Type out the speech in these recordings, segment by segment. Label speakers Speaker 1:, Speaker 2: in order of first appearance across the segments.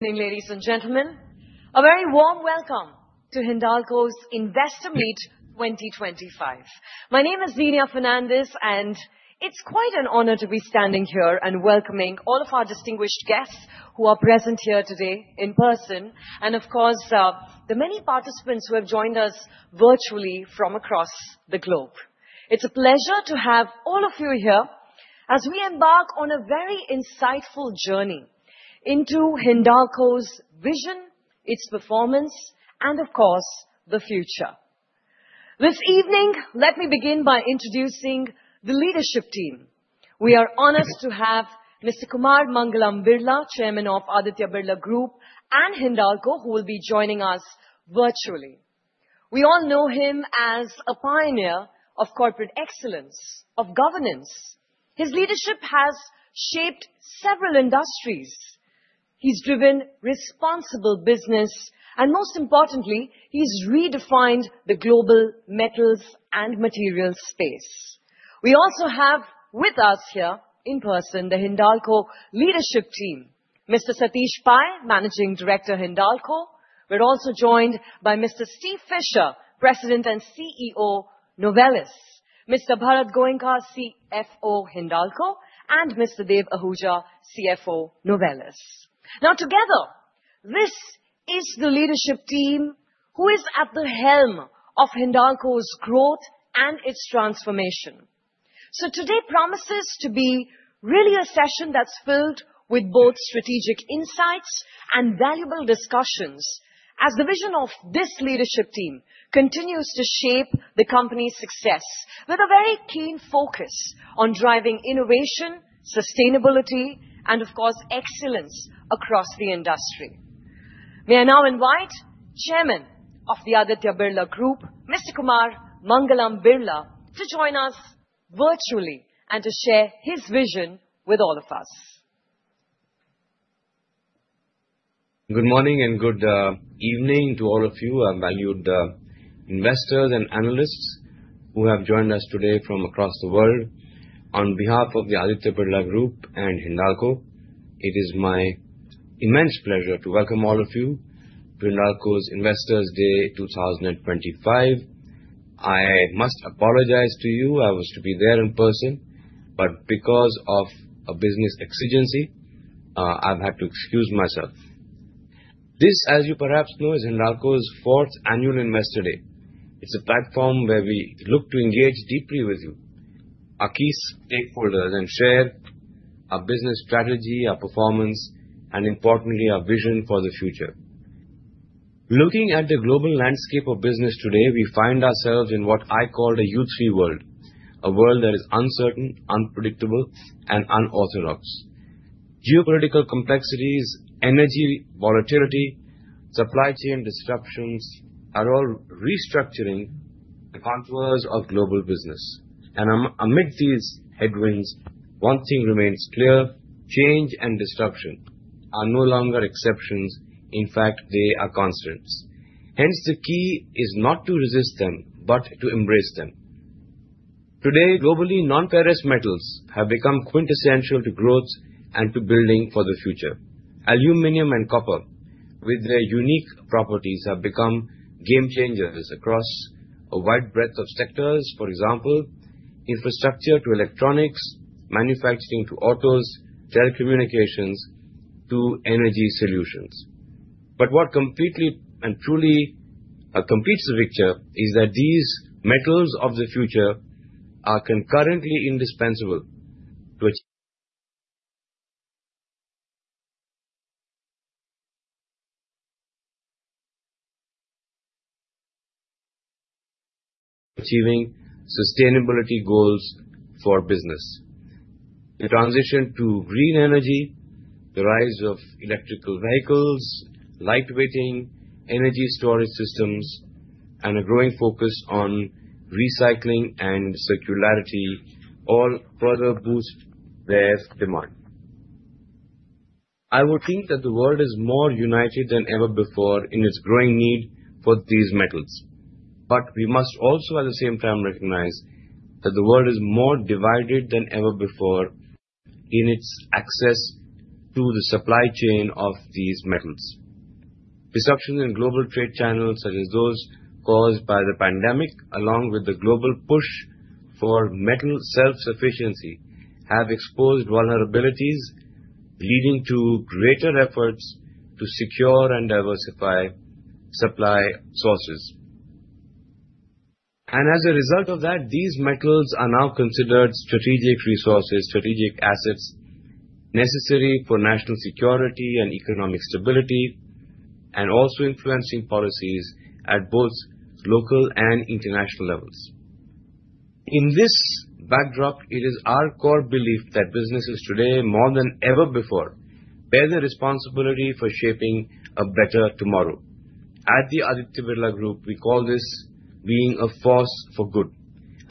Speaker 1: Ladies and Gentlemen, a very warm welcome to Hindalco's Investor Meet 2025. My name is Zenia Fernandez, and it's quite an honor to be standing here and welcoming all of our distinguished guests who are present here today in person, and of course, the many participants who have joined us virtually from across the globe. It's a pleasure to have all of you here as we embark on a very insightful journey into Hindalco's vision, its performance, and of course, the future. This evening, let me begin by introducing the Leadership Team. We are honored to have Mr. Kumar Mangalam Birla, Chairman of Aditya Birla Group and Hindalco, who will be joining us virtually. We all know him as a pioneer of corporate excellence, of governance. His leadership has shaped several industries. He's driven responsible business, and most importantly, he's redefined the global metals and materials space. We also have with us here in person the Hindalco Leadership Team. Mr. Satish Pai, Managing Director, Hindalco. We're also joined by Mr. Steve Fisher, President and CEO, Novelis. Mr. Bharat Goenka, CFO, Hindalco, and Mr. Dev Ahuja, CFO, Novelis. Now, together, this is the Leadership Team who is at the helm of Hindalco's growth and its transformation. Today promises to be really a session that's filled with both strategic insights and valuable discussions as the vision of this Leadership Team continues to shape the company's success with a very keen focus on driving innovation, sustainability, and of course, excellence across the industry. May I now invite Chairman of the Aditya Birla Group, Mr. Kumar Mangalam Birla, to join us virtually and to share his vision with all of us.
Speaker 2: Good morning and good evening to all of you, valued investors and analysts who have joined us today from across the world. On behalf of the Aditya Birla Group and Hindalco, it is my immense pleasure to welcome all of you to Hindalco's Investors Day 2025. I must apologize to you. I was to be there in person, but because of a business exigency, I've had to excuse myself. This, as you perhaps know, is Hindalco's fourth annual Investor Day. It's a platform where we look to engage deeply with you, our key stakeholders, and share our business strategy, our performance, and importantly, our vision for the future. Looking at the global landscape of business today, we find ourselves in what I call a U3 World, a world that is uncertain, unpredictable, and unauthorized. Geopolitical complexities, energy volatility, supply chain disruptions are all restructuring the contours of global business. Amid these headwinds, one thing remains clear: change and disruption are no longer exceptions. In fact, they are constants. Hence, the key is not to resist them, but to embrace them. Today, globally, non-ferrous metals have become quintessential to growth and to building for the future. Aluminum and copper, with their unique properties, have become game changers across a wide breadth of sectors. For example, infrastructure to electronics, manufacturing to autos, telecommunications to energy solutions. What completely and truly completes the picture is that these Metals of the Future are concurrently indispensable to achieving sustainability goals for business. The transition to green energy, the rise of electrical vehicles, lightweighting energy storage systems, and a growing focus on recycling and circularity all further boost their demand. I would think that the world is more united than ever before in its growing need for these metals. We must also, at the same time, recognize that the world is more divided than ever before in its access to the supply chain of these metals. Disruptions in global trade channels, such as those caused by the pandemic, along with the global push for metal self-sufficiency, have exposed vulnerabilities, leading to greater efforts to secure and diversify supply sources. As a result of that, these metals are now considered strategic resources, strategic assets necessary for national security and economic stability, and also influencing policies at both local and international levels. In this backdrop, it is our core belief that businesses today, more than ever before, bear the responsibility for shaping a better tomorrow. At the Aditya Birla Group, we call this being a force for good.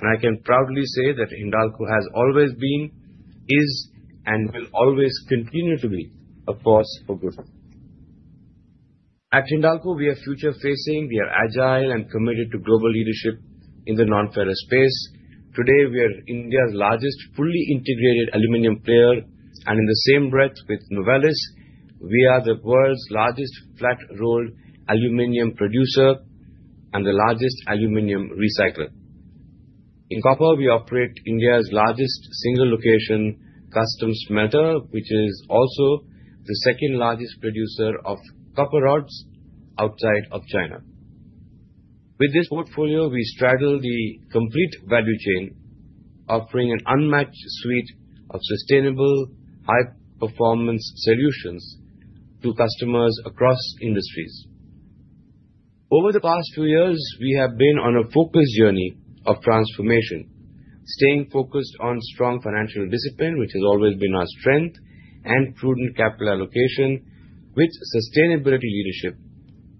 Speaker 2: I can proudly say that Hindalco has always been, is, and will always continue to be a force for good. At Hindalco, we are future-facing. We are agile and committed to global leadership in the non-ferrous space. Today, we are India's largest fully integrated aluminum player. In the same breath with Novelis, we are the world's largest flat-rolled aluminum producer and the largest aluminum recycler. In copper, we operate India's largest single-location customs metal, which is also the second-largest producer of copper rods outside of China. With this portfolio, we straddle the complete value chain, offering an unmatched suite of sustainable, high-performance solutions to customers across industries. Over the past few years, we have been on a focused journey of transformation, staying focused on strong financial discipline, which has always been our strength, and prudent capital allocation with sustainability leadership,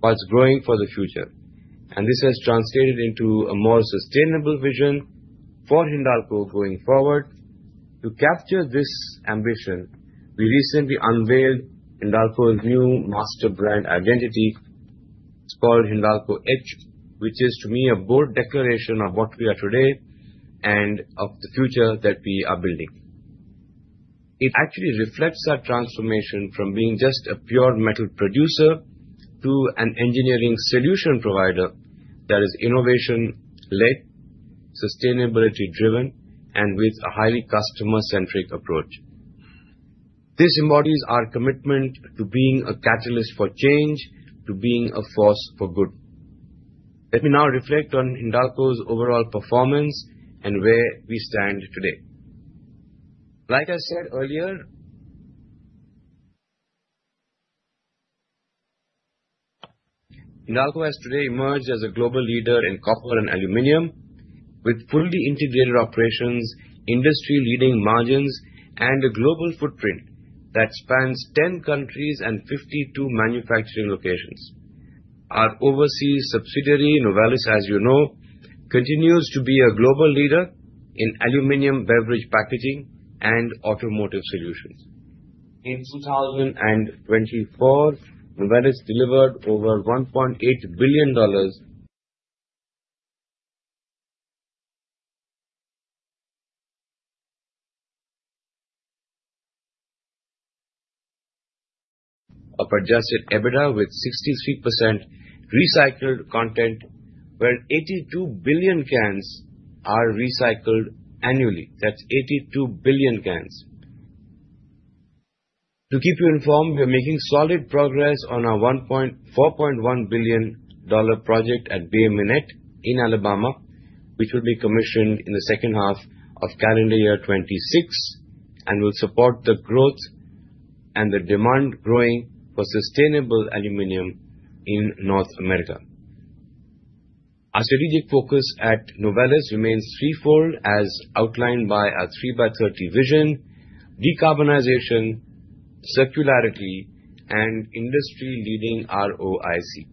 Speaker 2: whilst growing for the future. This has translated into a more sustainable vision for Hindalco going forward. To capture this ambition, we recently unveiled Hindalco's new Master Brand identity. It's called Hindalco Edge, which is, to me, a bold declaration of what we are today and of the future that we are building. It actually reflects our transformation from being just a pure metal producer to an engineering solution provider that is innovation-led, sustainability-driven, and with a highly customer-centric approach. This embodies our commitment to being a catalyst for change, to being a force for good. Let me now reflect on Hindalco's overall performance and where we stand today. Like I said earlier, Hindalco has today emerged as a global leader in copper and aluminum, with fully integrated operations, industry-leading margins, and a global footprint that spans 10 countries and 52 manufacturing locations. Our Overseas Subsidiary, Novelis, as you know, continues to be a global leader in aluminum beverage packaging and automotive solutions. In 2024, Novelis delivered over $1.8 billion of adjusted EBITDA with 63% recycled content, where 82 billion cans are recycled annually. That's 82 billion cans. To keep you informed, we are making solid progress on our $4.1 billion project at Bay Minette in Alabama, which will be commissioned in the second half of calendar year 2026 and will support the growth and the demand growing for sustainable aluminum in North America. Our strategic focus at Novelis remains threefold, as outlined by our 3x30 vision, decarbonization, circularity, and industry-leading ROIC.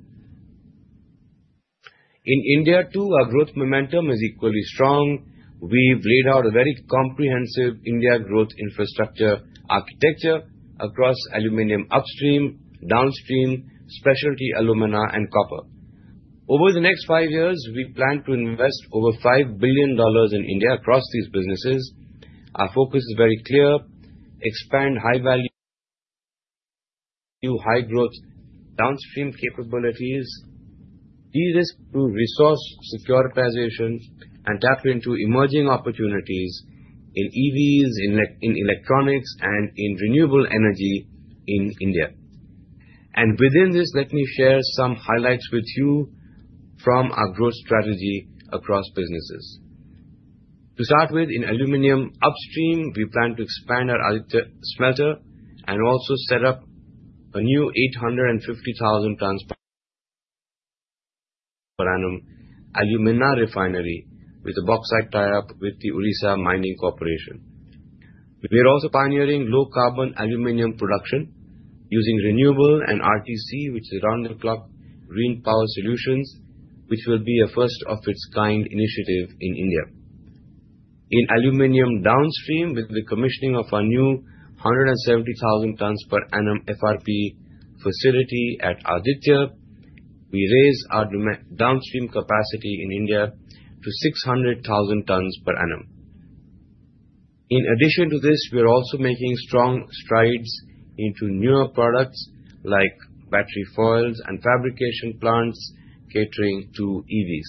Speaker 2: In India, too, our growth momentum is equally strong. We've laid out a very comprehensive India growth infrastructure architecture across aluminum upstream, downstream, specialty alumina, and copper. Over the next five years, we plan to invest over 5 billion dollars in India across these businesses. Our focus is very clear: expand high-value, high-growth downstream capabilities, de-risk through resource securitization, and tap into emerging opportunities in EVs, in electronics, and in renewable energy in India. Within this, let me share some highlights with you from our growth strategy across businesses. To start with, in aluminum upstream, we plan to expand our smelter and also set up a new 850,000 tons per annum alumina refinery with a bauxite tie-up with the Odisha Mining Corporation. We are also pioneering low-carbon aluminum production using renewable and RTC, which is round-the-clock green power solutions, which will be a first-of-its-kind initiative in India. In aluminum downstream, with the commissioning of our new 170,000 tons per annum FRP facility at Aditya, we raise our downstream capacity in India to 600,000 tons per annum. In addition to this, we are also making strong strides into newer products like battery foils and fabrication plants catering to EVs.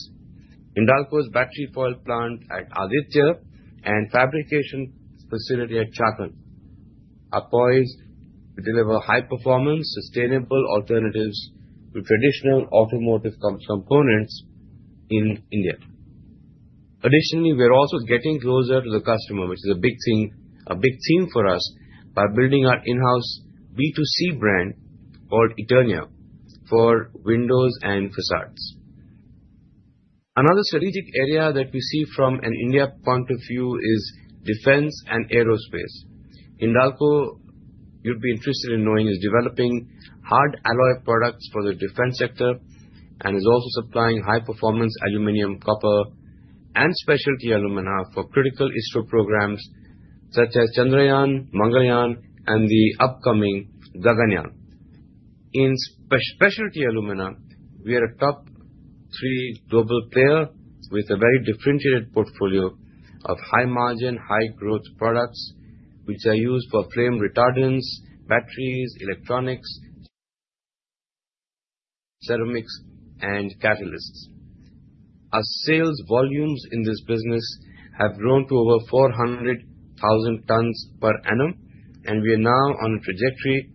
Speaker 2: Hindalco's battery foil plant at Aditya and fabrication facility at Chakan are poised to deliver high-performance, sustainable alternatives to traditional automotive components in India. Additionally, we are also getting closer to the customer, which is a big theme for us, by building our in-house B2C brand called Eternia for windows and facades. Another strategic area that we see from an India point of view is defense and aerospace. Hindalco, you'd be interested in knowing, is developing hard alloy products for the defense sector and is also supplying high-performance aluminum, copper, and specialty alumina for critical ISRO programs such as Chandrayaan, Mangalyaan, and the upcoming Gaganyaan. In specialty alumina, we are a top-three global player with a very differentiated portfolio of high-margin, high-growth products, which are used for flame retardants, batteries, electronics, ceramics, and catalysts. Our sales volumes in this business have grown to over 400,000 tons per annum, and we are now on a trajectory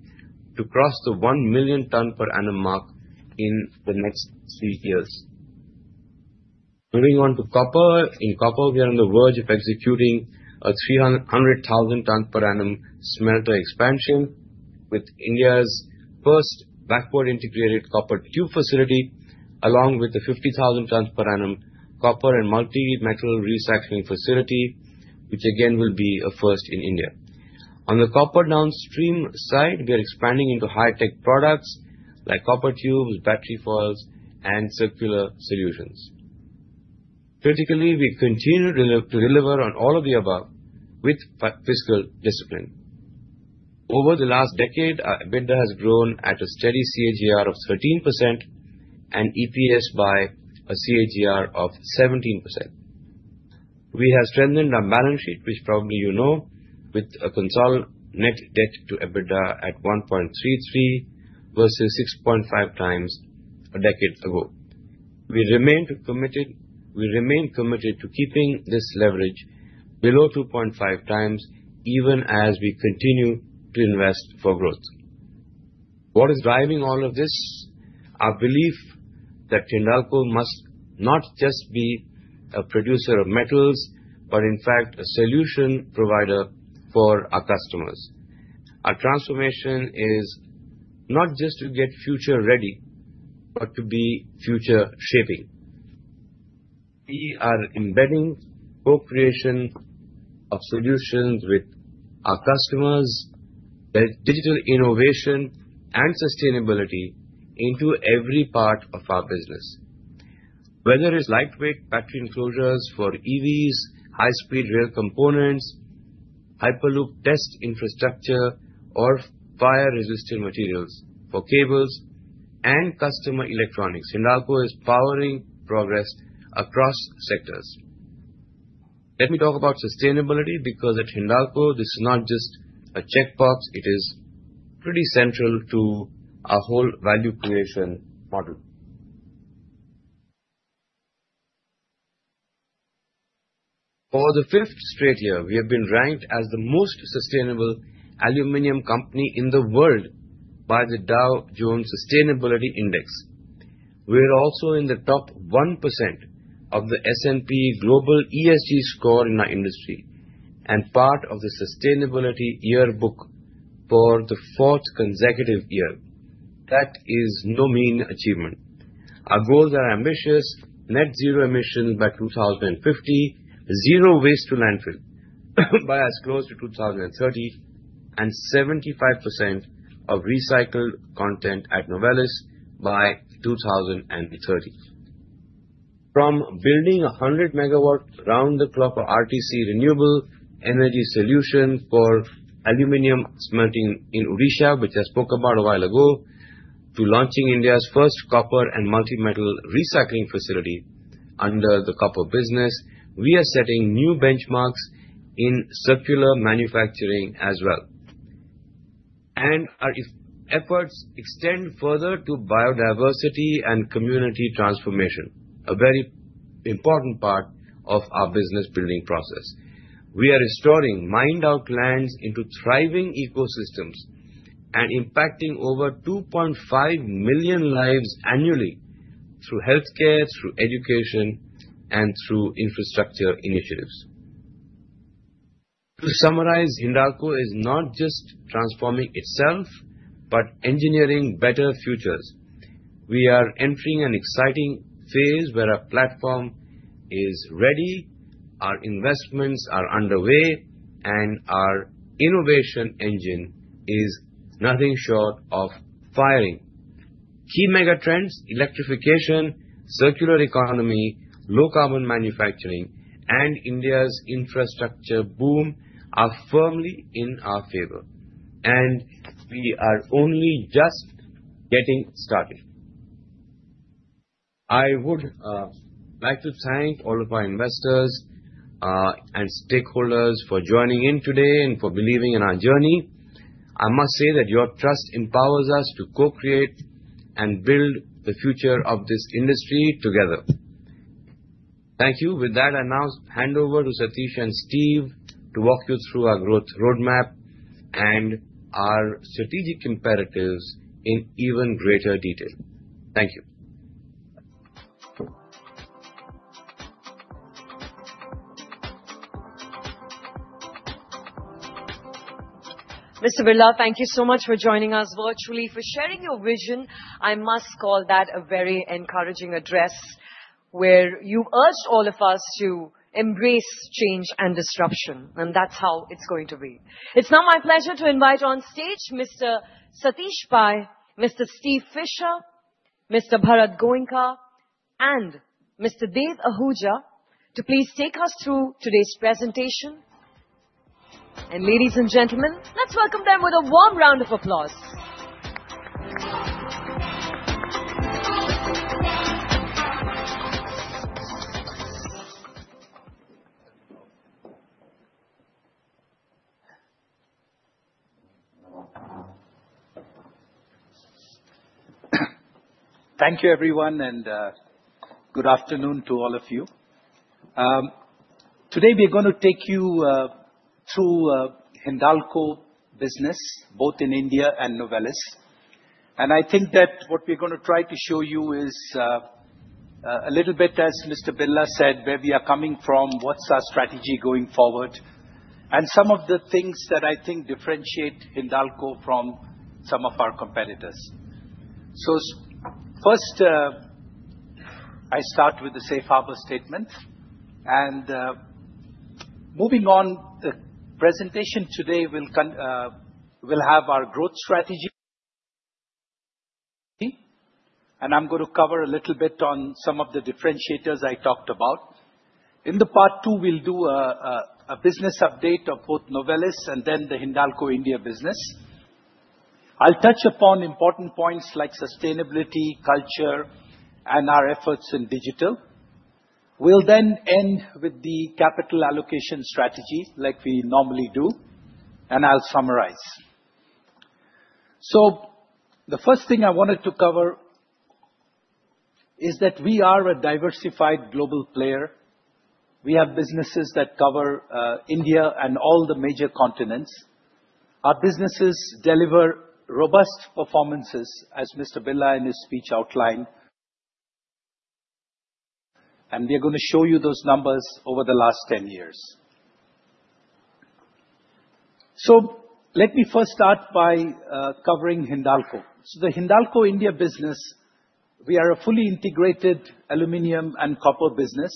Speaker 2: to cross the 1 million ton per annum mark in the next three years. Moving on to copper, in copper, we are on the verge of executing a 300,000 ton per annum smelter expansion with India's first backboard-integrated copper tube facility, along with the 50,000 ton per annum copper and multi-metal recycling facility, which again will be a first in India. On the copper downstream side, we are expanding into high-tech products like copper tubes, battery foils, and circular solutions. Critically, we continue to deliver on all of the above with fiscal discipline. Over the last decade, EBITDA has grown at a steady CAGR of 13% and EPS by a CAGR of 17%. We have strengthened our balance sheet, which probably you know, with a consolidated net debt to EBITDA at 1.33 versus 6.5 times a decade ago. We remain committed to keeping this leverage below 2.5 times, even as we continue to invest for growth. What is driving all of this? Our belief that Hindalco must not just be a producer of metals, but in fact, a solution provider for our customers. Our transformation is not just to get future-ready, but to be future-shaping. We are embedding co-creation of solutions with our customers, digital innovation, and sustainability into every part of our business. Whether it's lightweight battery enclosures for EVs, high-speed rail components, hyperloop test infrastructure, or fire-resistant materials for cables and customer electronics, Hindalco is powering progress across sectors. Let me talk about sustainability because at Hindalco, this is not just a checkbox. It is pretty central to our whole value creation model. For the fifth straight year, we have been ranked as the most sustainable aluminum company in the world by the Dow Jones Sustainability Index. We are also in the top 1% of the S&P Global ESG score in our industry and part of the Sustainability Yearbook for the fourth consecutive year. That is no mean achievement. Our goals are ambitious: net zero emissions by 2050, zero waste to landfill by as close to 2030, and 75% of recycled content at Novelis by 2030. From building a 100-megawatt round-the-clock or RTC renewable energy solution for aluminum smelting in Odisha, which I spoke about a while ago, to launching India's first copper and multi-metal recycling facility under the copper business, we are setting new benchmarks in circular manufacturing as well. Our efforts extend further to biodiversity and community transformation, a very important part of our business-building process. We are restoring mined-out lands into thriving ecosystems and impacting over 2.5 million lives annually through healthcare, through education, and through infrastructure initiatives. To summarize, Hindalco is not just transforming itself, but engineering better futures. We are entering an exciting phase where our platform is ready, our investments are underway, and our innovation engine is nothing short of firing. Key mega trends: electrification, circular economy, low-carbon manufacturing, and India's infrastructure boom are firmly in our favor. We are only just getting started. I would like to thank all of our investors and stakeholders for joining in today and for believing in our journey. I must say that your trust empowers us to co-create and build the future of this industry together. Thank you. With that, I now hand over to Satish and Steve to walk you through our growth roadmap and our strategic imperatives in even greater detail. Thank you.
Speaker 1: Mr. Birla, thank you so much for joining us virtually, for sharing your vision. I must call that a very encouraging address where you've urged all of us to embrace change and disruption, and that's how it's going to be. It's now my pleasure to invite on stage Mr. Satish Pai, Mr. Steve Fisher, Mr. Bharat Goenka, and Mr. Dev Ahuja, to please take us through today's presentation. Ladies and Gentlemen, let's welcome them with a warm round of applause.
Speaker 3: Thank you, everyone, and good afternoon to all of you. Today, we are going to take you through Hindalco business, both in India and Novelis. I think that what we're going to try to show you is a little bit, as Mr. Birla said, where we are coming from, what's our strategy going forward, and some of the things that I think differentiate Hindalco from some of our competitors. First, I start with the Safe Harbor Statement. Moving on, the presentation today will have our growth strategy, and I'm going to cover a little bit on some of the differentiators I talked about. In part two, we'll do a business update of both Novelis and then the Hindalco India business. I'll touch upon important points like sustainability, culture, and our efforts in digital. We'll then end with the capital allocation strategy like we normally do, and I'll summarize. The first thing I wanted to cover is that we are a diversified global player. We have businesses that cover India and all the major continents. Our businesses deliver robust performances, as Mr. Birla in his speech outlined, and we are going to show you those numbers over the last 10 years. Let me first start by covering Hindalco. The Hindalco India business, we are a fully integrated aluminum and copper business.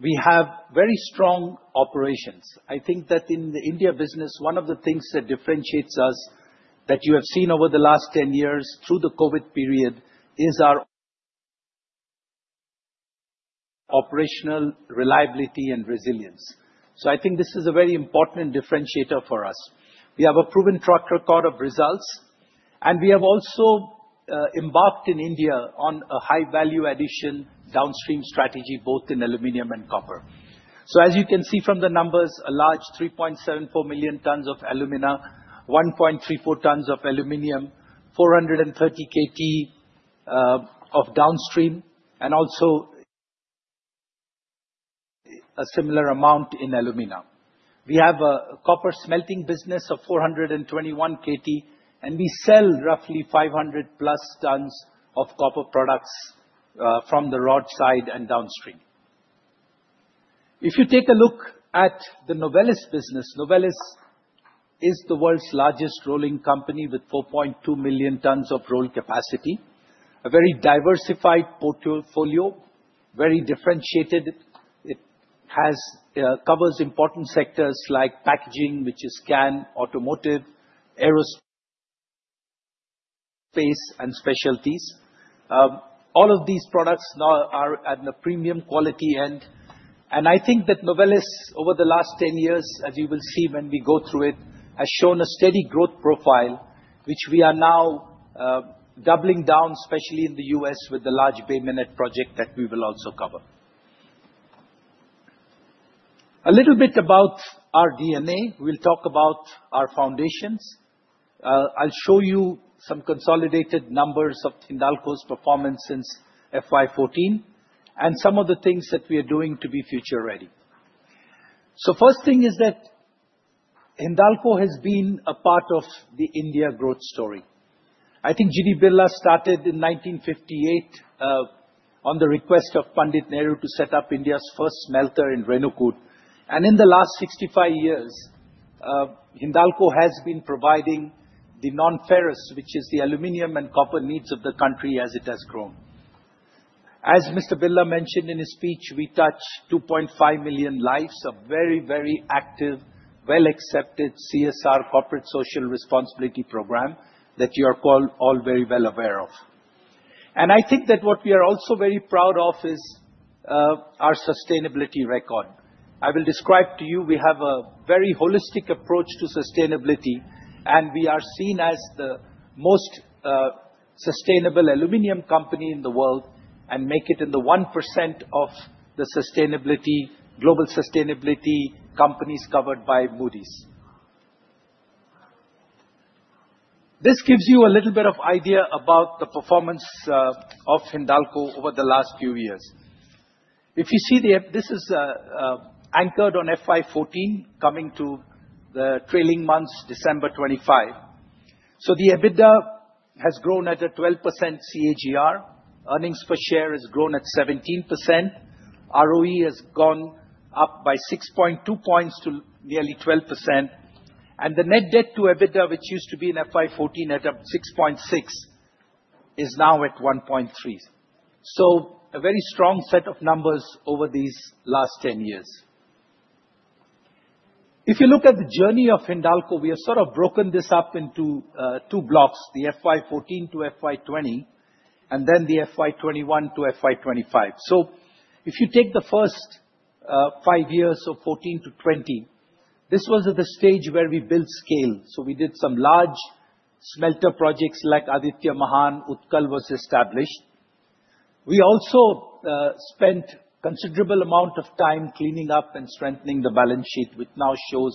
Speaker 3: We have very strong operations. I think that in the India business, one of the things that differentiates us that you have seen over the last 10 years through the COVID period is our operational reliability and resilience. I think this is a very important differentiator for us. We have a proven track record of results, and we have also embarked in India on a high-value addition downstream strategy, both in aluminum and copper. As you can see from the numbers, a large 3.74 million tons of alumina, 1.34 million tons of aluminum, 430 KT of downstream, and also a similar amount in alumina. We have a copper smelting business of 421 KT, and we sell roughly 500-plus KT of copper products from the rod side and downstream. If you take a look at the Novelis business, Novelis is the world's largest rolling company with 4.2 million tons of roll capacity, a very diversified portfolio, very differentiated. It covers important sectors like packaging, which is can, automotive, aerospace, and specialties. All of these products now are at the premium quality end. I think that Novelis, over the last 10 years, as you will see when we go through it, has shown a steady growth profile, which we are now doubling down, especially in the U.S. with the large Bay Minette project that we will also cover. A little bit about our DNA. We'll talk about our foundations. I'll show you some consolidated numbers of Hindalco's performance since FY 2014 and some of the things that we are doing to be future-ready. The first thing is that Hindalco has been a part of the India growth story. I think Kumar Birla started in 1958 on the request of Pandit Nehru to set up India's first smelter in Renukoot. In the last 65 years, Hindalco has been providing the non-ferrous, which is the aluminium and copper needs of the country as it has grown. As Mr. Birla mentioned in his speech, we touch 2.5 million lives, a very, very active, well-accepted CSR, Corporate Social Responsibility program that you are all very well aware of. I think that what we are also very proud of is our sustainability record. I will describe to you. We have a very holistic approach to sustainability, and we are seen as the most sustainable aluminum company in the world and make it in the 1% of the global sustainability companies covered by Moody's. This gives you a little bit of idea about the performance of Hindalco over the last few years. If you see the, this is anchored on FY2014 coming to the trailing months, December 2025. The EBITDA has grown at a 12% CAGR, Earnings Per Share has grown at 17%, ROE has gone up by 6.2 percentage points to nearly 12%, and the net debt to EBITDA, which used to be in FY2014 at 6.6, is now at 1.3. A very strong set of numbers over these last 10 years. If you look at the journey of Hindalco, we have sort of broken this up into two blocks, the FY2014 to FY2020, and then the FY2021 to FY2025. If you take the first five years of 2014 to 2020, this was at the stage where we built scale. We did some large smelter projects like Aditya, Mahan, Utkal was established. We also spent a considerable amount of time cleaning up and strengthening the balance sheet, which now shows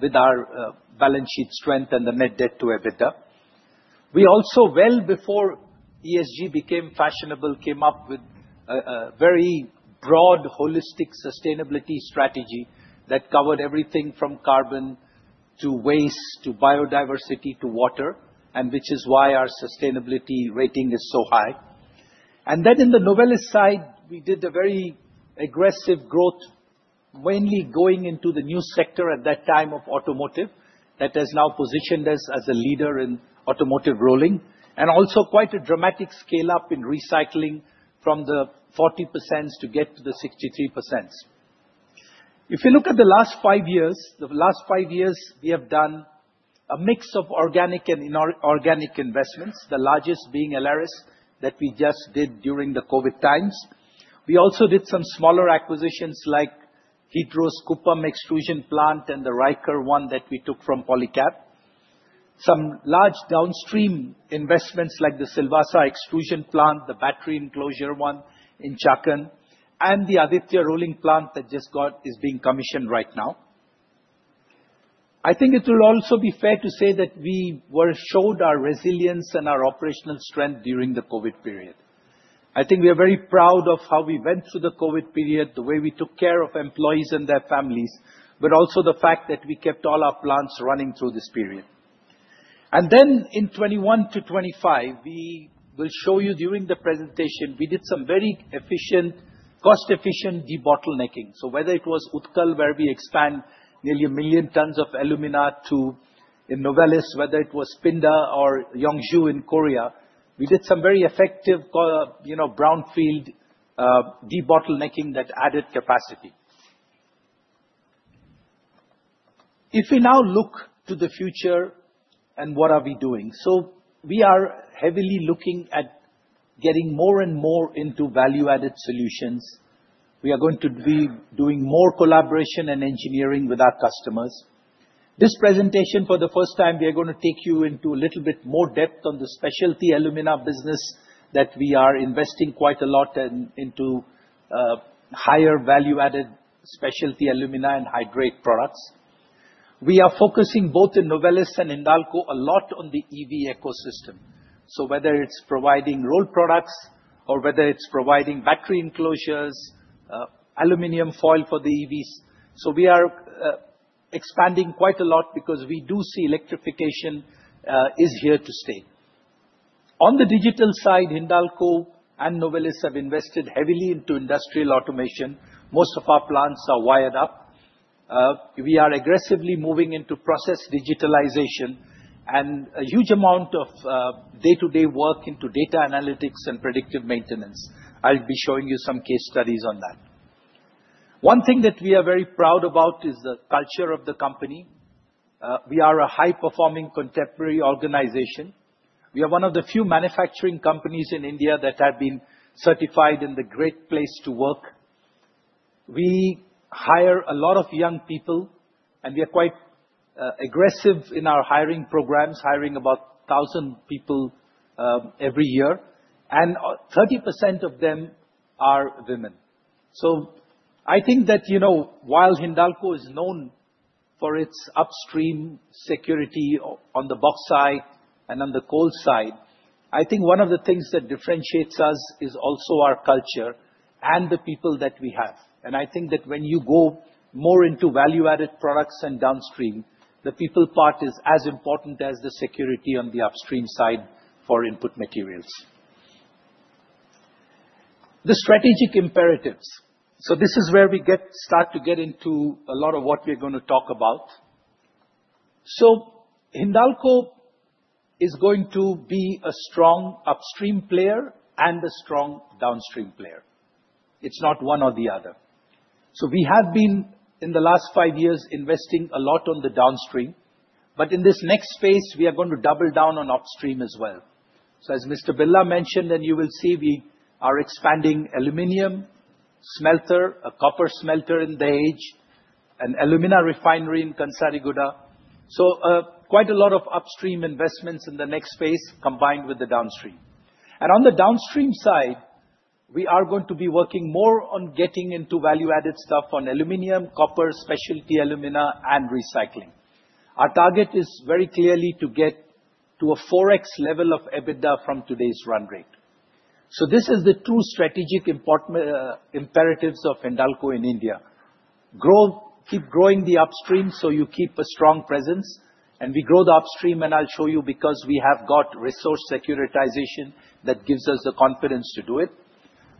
Speaker 3: with our balance sheet strength and the net debt to EBITDA. We also, well before ESG became fashionable, came up with a very broad holistic sustainability strategy that covered everything from carbon to waste to biodiversity to water, which is why our sustainability rating is so high. Then on the Novelis side, we did a very aggressive growth, mainly going into the new sector at that time of automotive that has now positioned us as a leader in automotive rolling, and also quite a dramatic scale-up in recycling from the 40% to get to the 63%. If you look at the last five years, the last five years, we have done a mix of organic and inorganic investments, the largest being Aleris that we just did during the COVID times. We also did some smaller acquisitions like Hydro's Kuppam extrusion plant and the Ryker one that we took from Polycab, some large downstream investments like the Silvassa extrusion plant, the battery enclosure one in Chakan, and the Aditya rolling plant that just got is being commissioned right now. I think it will also be fair to say that we showed our resilience and our operational strength during the COVID period. I think we are very proud of how we went through the COVID period, the way we took care of employees and their families, but also the fact that we kept all our plants running through this period. In 2021 to 2025, we will show you during the presentation, we did some very efficient, cost-efficient debottlenecking. Whether it was Utkal, where we expand nearly a million tons of alumina to Novelis, whether it was Pinda or Yeongju in Korea, we did some very effective brownfield debottlenecking that added capacity. If we now look to the future and what are we doing? We are heavily looking at getting more and more into value-added solutions. We are going to be doing more collaboration and engineering with our customers. This presentation, for the first time, we are going to take you into a little bit more depth on the Specialty Alumina business that we are investing quite a lot into higher value-added specialty alumina and hydrate products. We are focusing both in Novelis and Hindalco a lot on the EV ecosystem. Whether it's providing roll products or whether it's providing battery enclosures, aluminum foil for the EVs. We are expanding quite a lot because we do see electrification is here to stay. On the digital side, Hindalco and Novelis have invested heavily into industrial automation. Most of our plants are wired up. We are aggressively moving into process digitalization and a huge amount of day-to-day work into data analytics and predictive maintenance. I'll be showing you some case studies on that. One thing that we are very proud about is the culture of the company. We are a high-performing contemporary organization. We are one of the few manufacturing companies in India that have been certified in the Great Place to Work. We hire a lot of young people, and we are quite aggressive in our hiring programs, hiring about 1,000 people every year, and 30% of them are women. I think that while Hindalco is known for its upstream security on the bauxite side and on the coal side, I think one of the things that differentiates us is also our culture and the people that we have. I think that when you go more into value-added products and downstream, the people part is as important as the security on the upstream side for input materials. The strategic imperatives. This is where we start to get into a lot of what we're going to talk about. Hindalco is going to be a strong upstream player and a strong downstream player. It's not one or the other. We have been in the last five years investing a lot on the downstream, but in this next phase, we are going to double down on upstream as well. As Mr. Birla mentioned, and you will see, we are expanding aluminum smelter, a copper smelter in the Dahej, an alumina refinery in Kansariguda. Quite a lot of upstream investments in the next phase combined with the downstream. On the downstream side, we are going to be working more on getting into value-added stuff on aluminum, copper, specialty alumina, and recycling. Our target is very clearly to get to a 4X level of EBITDA from today's run rate. This is the two strategic imperatives of Hindalco in India. Keep growing the upstream so you keep a strong presence, and we grow the upstream, and I'll show you because we have got resource securitization that gives us the confidence to do it,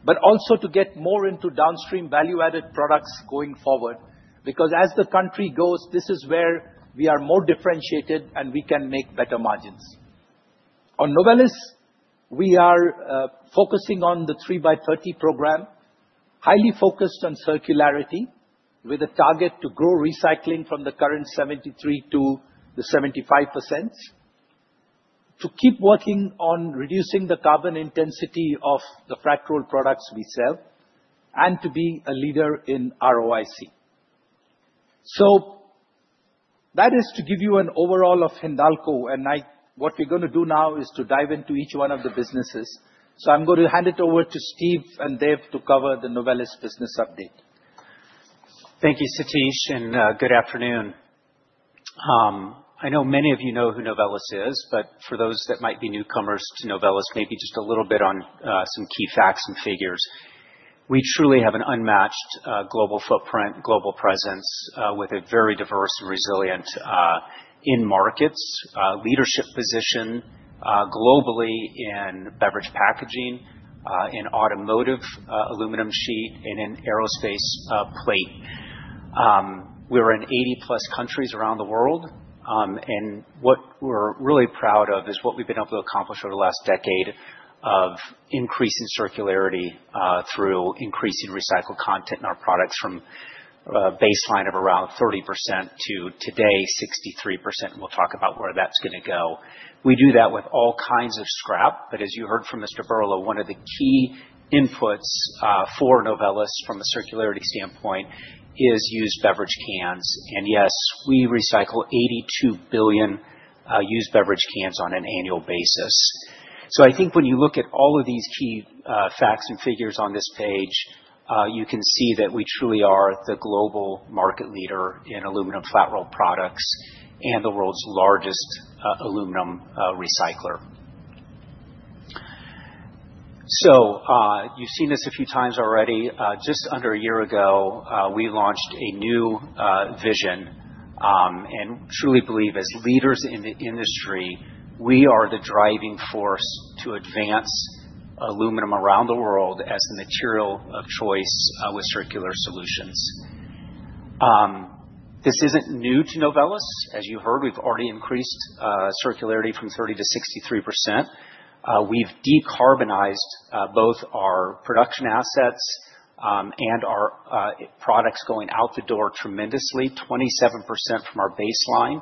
Speaker 3: but also to get more into downstream value-added products going forward because as the country goes, this is where we are more differentiated and we can make better margins. On Novelis, we are focusing on the 3x30 program, highly focused on circularity with a target to grow recycling from the current 73% to the 75%, to keep working on reducing the carbon intensity of the fractal products we sell, and to be a leader in ROIC. That is to give you an overall of Hindalco, and what we're going to do now is to dive into each one of the businesses. I'm going to hand it over to Steve and Dev to cover the Novelis business update.
Speaker 4: Thank you, Satish, and good afternoon. I know many of you know who Novelis is, but for those that might be newcomers to Novelis, maybe just a little bit on some key facts and figures. We truly have an unmatched global footprint, global presence with a very diverse and resilient in-markets leadership position globally in beverage packaging, in automotive aluminum sheet, and in aerospace plate. We're in 80-plus countries around the world, and what we're really proud of is what we've been able to accomplish over the last decade of increasing circularity through increasing recycled content in our products from a baseline of around 30% to today, 63%, and we'll talk about where that's going to go. We do that with all kinds of scrap, but as you heard from Mr.
Speaker 3: Birla, one of the key inputs for Novelis from a circularity standpoint is used beverage cans. Yes, we recycle 82 billion used beverage cans on an annual basis. I think when you look at all of these key facts and figures on this page, you can see that we truly are the global market leader in aluminum flat roll products and the world's largest aluminum recycler. You have seen this a few times already. Just under a year ago, we launched a new vision and truly believe as leaders in the industry, we are the driving force to advance aluminum around the world as a material of choice with circular solutions. This is not new to Novelis. As you heard, we have already increased circularity from 30% to 63%. We've decarbonized both our production assets and our products going out the door tremendously, 27% from our baseline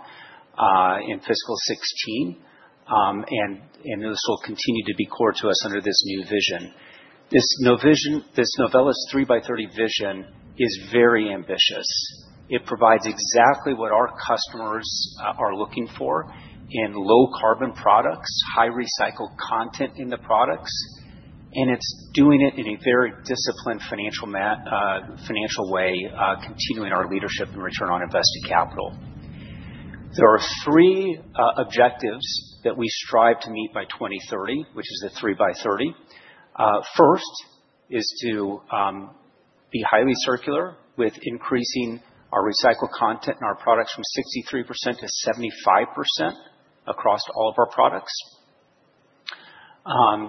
Speaker 3: in Fiscal 2016, and this will continue to be core to us under this new vision. This Novelis 3x30 Vision is very ambitious. It provides exactly what our customers are looking for in low-carbon products, high-recycled content in the products, and it's doing it in a very disciplined financial way, continuing our leadership and Return on Invested Capital. There are three objectives that we strive to meet by 2030, which is the 3x30. First is to be highly circular with increasing our recycled content and our products from 63% to 75% across all of our products.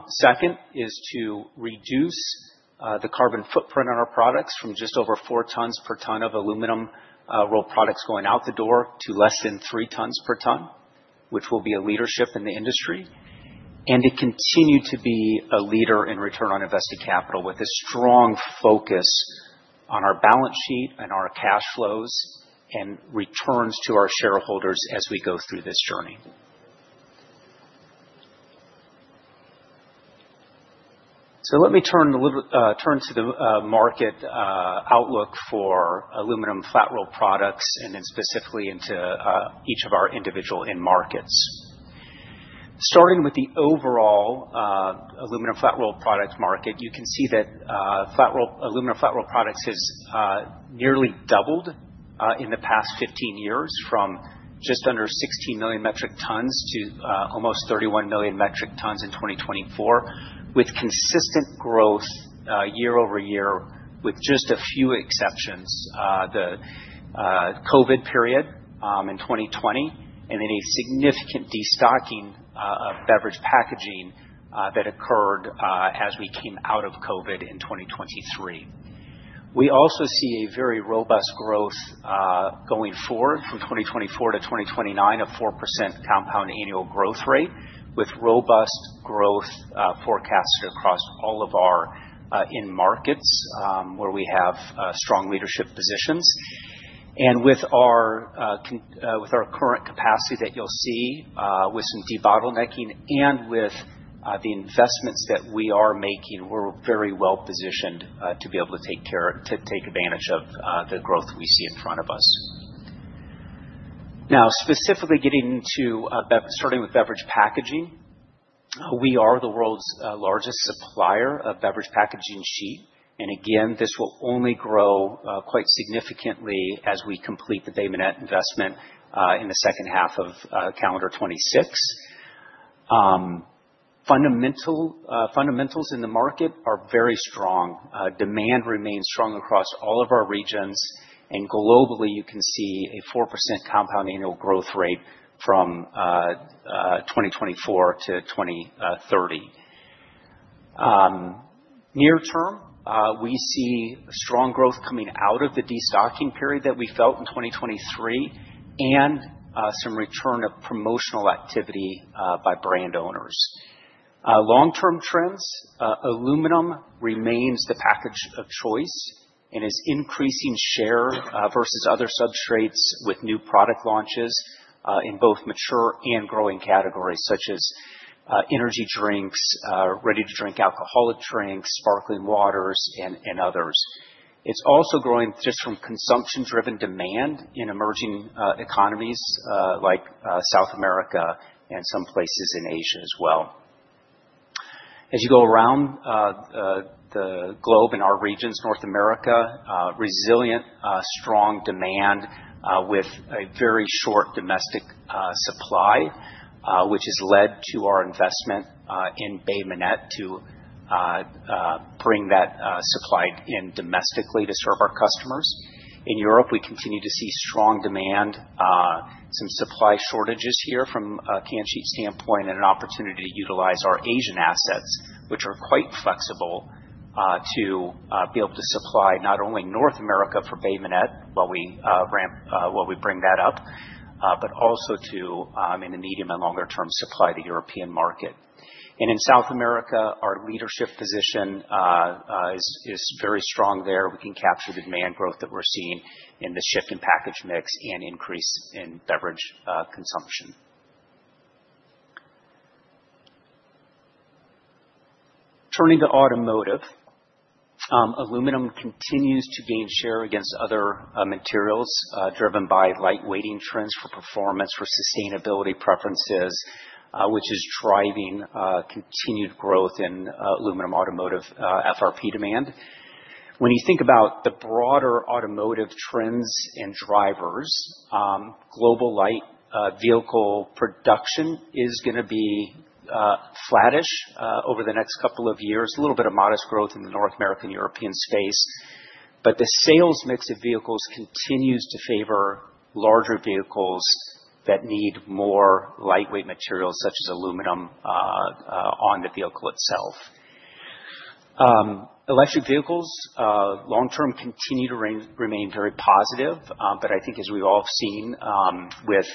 Speaker 3: Second is to reduce the carbon footprint on our products from just over 4 tons per ton of aluminum roll products going out the door to less than 3 tons per ton, which will be a leadership in the industry, and to continue to be a leader in Return on Invested Capital with a strong focus on our balance sheet and our cash flows and returns to our shareholders as we go through this journey. Let me turn to the market outlook for aluminum flat roll products and then specifically into each of our individual in-markets. Starting with the overall aluminum flat roll product market, you can see that aluminum flat roll products has nearly doubled in the past 15 years from just under 16 million metric tons to almost 31 million metric tons in 2024, with consistent growth year over year with just a few exceptions, the COVID period in 2020, and then a significant destocking of beverage packaging that occurred as we came out of COVID in 2023. We also see a very robust growth going forward from 2024 to 2029 of 4% Compound Annual Growth Rate with robust growth forecasted across all of our in-markets where we have strong leadership positions. With our current capacity that you'll see with some debottlenecking and with the investments that we are making, we're very well positioned to be able to take advantage of the growth we see in front of us. Now, specifically getting into starting with beverage packaging, we are the world's largest supplier of beverage packaging sheet. This will only grow quite significantly as we complete the Bay Minette investment in the second half of Calendar 2026. Fundamentals in the market are very strong. Demand remains strong across all of our regions, and globally, you can see a 4% Compound Annual Growth Rate from 2024 to 2030. Near term, we see strong growth coming out of the destocking period that we felt in 2023 and some return of promotional activity by brand owners. Long-term trends, aluminium remains the package of choice and is increasing share versus other substrates with new product launches in both mature and growing categories such as energy drinks, ready-to-drink alcoholic drinks, sparkling waters, and others. It's also growing just from consumption-driven demand in emerging economies like South America and some places in Asia as well. As you go around the globe in our regions, North America, resilient, strong demand with a very short domestic supply, which has led to our investment in Bay Minette to bring that supply in domestically to serve our customers. In Europe, we continue to see strong demand, some supply shortages here from a can sheet standpoint, and an opportunity to utilize our Asian assets, which are quite flexible to be able to supply not only North America for Bay Minette while we bring that up, but also to, in the medium and longer term, supply the European market. In South America, our leadership position is very strong there. We can capture the demand growth that we're seeing in the shift in package mix and increase in beverage consumption. Turning to automotive, aluminum continues to gain share against other materials driven by lightweighting trends for performance, for sustainability preferences, which is driving continued growth in aluminum automotive FRP demand. When you think about the broader automotive trends and drivers, global light vehicle production is going to be flattish over the next couple of years, a little bit of modest growth in the North American and European space, but the sales mix of vehicles continues to favor larger vehicles that need more lightweight materials such as aluminum on the vehicle itself. Electric Vehicles, long-term, continue to remain very positive, but I think as we've all seen with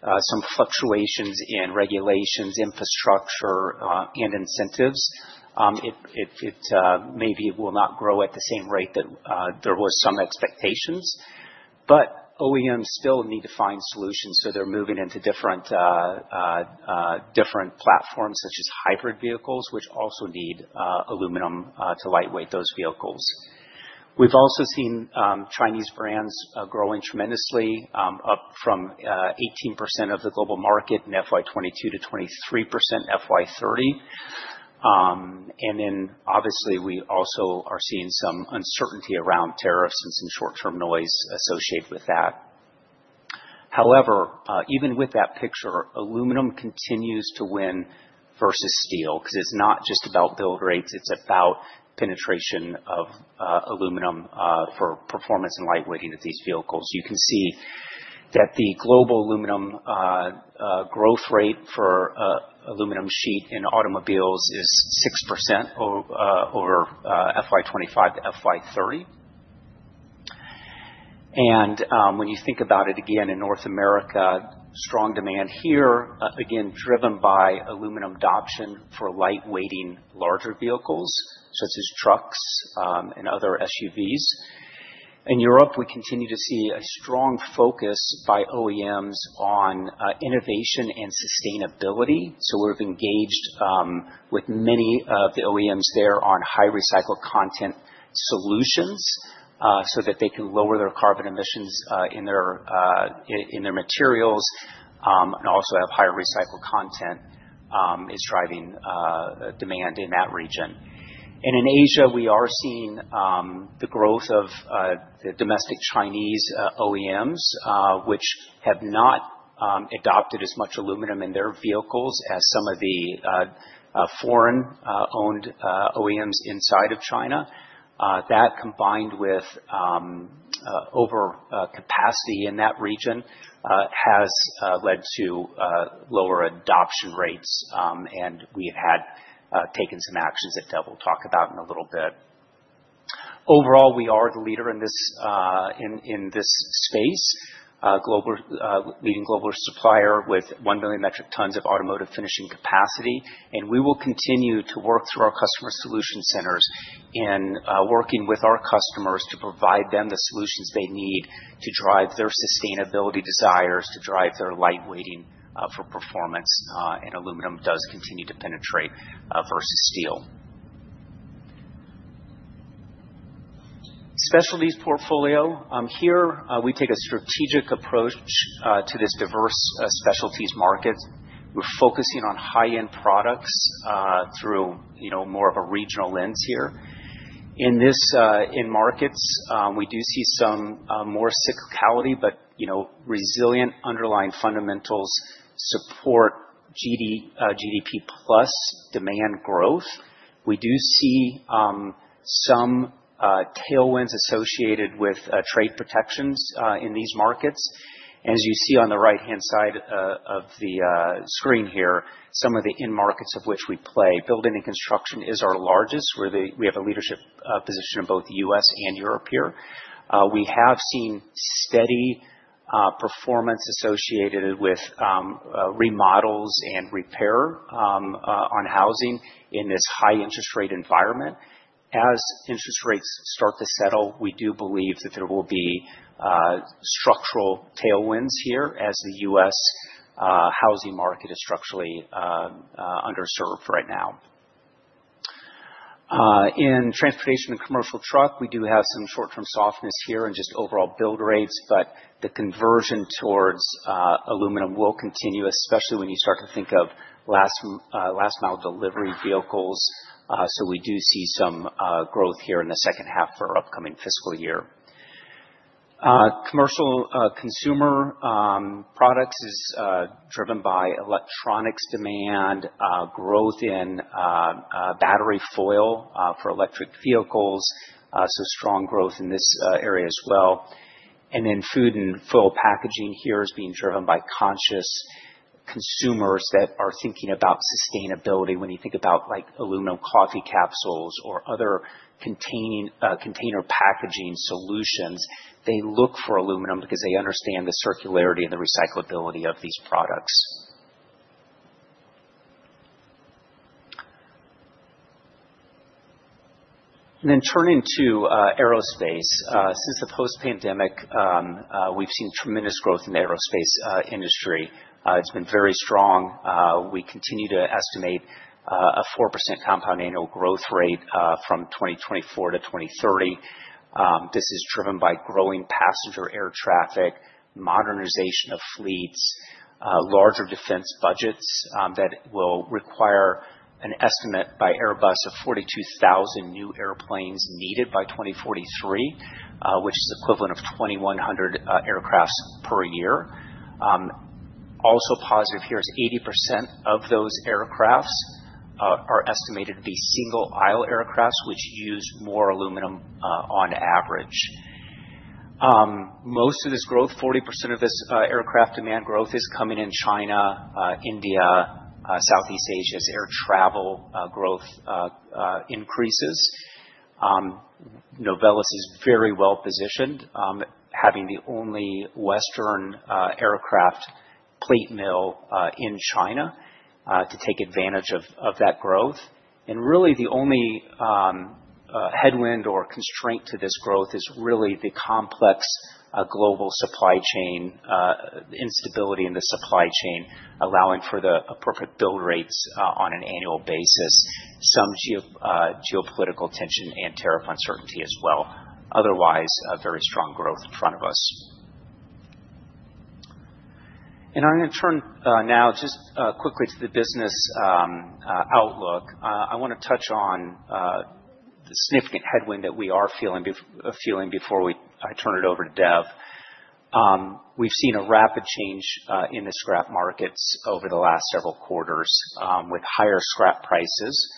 Speaker 3: some fluctuations in regulations, infrastructure, and incentives, maybe it will not grow at the same rate that there were some expectations, but OEMs still need to find solutions. They're moving into different platforms such as hybrid vehicles, which also need aluminum to lightweight those vehicles. We've also seen Chinese brands growing tremendously, up from 18% of the global market in FY2022 to 23% in FY2030. Obviously, we also are seeing some uncertainty around tariffs and some short-term noise associated with that. However, even with that picture, aluminum continues to win versus steel because it's not just about build rates, it's about penetration of aluminum for performance and lightweighting of these vehicles. You can see that the global aluminum growth rate for aluminum sheet in automobiles is 6% over FY2025 to FY2030. When you think about it again in North America, strong demand here, again, driven by aluminum adoption for lightweighting larger vehicles such as trucks and other SUVs. In Europe, we continue to see a strong focus by OEMs on innovation and sustainability. We have engaged with many of the OEMs there on high-recycled content solutions so that they can lower their carbon emissions in their materials and also have higher recycled content is driving demand in that region. In Asia, we are seeing the growth of the domestic Chinese OEMs, which have not adopted as much aluminium in their vehicles as some of the foreign-owned OEMs inside of China. That combined with overcapacity in that region has led to lower adoption rates, and we have taken some actions that Dev will talk about in a little bit. Overall, we are the leader in this space, leading global supplier with 1 million metric tons of automotive finishing capacity, and we will continue to work through our customer solution centers and working with our customers to provide them the solutions they need to drive their sustainability desires, to drive their lightweighting for performance, and aluminum does continue to penetrate versus steel. Specialties portfolio. Here, we take a strategic approach to this diverse specialties market. We're focusing on high-end products through more of a regional lens here. In markets, we do see some more cyclicality, but resilient underlying fundamentals support GDP plus demand growth. We do see some tailwinds associated with trade protections in these markets. As you see on the right-hand side of the screen here, some of the in-markets of which we play. Building and Construction is our largest. We have a leadership position in both the U.S. and Europe here. We have seen steady performance associated with remodels and repair on housing in this high-interest rate environment. As interest rates start to settle, we do believe that there will be structural tailwinds here as the U.S. housing market is structurally underserved right now. In Transportation and Commercial Truck, we do have some short-term softness here in just overall build rates, but the conversion towards aluminium will continue, especially when you start to think of last-mile delivery vehicles. We do see some growth here in the second half for our upcoming Fiscal Year. Commercial Consumer Products is driven by electronics demand, growth in battery foil for Electric Vehicles, so strong growth in this area as well. Food and Foil Packaging here is being driven by conscious consumers that are thinking about sustainability. When you think about aluminum coffee capsules or other container packaging solutions, they look for aluminum because they understand the circularity and the recyclability of these products. Turning to aerospace. Since the post-pandemic, we've seen tremendous growth in the aerospace industry. It's been very strong. We continue to estimate a 4% Compound Annual Growth Rate from 2024 to 2030. This is driven by growing passenger air traffic, modernization of fleets, larger defense budgets that will require an estimate by Airbus of 42,000 new airplanes needed by 2043, which is the equivalent of 2,100 aircraft per year. Also positive here is 80% of those aircraft are estimated to be single-aisle aircraft, which use more aluminum on average. Most of this growth, 40% of this aircraft demand growth, is coming in China, India, Southeast Asia as air travel growth increases. Novelis is very well positioned, having the only Western aircraft plate mill in China to take advantage of that growth. The only headwind or constraint to this growth is really the complex global supply chain instability in the supply chain, allowing for the appropriate build rates on an annual basis, some geopolitical tension and tariff uncertainty as well. Otherwise, very strong growth in front of us. I'm going to turn now just quickly to the business outlook. I want to touch on the significant headwind that we are feeling before I turn it over to Dev. We've seen a rapid change in the scrap markets over the last several quarters with higher scrap prices.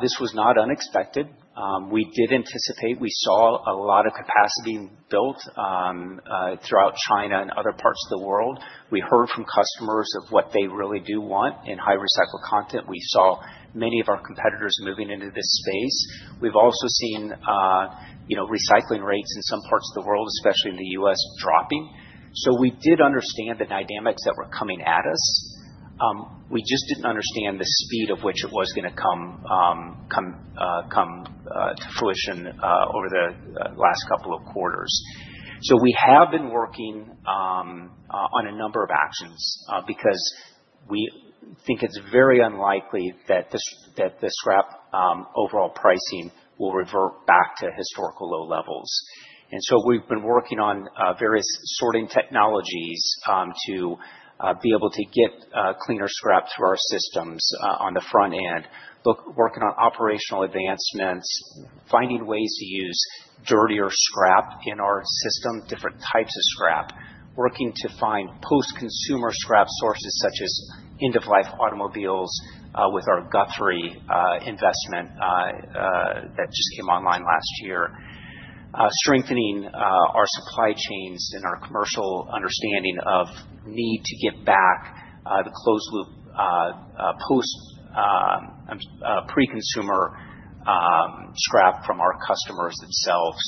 Speaker 3: This was not unexpected. We did anticipate we saw a lot of capacity built throughout China and other parts of the world. We heard from customers of what they really do want in high-recycled content. We saw many of our competitors moving into this space. We have also seen recycling rates in some parts of the world, especially in the U.S., dropping. We did understand the dynamics that were coming at us. We just did not understand the speed at which it was going to come to fruition over the last couple of quarters. We have been working on a number of actions because we think it is very unlikely that the scrap overall pricing will revert back to historical low levels. We have been working on various sorting technologies to be able to get cleaner scrap through our systems on the front end, working on operational advancements, finding ways to use dirtier scrap in our system, different types of scrap, working to find post-consumer scrap sources such as end-of-life automobiles with our Guthrie investment that just came online last year, strengthening our supply chains and our commercial understanding of need to get back the closed-loop pre-consumer scrap from our customers themselves,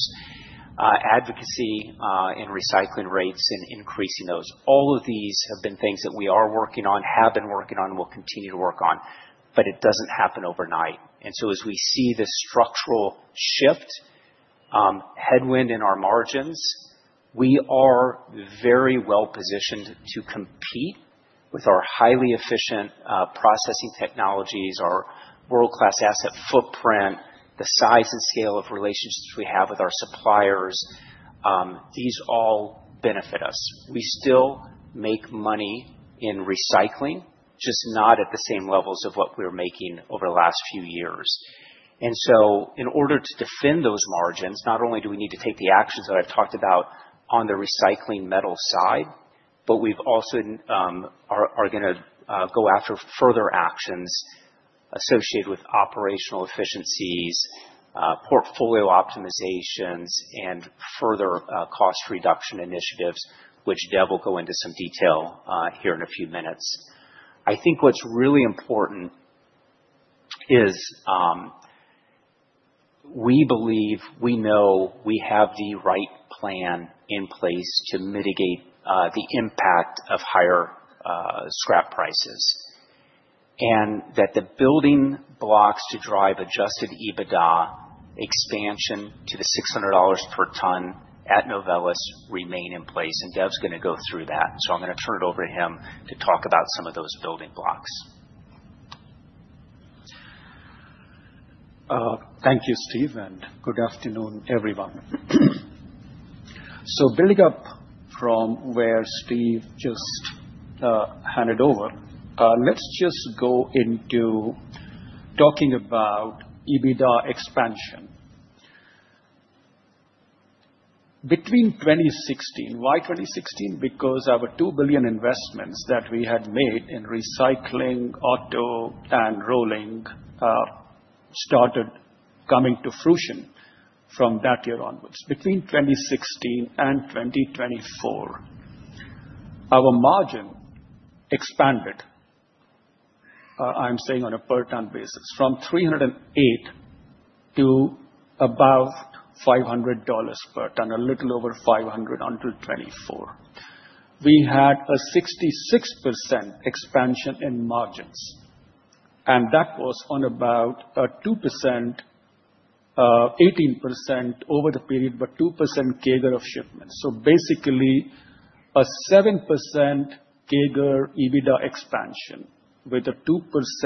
Speaker 3: advocacy in recycling rates, and increasing those. All of these have been things that we are working on, have been working on, and will continue to work on, but it does not happen overnight. As we see this structural shift, headwind in our margins, we are very well positioned to compete with our highly efficient processing technologies, our world-class asset footprint, the size and scale of relationships we have with our suppliers. These all benefit us. We still make money in recycling, just not at the same levels of what we were making over the last few years. In order to defend those margins, not only do we need to take the actions that I have talked about on the recycling metal side, but we also are going to go after further actions associated with operational efficiencies, portfolio optimizations, and further cost reduction initiatives, which Dev will go into some detail here in a few minutes. I think what's really important is we believe we know we have the right plan in place to mitigate the impact of higher scrap prices and that the building blocks to drive adjusted EBITDA expansion to the $600 per ton at Novelis remain in place. Dev's going to go through that. I'm going to turn it over to him to talk about some of those building blocks.
Speaker 5: Thank you, Steve. Good afternoon, everyone. Building up from where Steve just handed over, let's just go into talking about EBITDA expansion. Between 2016, why 2016? Because our $2 billion investments that we had made in recycling, auto, and rolling started coming to fruition from that year onwards. Between 2016 and 2024, our margin expanded, I'm saying on a per ton basis, from $308 to about $500 per ton, a little over $500 until 2024. We had a 66% expansion in margins, and that was on about 18% over the period, but 2% CAGR of shipments. Basically, a 7% CAGR EBITDA expansion with a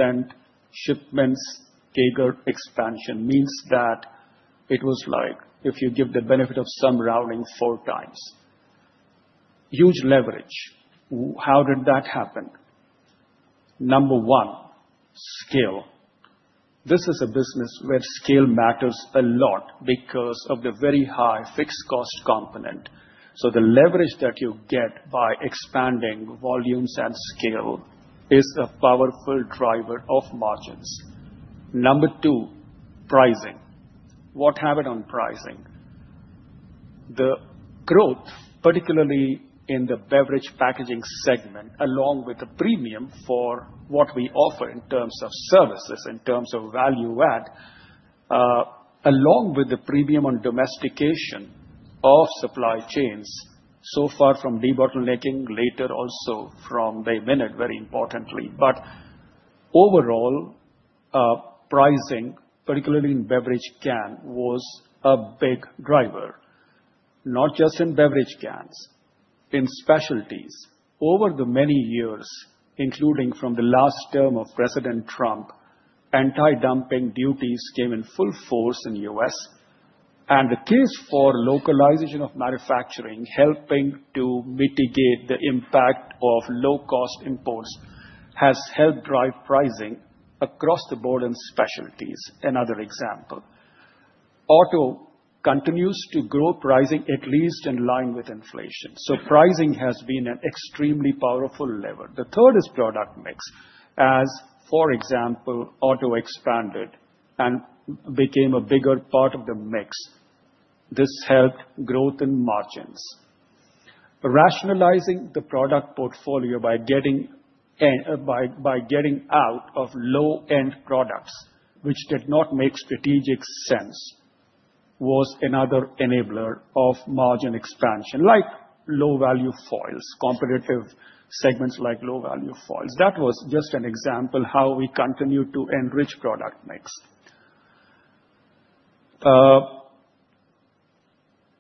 Speaker 5: 2% shipments CAGR expansion means that it was like if you give the benefit of some rounding four times. Huge leverage. How did that happen? Number one, scale. This is a business where scale matters a lot because of the very high fixed cost component. The leverage that you get by expanding volumes and scale is a powerful driver of margins. Number two, pricing. What happened on pricing? The growth, particularly in the beverage packaging segment, along with the premium for what we offer in terms of services, in terms of value add, along with the premium on domestication of supply chains so far from debottlenecking, later also from the minute, very importantly. Overall, pricing, particularly in beverage can, was a big driver, not just in beverage cans, in specialties. Over the many years, including from the last term of President Trump, anti-dumping duties came in full force in the U.S., and the case for localization of manufacturing helping to mitigate the impact of low-cost imports has helped drive pricing across the board in specialties. Another example, auto continues to grow pricing at least in line with inflation. Pricing has been an extremely powerful lever. The third is product mix. As, for example, auto expanded and became a bigger part of the mix. This helped growth in margins. Rationalizing the product portfolio by getting out of low-end products, which did not make strategic sense, was another enabler of margin expansion, like low-value foils, competitive segments like low-value foils. That was just an example of how we continue to enrich product mix.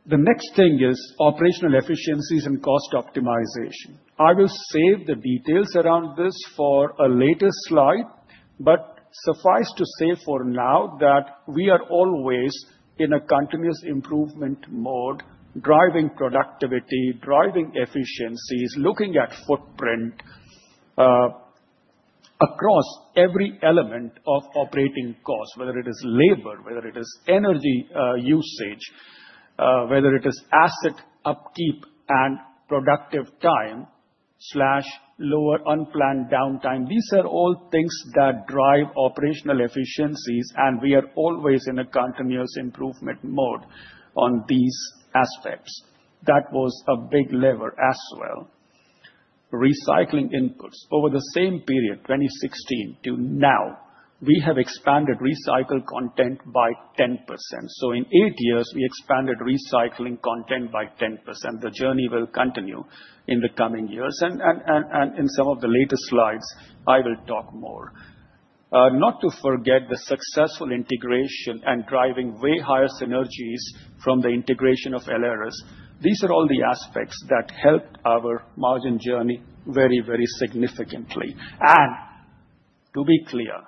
Speaker 5: The next thing is operational efficiencies and cost optimization. I will save the details around this for a later slide, but suffice to say for now that we are always in a continuous improvement mode, driving productivity, driving efficiencies, looking at footprint across every element of operating costs, whether it is labor, whether it is energy usage, whether it is asset upkeep and productive time/lower unplanned downtime. These are all things that drive operational efficiencies, and we are always in a continuous improvement mode on these aspects. That was a big lever as well. Recycling inputs. Over the same period, 2016 to now, we have expanded recycled content by 10%. In eight years, we expanded recycling content by 10%. The journey will continue in the coming years. In some of the latest slides, I will talk more. Not to forget the successful integration and driving way higher synergies from the integration of Aleris. These are all the aspects that helped our margin journey very, very significantly. To be clear,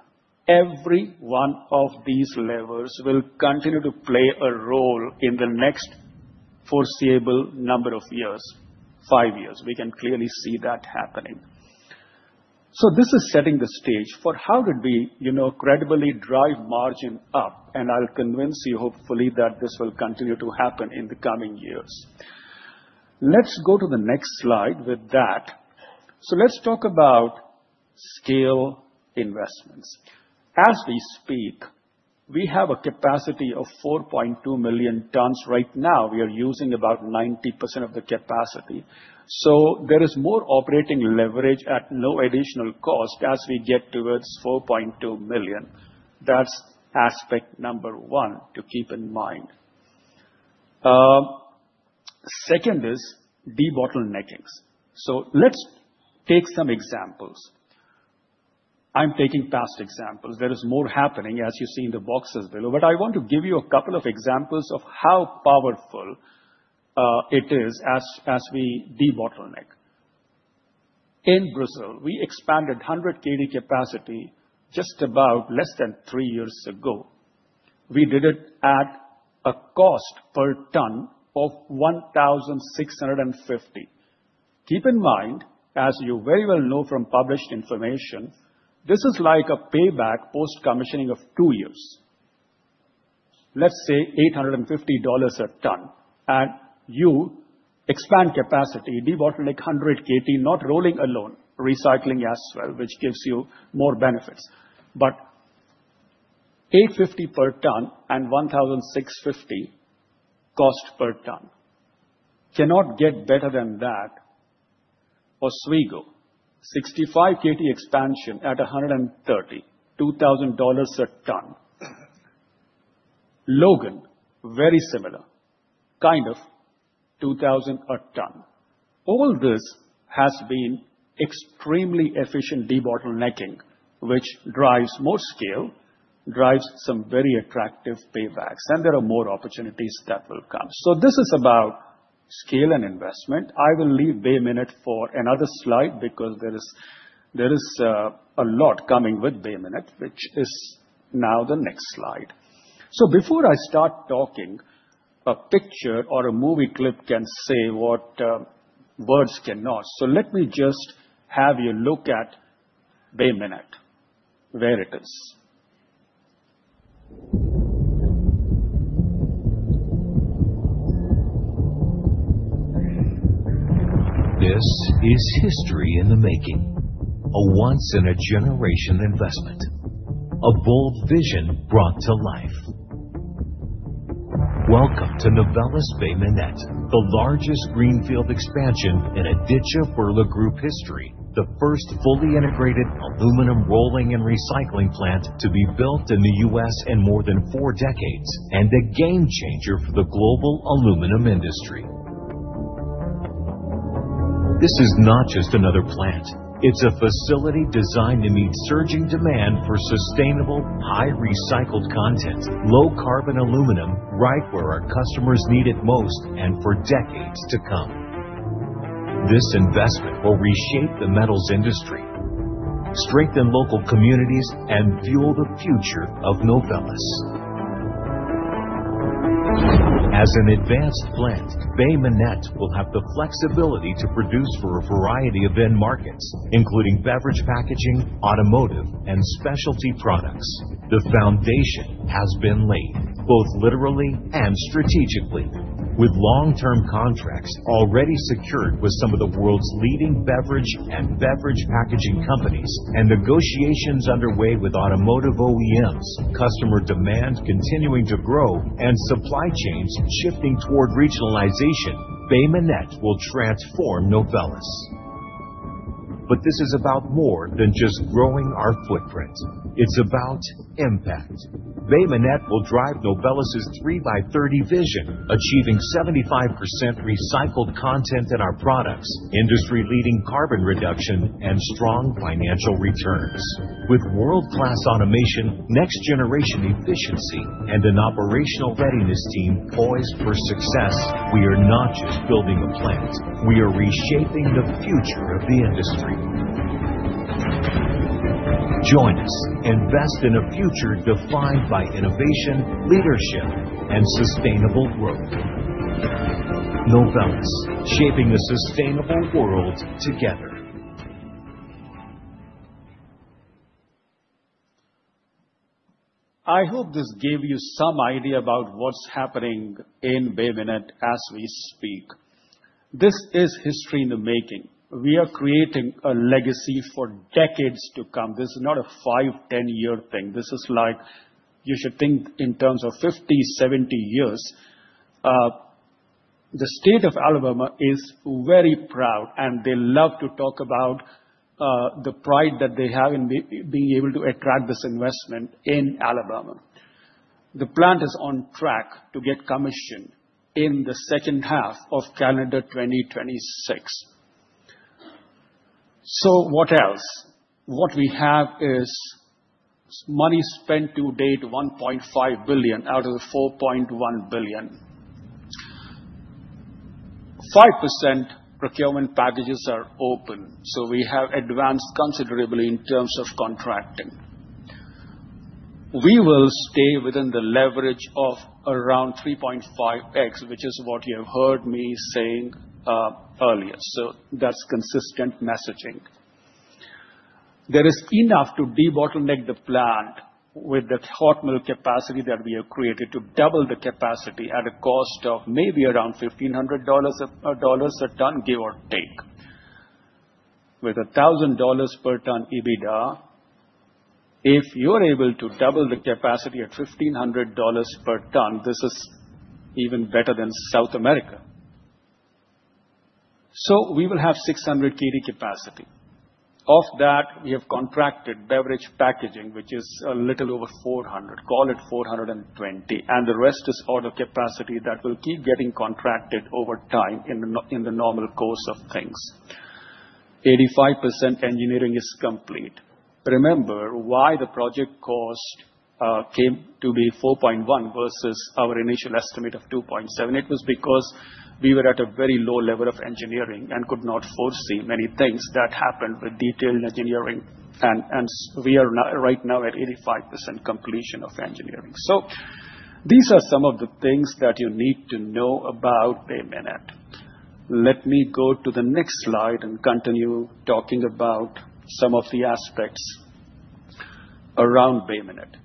Speaker 5: every one of these levers will continue to play a role in the next foreseeable number of years, five years. We can clearly see that happening. This is setting the stage for how did we credibly drive margin up. I'll convince you, hopefully, that this will continue to happen in the coming years. Let's go to the next slide with that. Let's talk about scale investments. As we speak, we have a capacity of 4.2 million tons. Right now, we are using about 90% of the capacity. There is more operating leverage at no additional cost as we get towards 4.2 million. That's aspect number one to keep in mind. Second is debottleneckings. Let's take some examples. I'm taking past examples. There is more happening, as you see in the boxes below, but I want to give you a couple of examples of how powerful it is as we debottleneck. In Brazil, we expanded 100 KD capacity just about less than three years ago. We did it at a cost per ton of $1,650. Keep in mind, as you very well know from published information, this is like a payback post-commissioning of two years. Let's say $850 a ton, and you expand capacity, debottleneck 100 KD, not rolling alone, recycling as well, which gives you more benefits. $850 per ton and $1,650 cost per ton. Cannot get better than that. Oswego, 65 KD expansion at 130, $2,000 a ton. Logan, very similar, kind of $2,000 a ton. All this has been extremely efficient debottlenecking, which drives more scale, drives some very attractive paybacks, and there are more opportunities that will come. This is about scale and investment. I will leave Bay Minette for another slide because there is a lot coming with Bay Minette, which is now the next slide. Before I start talking, a picture or a movie clip can say what words cannot. Let me just have you look at Bay Minette, where it is.
Speaker 6: This is history in the making, a once-in-a-generation investment, a bold vision brought to life. Welcome to Novelis Bay Minette, the largest greenfield expansion in Aditya Birla Group history, the first fully integrated aluminum rolling and recycling plant to be built in the U.S. in more than four decades, and a game changer for the global aluminum industry. This is not just another plant. It's a facility designed to meet surging demand for sustainable, high-recycled content, low-carbon aluminum, right where our customers need it most and for decades to come. This investment will reshape the metals industry, strengthen local communities, and fuel the future of Novelis. As an advanced plant, Bay Minette will have the flexibility to produce for a variety of end markets, including beverage packaging, automotive, and specialty products. The foundation has been laid, both literally and strategically, with long-term contracts already secured with some of the world's leading beverage and beverage packaging companies and negotiations underway with automotive OEMs, customer demand continuing to grow, and supply chains shifting toward regionalization. Bay Minette will transform Novelis. This is about more than just growing our footprint. It's about impact. Bay Minette will drive Novelis' 3x30 Vision, achieving 75% recycled content in our products, industry-leading carbon reduction, and strong financial returns. With world-class automation, next-generation efficiency, and an operational readiness team poised for success, we are not just building a plant. We are reshaping the future of the industry. Join us, invest in a future defined by innovation, leadership, and sustainable growth. Novelis, shaping a sustainable world together.
Speaker 5: I hope this gave you some idea about what's happening in Bay Minette as we speak. This is history in the making. We are creating a legacy for decades to come. This is not a 5, 10-year thing. This is like you should think in terms of 50, 70 years. The state of Alabama is very proud, and they love to talk about the pride that they have in being able to attract this investment in Alabama. The plant is on track to get commissioned in the second half of calendar 2026. What else? What we have is money spent to date: $1.5 billion out of the $4.1 billion. 5% procurement packages are open, so we have advanced considerably in terms of contracting. We will stay within the leverage of around 3.5x, which is what you have heard me saying earlier. That is consistent messaging. There is enough to debottleneck the plant with the hot mill capacity that we have created to double the capacity at a cost of maybe around $1,500 a ton, give or take. With $1,000 per ton EBITDA, if you are able to double the capacity at $1,500 per ton, this is even better than South America. We will have 600 KD capacity. Of that, we have contracted beverage packaging, which is a little over 400. Call it 420. The rest is auto capacity that will keep getting contracted over time in the normal course of things. 85% engineering is complete. Remember why the project cost came to be $4.1 billion versus our initial estimate of $2.7 billion? It was because we were at a very low level of engineering and could not foresee many things that happened with detailed engineering. We are right now at 85% completion of engineering. These are some of the things that you need to know about Bay Minette. Let me go to the next slide and continue talking about some of the aspects around Bay Minette.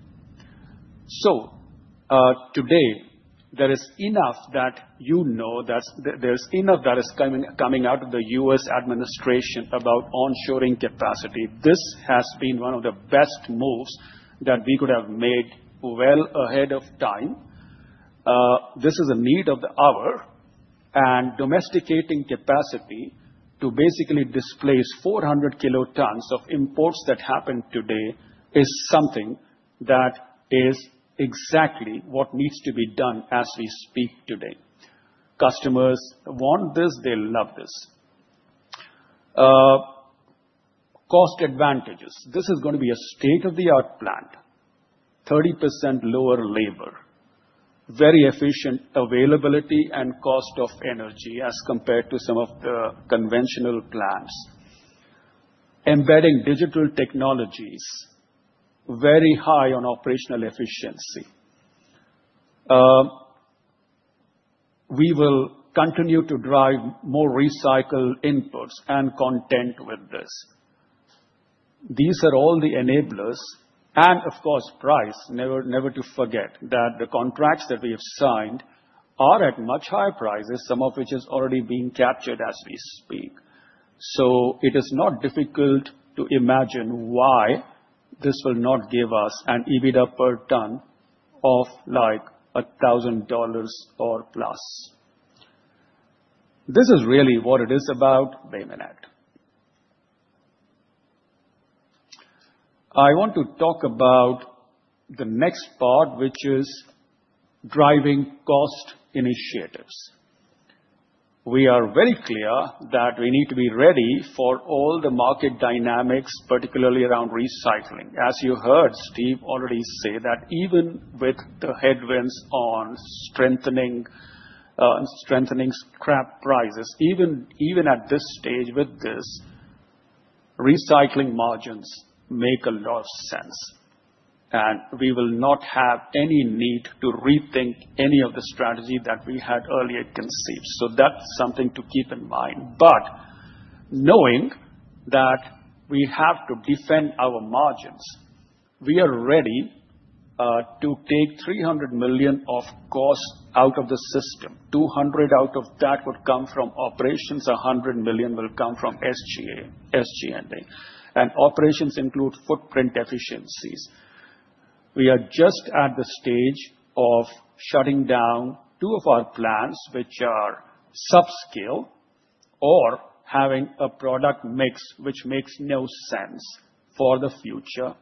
Speaker 5: Today, you know that there is enough that is coming out of the U.S. Administration about onshoring capacity. This has been one of the best moves that we could have made well ahead of time. This is a need of the hour. Domesticating capacity to basically displace 400 kilotons of imports that happen today is something that is exactly what needs to be done as we speak today. Customers want this. They love this. Cost Advantages. This is going to be a state-of-the-art plant, 30% lower labor, very efficient availability and cost of energy as compared to some of the conventional plants, embedding digital technologies, very high on operational efficiency. We will continue to drive more recycled inputs and content with this. These are all the enablers. Of course, price, never to forget that the contracts that we have signed are at much higher prices, some of which is already being captured as we speak. It is not difficult to imagine why this will not give us an EBITDA per ton of like $1,000 or plus. This is really what it is about Bay Minette. I want to talk about the next part, which is driving cost initiatives. We are very clear that we need to be ready for all the market dynamics, particularly around recycling. As you heard Steve already say that even with the headwinds on strengthening scrap prices, even at this stage with this, recycling margins make a lot of sense. We will not have any need to rethink any of the strategy that we had earlier conceived. That is something to keep in mind. Knowing that we have to defend our margins, we are ready to take $300 million of cost out of the system. $200 million out of that would come from operations. $100 million will come from SG&A. Operations include footprint efficiencies. We are just at the stage of shutting down two of our plants, which are subscale or having a product mix which makes no sense for the future.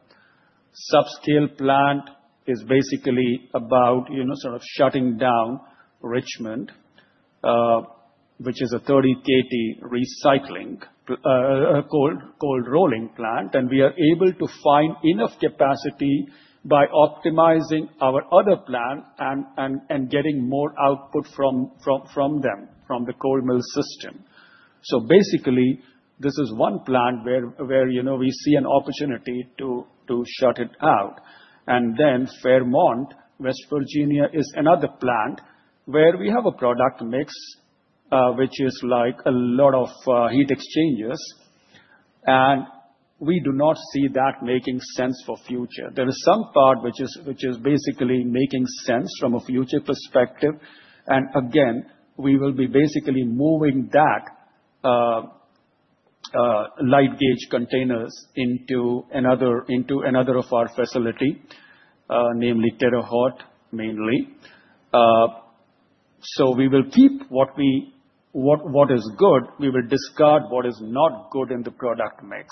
Speaker 5: Subscale plant is basically about sort of shutting down Richmond, which is a 30 KT recycling cold rolling plant. We are able to find enough capacity by optimizing our other plant and getting more output from them, from the cold mill system. This is one plant where we see an opportunity to shut it out. Fairmont, West Virginia, is another plant where we have a product mix which is like a lot of heat exchangers. We do not see that making sense for future. There is some part which is basically making sense from a future perspective. We will be basically moving that light gauge containers into another of our facility, namely Terre Haute, mainly. We will keep what is good. We will discard what is not good in the product mix.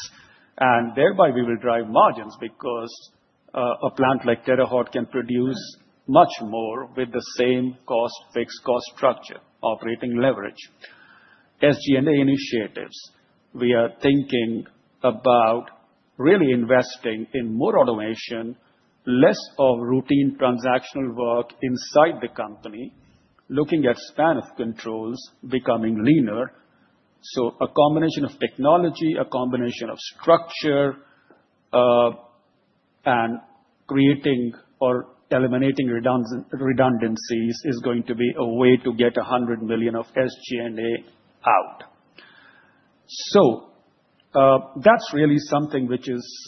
Speaker 5: And thereby, we will drive margins because a plant like Terre Haute can produce much more with the same cost-fixed cost structure, operating leverage. SG&A initiatives, we are thinking about really investing in more automation, less of routine transactional work inside the company, looking at span of controls becoming leaner. A combination of technology, a combination of structure, and creating or eliminating redundancies is going to be a way to get $100 million of SG&A out. That is really something which is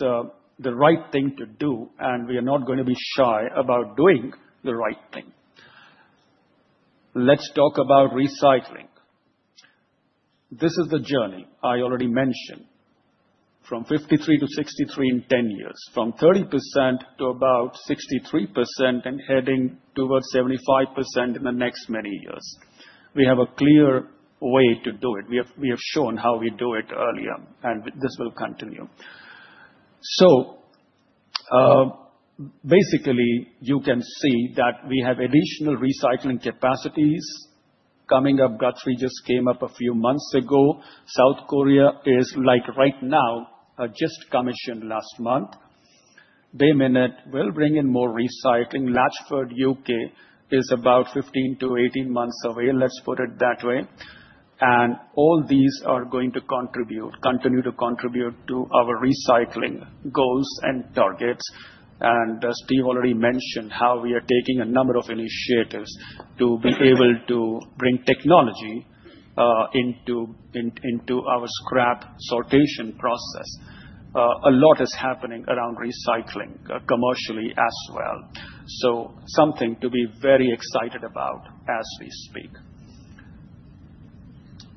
Speaker 5: the right thing to do. We are not going to be shy about doing the right thing. Let's talk about recycling. This is the journey I already mentioned from 53 to 63 in 10 years, from 30% to about 63% and heading towards 75% in the next many years. We have a clear way to do it. We have shown how we do it earlier, and this will continue. Basically, you can see that we have additional recycling capacities coming up. Guthrie just came up a few months ago. South Korea is, like, right now, just commissioned last month. Bay Minette will bring in more recycling. Latchford, U.K., is about 15-18 months away. Let's put it that way. All these are going to continue to contribute to our recycling goals and targets. Steve already mentioned how we are taking a number of initiatives to be able to bring technology into our scrap sortation process. A lot is happening around recycling commercially as well. Something to be very excited about as we speak.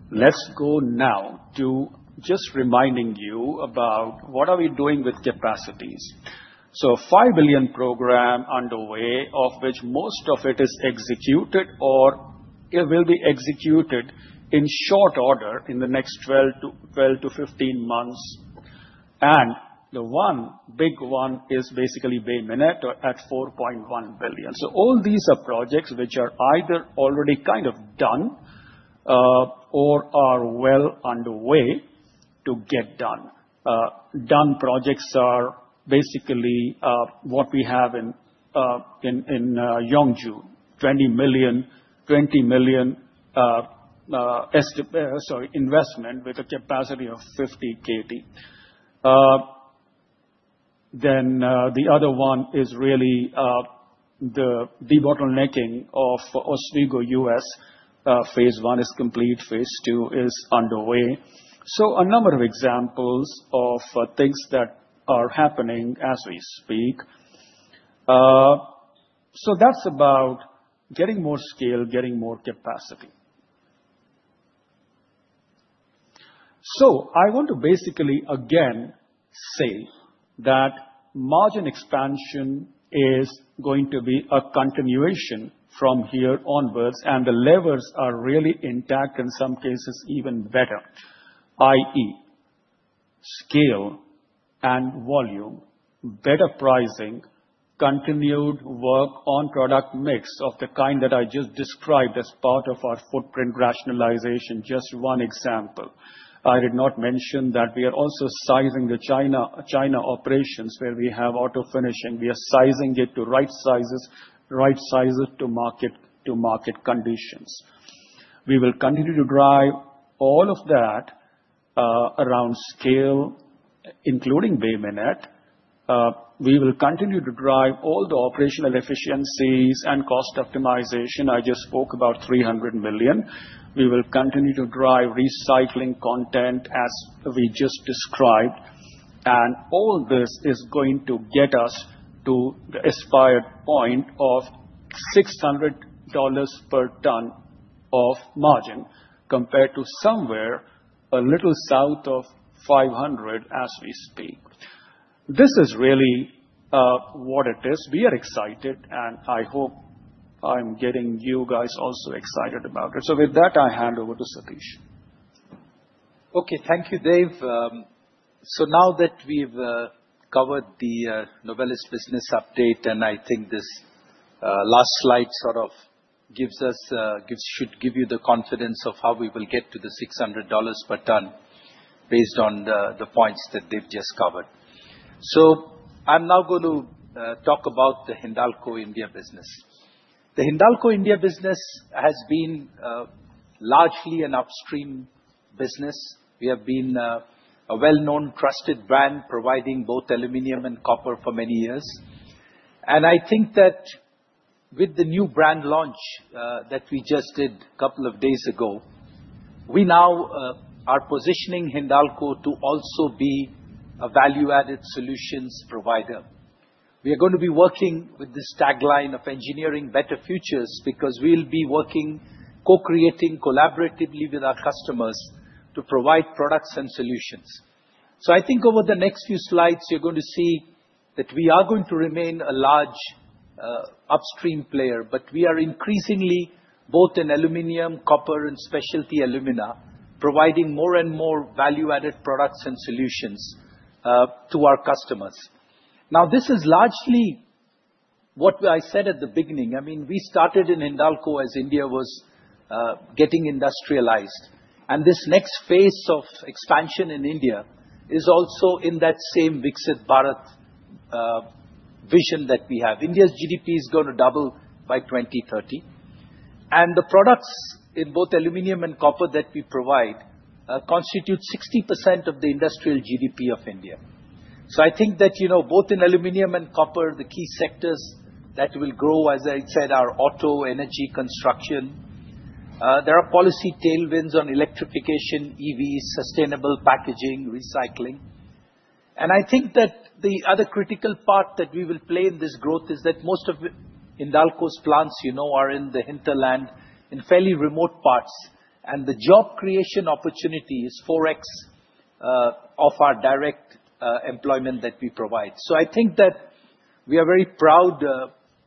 Speaker 5: Let's go now to just reminding you about what are we doing with capacities. A $5 billion program is underway, of which most of it is executed or will be executed in short order in the next 12-15 months. The one big one is basically Bay Minette at $4.1 billion. All these are projects which are either already kind of done or are well underway to get done. Done projects are basically what we have in Yeongju, $20 million investment with a capacity of 50 KT. The other one is really the debottlenecking of Oswego, US. Phase one is complete. Phase two is underway. A number of examples of things are happening as we speak. That is about getting more scale, getting more capacity. I want to basically, again, say that margin expansion is going to be a continuation from here onwards. The levers are really intact, in some cases even better, i.e., scale and volume, better pricing, continued work on product mix of the kind that I just described as part of our footprint rationalization, just one example. I did not mention that we are also sizing the China operations where we have auto finishing. We are sizing it to right sizes, right sizes to market conditions. We will continue to drive all of that around scale, including Bay Minette. We will continue to drive all the operational efficiencies and cost optimization. I just spoke about $300 million. We will continue to drive recycling content as we just described. All this is going to get us to the aspired point of $600 per ton of margin compared to somewhere a little south of $500 as we speak. This is really what it is. We are excited, and I hope I'm getting you guys also excited about it. With that, I hand over to Satish.
Speaker 3: Okay. Thank you, Dev. Now that we've covered the Novelis business update, and I think this last slide sort of should give you the confidence of how we will get to the $600 per ton based on the points that they've just covered. I'm now going to talk about the Hindalco India business. The Hindalco India business has been largely an upstream business. We have been a well-known trusted brand providing both aluminum and copper for many years. I think that with the new brand launch that we just did a couple of days ago, we now are positioning Hindalco to also be a value-added solutions provider. We are going to be working with this tagline of engineering better futures because we'll be working, co-creating collaboratively with our customers to provide products and solutions. I think over the next few slides, you're going to see that we are going to remain a large upstream player, but we are increasingly both in aluminum, copper, and specialty alumina, providing more and more value-added products and solutions to our customers. Now, this is largely what I said at the beginning. I mean, we started in Hindalco as India was getting industrialized. This next phase of expansion in India is also in that same Viksit Bharat Vision that we have. India's GDP is going to double by 2030. The products in both aluminum and copper that we provide constitute 60% of the industrial GDP of India. I think that both in aluminum and copper, the key sectors that will grow, as I said, are auto, energy, construction. There are policy tailwinds on electrification, EVs, sustainable packaging, recycling. I think that the other critical part that we will play in this growth is that most of Hindalco's plants are in the hinterland in fairly remote parts. The job creation opportunity is 4x of our direct employment that we provide. I think that we are very proud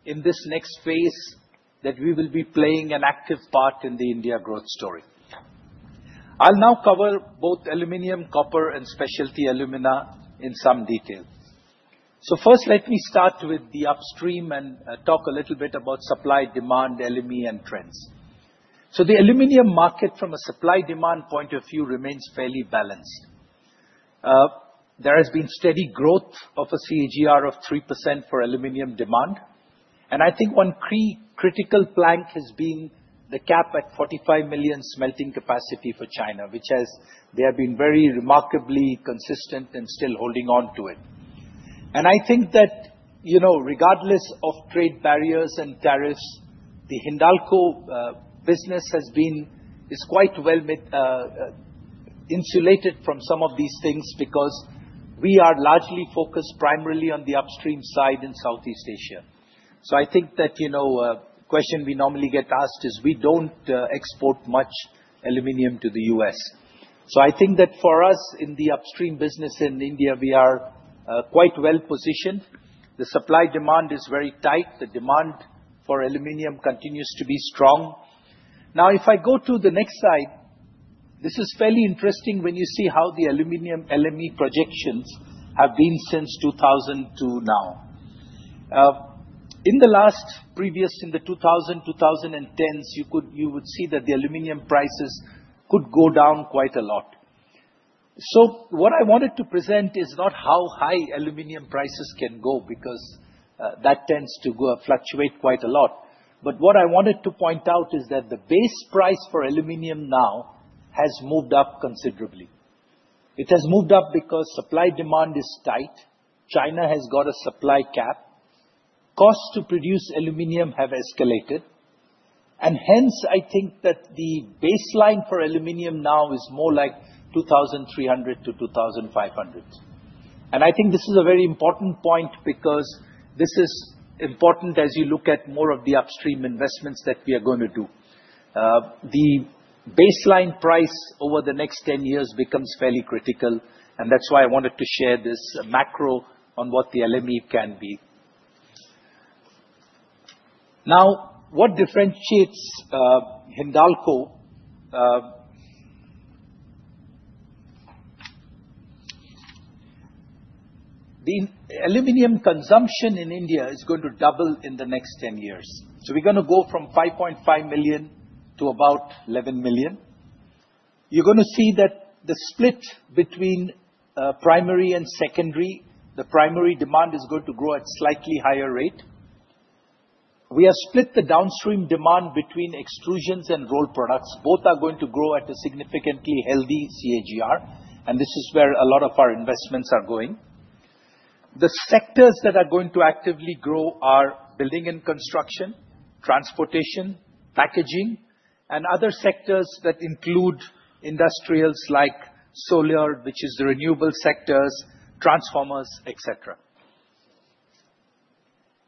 Speaker 3: in this next phase that we will be playing an active part in the India growth story. I'll now cover both aluminum, copper, and specialty alumina in some detail. First, let me start with the upstream and talk a little bit about supply-demand, LME, and trends. The aluminum market, from a supply-demand point of view, remains fairly balanced. There has been steady growth of a CAGR of 3% for aluminum demand. I think one critical plank has been the cap at 45 million smelting capacity for China, which has been very remarkably consistent and still holding on to it. I think that regardless of trade barriers and tariffs, the Hindalco business has been quite well insulated from some of these things because we are largely focused primarily on the upstream side in Southeast Asia. I think that the question we normally get asked is, "We don't export much aluminum to the U.S.. I think that for us in the upstream business in India, we are quite well positioned. The supply-demand is very tight. The demand for aluminum continues to be strong. Now, if I go to the next slide, this is fairly interesting when you see how the aluminum LME projections have been since 2000 to now. In the last previous in the 2000, 2010s, you would see that the aluminum prices could go down quite a lot. What I wanted to present is not how high aluminum prices can go because that tends to fluctuate quite a lot. What I wanted to point out is that the base price for aluminum now has moved up considerably. It has moved up because supply-demand is tight. China has got a supply cap. Costs to produce aluminum have escalated. Hence, I think that the baseline for aluminum now is more like $2,300-$2,500. I think this is a very important point because this is important as you look at more of the upstream investments that we are going to do. The baseline price over the next 10 years becomes fairly critical. That is why I wanted to share this macro on what the LME can be. Now, what differentiates Hindalco? The aluminum consumption in India is going to double in the next 10 years. We are going to go from 5.5 million to about 11 million. You are going to see that the split between primary and secondary, the primary demand is going to grow at a slightly higher rate. We have split the downstream demand between extrusions and roll products. Both are going to grow at a significantly healthy CAGR. This is where a lot of our investments are going. The sectors that are going to actively grow are Building and Construction, Transportation, Packaging, and other sectors that include industrials like solar, which is the renewable sectors, transformers, etc.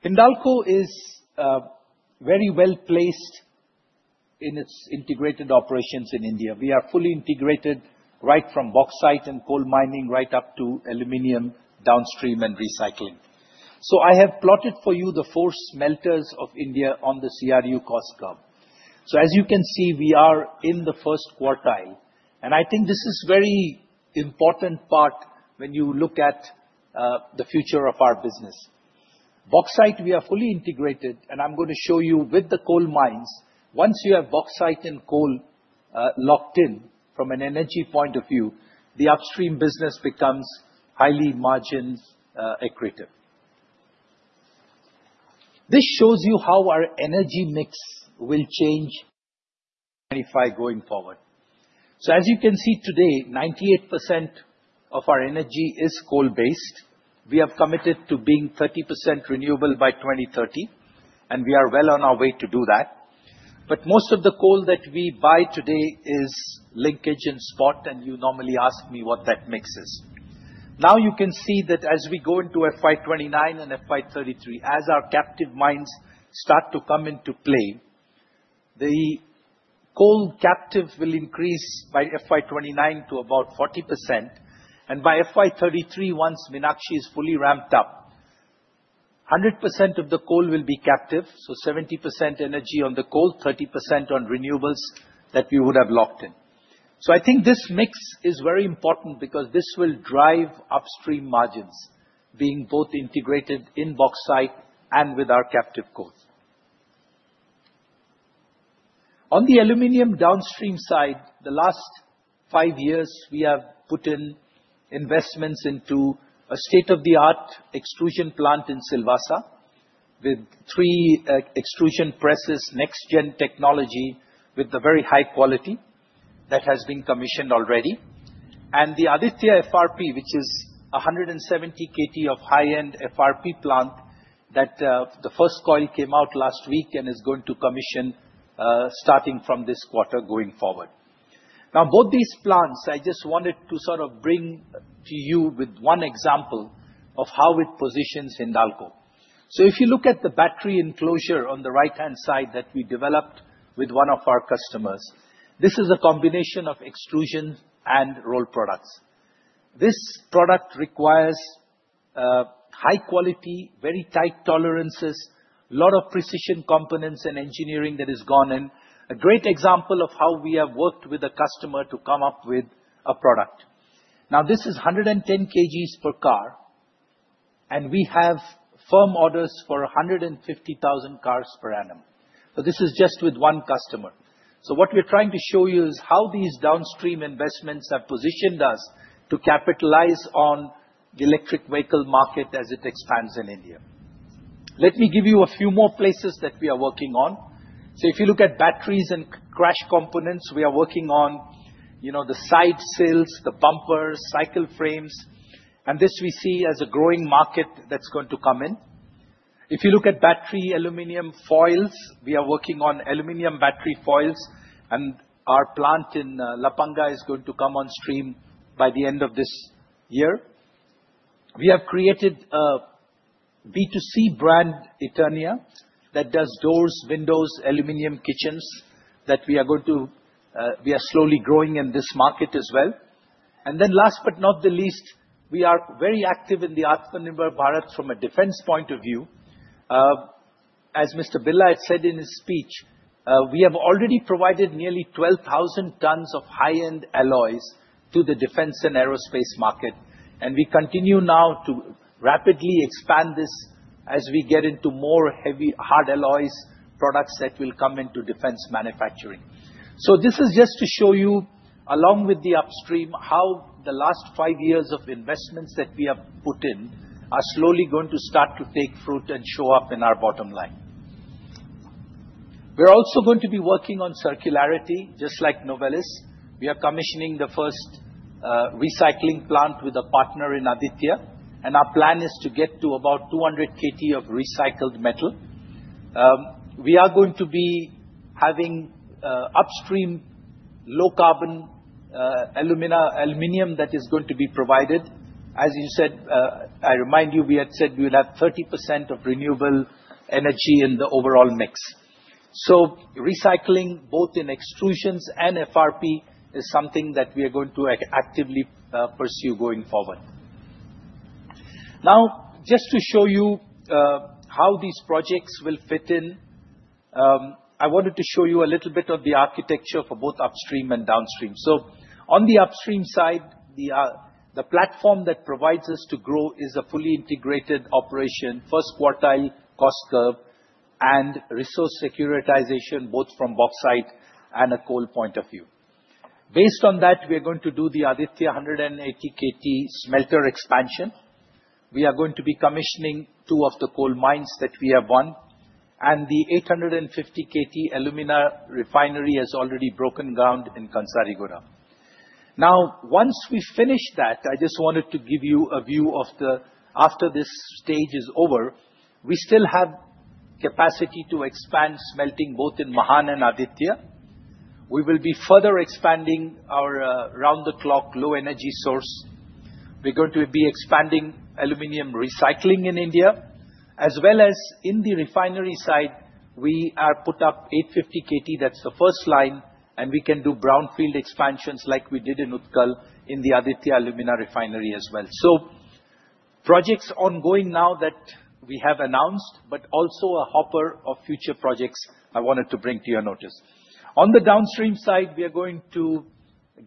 Speaker 3: Hindalco is very well placed in its integrated operations in India. We are fully integrated right from bauxite and coal mining right up to aluminum downstream and recycling. I have plotted for you the four smelters of India on the CRU cost curve. As you can see, we are in the first quartile. I think this is a very important part when you look at the future of our business. Bauxite, we are fully integrated. I am going to show you with the coal mines, once you have bauxite and coal locked in from an energy point of view, the upstream business becomes highly margin equitative. This shows you how our energy mix will change going forward. As you can see today, 98% of our energy is coal-based. We have committed to being 30% renewable by 2030. We are well on our way to do that. Most of the coal that we buy today is linkage and spot. You normally ask me what that mix is. You can see that as we go into FY2029 and FY2033, as our captive mines start to come into play, the coal captive will increase by FY2029 to about 40%. By FY2033, once Meenakshi is fully ramped up, 100% of the coal will be captive. So 70% energy on the coal, 30% on renewables that we would have locked in. I think this mix is very important because this will drive upstream margins being both integrated in bauxite and with our captive coal. On the aluminum downstream side, the last five years, we have put in investments into a state-of-the-art extrusion plant in Silvassa with three extrusion presses, next-gen technology with very high quality that has been commissioned already. The Aditya FRP, which is 170 KT of high-end FRP plant, the first coil came out last week and is going to commission starting from this quarter going forward. Now, both these plants, I just wanted to sort of bring to you with one example of how it positions Hindalco. If you look at the battery enclosure on the right-hand side that we developed with one of our customers, this is a combination of extrusion and roll products. This product requires high quality, very tight tolerances, a lot of precision components and engineering that has gone in, a great example of how we have worked with a customer to come up with a product. Now, this is 110 kg per car. We have firm orders for 150,000 cars per annum. This is just with one customer. What we are trying to show you is how these downstream investments have positioned us to capitalize on the electric vehicle market as it expands in India. Let me give you a few more places that we are working on. If you look at batteries and crash components, we are working on the side seals, the bumpers, cycle frames. This we see as a growing market that is going to come in. If you look at battery aluminum foils, we are working on aluminum battery foils. Our plant in Lapanga is going to come on stream by the end of this year. We have created a B2C brand, Eternia, that does doors, windows, aluminum kitchens that we are going to be slowly growing in this market as well. Last but not the least, we are very active in the Atmanirbhar Bharat from a defense point of view. As Mr. Birla said in his speech, we have already provided nearly 12,000 tons of high-end alloys to the defense and aerospace market. We continue now to rapidly expand this as we get into more heavy hard alloys products that will come into defense manufacturing. This is just to show you, along with the upstream, how the last five years of investments that we have put in are slowly going to start to take fruit and show up in our bottom line. We're also going to be working on circularity. Just like Novelis, we are commissioning the first recycling plant with a partner in Aditya. Our plan is to get to about 200 KT of recycled metal. We are going to be having upstream low-carbon aluminum that is going to be provided. As you said, I remind you, we had said we would have 30% of renewable energy in the overall mix. Recycling, both in extrusions and FRP, is something that we are going to actively pursue going forward. Now, just to show you how these projects will fit in, I wanted to show you a little bit of the architecture for both upstream and downstream. On the upstream side, the platform that provides us to grow is a fully integrated operation, first quartile cost curve, and resource securitization, both from bauxite and a coal point of view. Based on that, we are going to do the Aditya 180 KT smelter expansion. We are going to be commissioning two of the coal mines that we have won. The 850 KT alumina refinery has already broken ground in Kansariguda. Now, once we finish that, I just wanted to give you a view of the after this stage is over, we still have capacity to expand smelting both in Mahan and Aditya. We will be further expanding our round-the-clock low-energy source. We are going to be expanding aluminum recycling in India. As well as in the refinery side, we are put up 850 KT. That's the first line. We can do brownfield expansions like we did in Utkal in the Aditya alumina refinery as well. Projects ongoing now that we have announced, but also a hopper of future projects I wanted to bring to your notice. On the downstream side, we are going to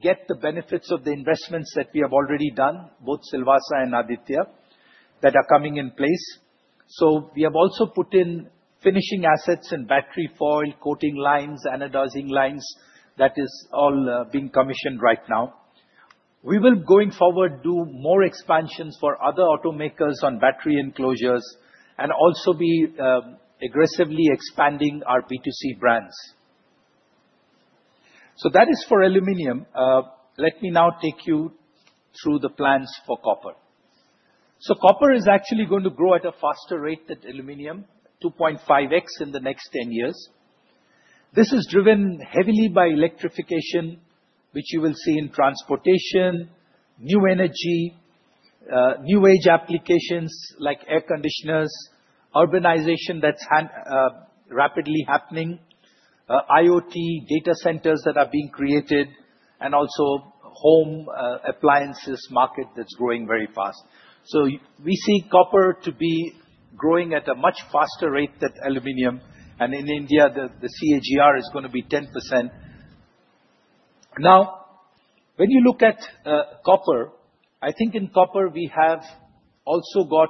Speaker 3: get the benefits of the investments that we have already done, both Silvassa and Aditya, that are coming in place. We have also put in finishing assets and battery foil coating lines, anodizing lines. That is all being commissioned right now. We will, going forward, do more expansions for other automakers on battery enclosures and also be aggressively expanding our B2C brands. That is for aluminum. Let me now take you through the plans for copper. Copper is actually going to grow at a faster rate than aluminum, 2.5x in the next 10 years. This is driven heavily by electrification, which you will see in Transportation, New Energy, New Age Applications like air conditioners, urbanization that is rapidly happening, IoT data centers that are being created, and also Home Appliances Market that is growing very fast. We see copper to be growing at a much faster rate than aluminum. In India, the CAGR is going to be 10%. Now, when you look at Copper, I think in Copper, we have also got,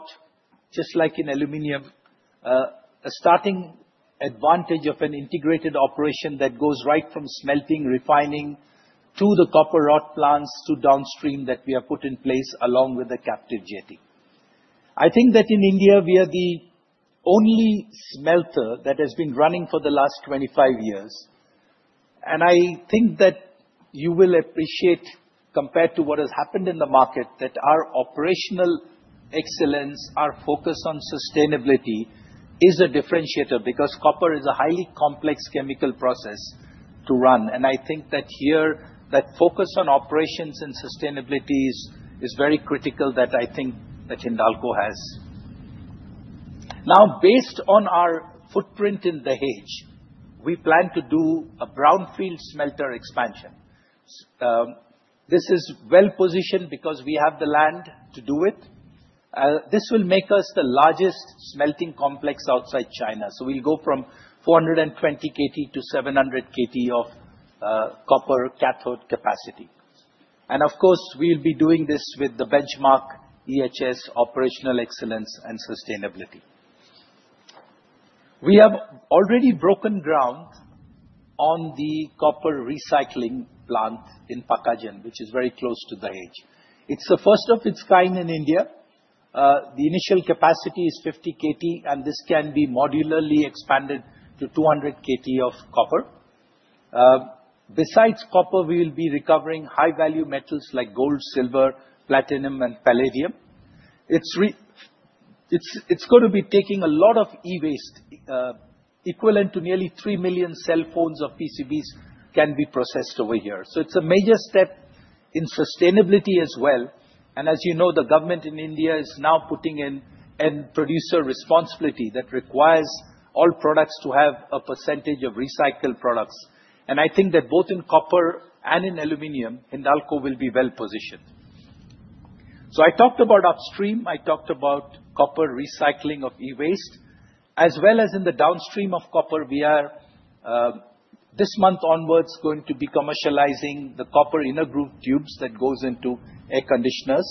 Speaker 3: just like in aluminum, a starting advantage of an integrated operation that goes right from smelting, refining to the copper rod plants to downstream that we have put in place along with the captive jetty. I think that in India, we are the only smelter that has been running for the last 25 years. I think that you will appreciate, compared to what has happened in the market, that our operational excellence, our focus on sustainability is a differentiator because copper is a highly complex chemical process to run. I think that here, that focus on operations and sustainability is very critical that I think that Hindalco has. Now, based on our footprint in Dahej, we plan to do a brownfield smelter expansion. This is well positioned because we have the land to do it. This will make us the largest smelting complex outside China. We will go from 420 KT to 700 KT of copper cathode capacity. Of course, we will be doing this with the benchmark EHS, operational excellence, and sustainability. We have already broken ground on the copper recycling plant in Pakhajan, which is very close to Dahej. It is the first of its kind in India. The initial capacity is 50 KT. This can be modularly expanded to 200 KT of copper. Besides copper, we will be recovering high-value metals like gold, silver, platinum, and palladium. It is going to be taking a lot of e-waste, equivalent to nearly 3 million cell phones or PCBs can be processed over here. It is a major step in sustainability as well. As you know, the government in India is now putting in a Producer Responsibility that requires all products to have a percentage of recycled products. I think that both in copper and in aluminium, Hindalco will be well positioned. I talked about upstream. I talked about copper recycling of e-waste. As well as in the downstream of copper, we are, this month onwards, going to be commercializing the Copper Inner Grooved Tubes that go into air conditioners.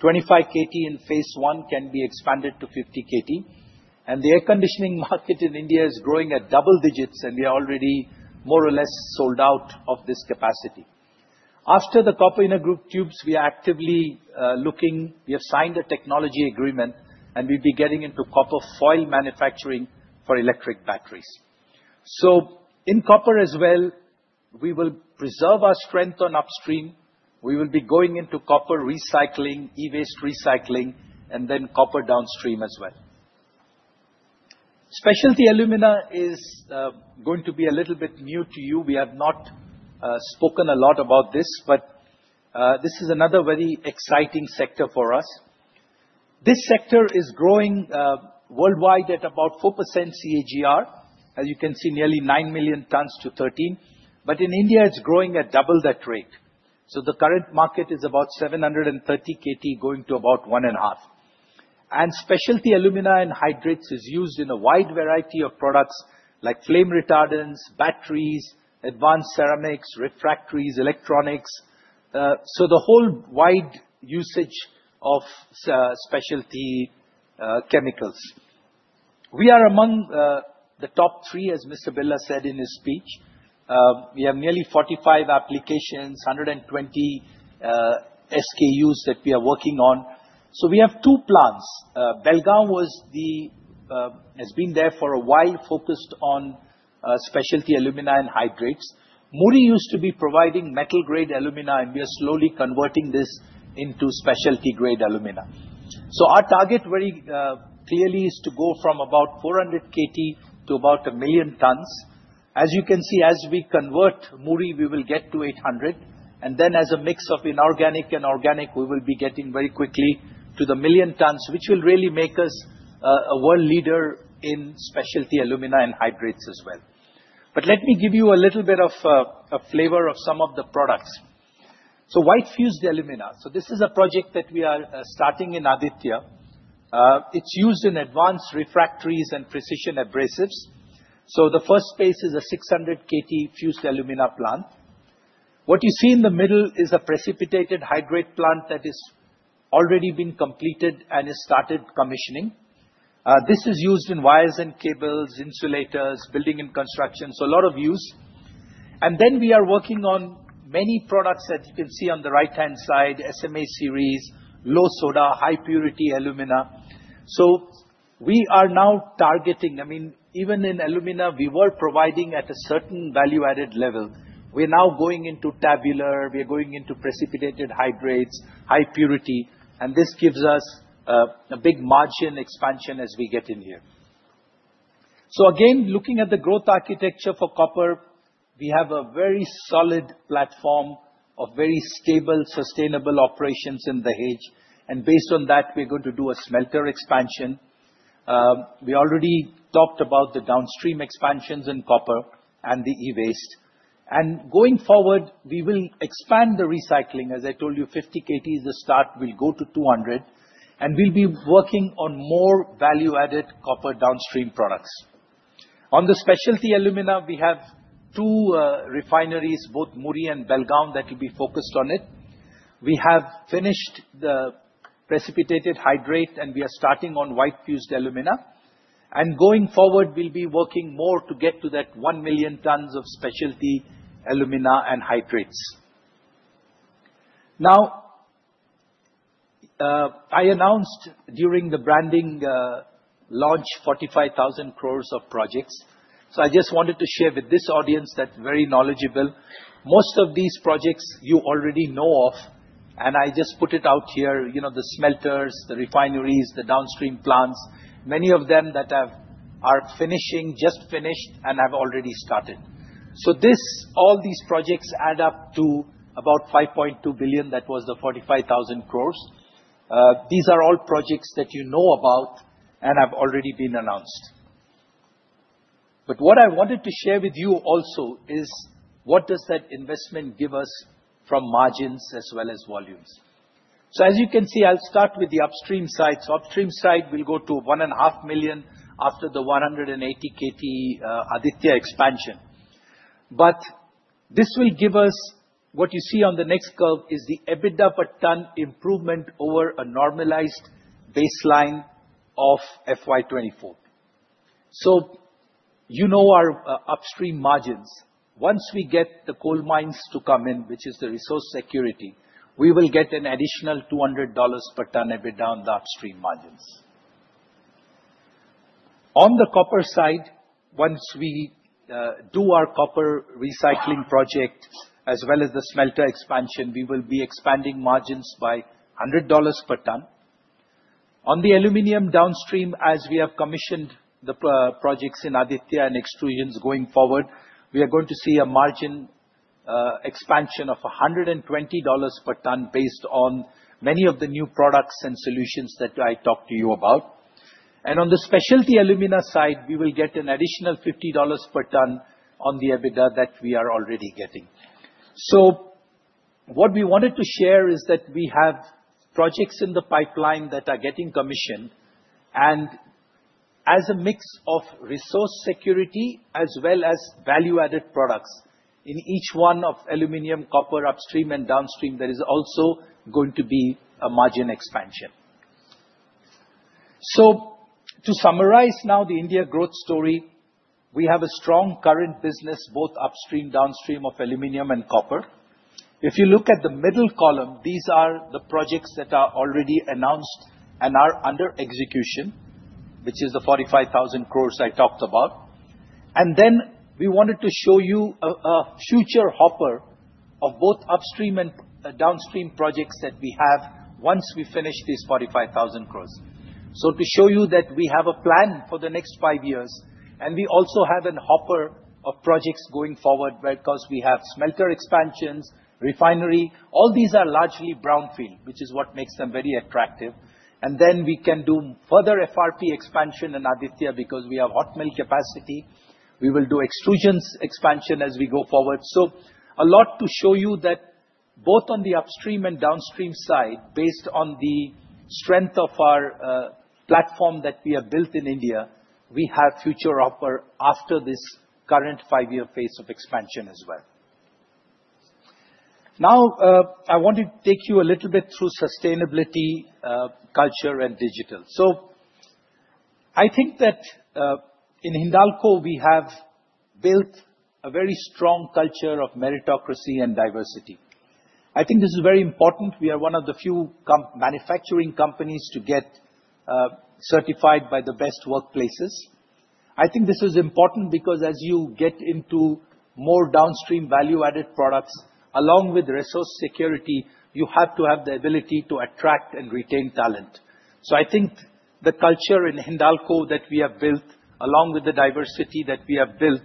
Speaker 3: 25 KT in phase one can be expanded to 50 KT. The air conditioning market in India is growing at double digits. We are already more or less sold out of this capacity. After the Copper Inner Grooved Tubes, we are actively looking. We have signed a Technology Agreement. We will be getting into copper foil manufacturing for Electric Batteries. In Copper as well, we will preserve our strength on upstream. We will be going into copper recycling, e-waste recycling, and then copper downstream as well. Specialty Alumina is going to be a little bit new to you. We have not spoken a lot about this. This is another very exciting sector for us. This sector is growing worldwide at about 4% CAGR. As you can see, nearly 9 million tons to 13. In India, it is growing at double that rate. The current market is about 730 KT going to about 1.5. Specialty Alumina and Hydrates are used in a wide variety of products like Flame Retardants, Batteries, Advanced Ceramics, Refractories, Electronics. The whole wide usage of specialty chemicals. We are among the top three, as Mr. Birla said in his speech. We have nearly 45 applications, 120 SKUs that we are working on. We have two plants. Belgaum has been there for a while, focused on Specialty Alumina and Hydrates. Muri used to be providing metal-grade alumina. We are slowly converting this into specialty-grade alumina. Our target, very clearly, is to go from about 400 KT to about a million tons. As you can see, as we convert Muri, we will get to 800. As a mix of inorganic and organic, we will be getting very quickly to the million tons, which will really make us a world leader in specialty alumina and hydrates as well. Let me give you a little bit of a flavor of some of the products. White-fused alumina. This is a project that we are starting in Aditya. It is used in Advanced Refractories and Precision Abrasives. The first phase is a 600 KT fused alumina plant. What you see in the middle is a Precipitated Hydrate plant that has already been completed and has started commissioning. This is used in Wires and Cables, Insulators, Building and Construction. A lot of use. I mean, then we are working on many products that you can see on the right-hand side, SMA Series, Low Soda, High-Purity Alumina. We are now targeting. I mean, even in alumina, we were providing at a certain value-added level. We are now going into Tabular. We are going into Precipitated Hydrates, High-Purity. This gives us a big margin expansion as we get in here. Again, looking at the growth architecture for Copper, we have a very solid platform of very stable, sustainable operations in Dahej. Based on that, we are going to do a smelter expansion. We already talked about the downstream expansions in Copper and the E-Waste. Going forward, we will expand the Recycling. As I told you, 50 KT is the start. We'll go to 200. We'll be working on more Value-Added Copper Downstream Products. On the Specialty Alumina, we have two refineries, both Muri and Belgaum, that will be focused on it. We have finished the Precipitated Hydrate. We are starting on White-Fused Alumina. Going forward, we'll be working more to get to that 1 million tons of Specialty Alumina and Hydrates. I announced during the branding launch 45,000 Crores of projects. I just wanted to share with this audience that's very knowledgeable. Most of these projects you already know of. I just put it out here. The smelters, the refineries, the downstream plants, many of them that are finishing, just finished, and have already started. All these projects add up to about $5.2 billion. That was the 45,000 Crores. These are all projects that you know about and have already been announced. What I wanted to share with you also is, what does that investment give us from margins as well as volumes? As you can see, I'll start with the upstream side. Upstream side, we'll go to 1.5 million after the 180 KT Aditya expansion. This will give us what you see on the next curve, which is the EBITDA per ton improvement over a normalized baseline of FY2024. You know our upstream margins. Once we get the coal mines to come in, which is the resource security, we will get an additional $200 per ton EBITDA on the upstream margins. On the copper side, once we do our copper recycling project as well as the smelter expansion, we will be expanding margins by $100 per ton. On the aluminum downstream, as we have commissioned the projects in Aditya and extrusions going forward, we are going to see a margin expansion of $120 per ton based on many of the new products and solutions that I talked to you about. On the specialty alumina side, we will get an additional $50 per ton on the EBITDA that we are already getting. What we wanted to share is that we have projects in the pipeline that are getting commissioned. As a mix of resource security as well as value-added products in each one of aluminum, copper, upstream and downstream, there is also going to be a margin expansion. To summarize now the India Growth Story, we have a strong current business both upstream, downstream of aluminum and copper. If you look at the middle column, these are the projects that are already announced and are under execution, which is the 45,000 Crores I talked about. We wanted to show you a future hopper of both upstream and downstream projects that we have once we finish these 45,000 Crores. To show you that we have a plan for the next five years. We also have a hopper of projects going forward because we have smelter expansions, refinery. All these are largely brownfield, which is what makes them very attractive. We can do further FRP expansion in Aditya because we have hot melt capacity. We will do extrusions expansion as we go forward. A lot to show you that both on the upstream and downstream side, based on the strength of our platform that we have built in India, we have future hopper after this current five-year phase of expansion as well. Now, I wanted to take you a little bit through sustainability, culture, and digital. I think that in Hindalco, we have built a very strong culture of meritocracy and diversity. I think this is very important. We are one of the few manufacturing companies to get certified by the Best Workplaces. I think this is important because as you get into more downstream value-added products, along with resource security, you have to have the ability to attract and retain talent. I think the culture in Hindalco that we have built, along with the diversity that we have built,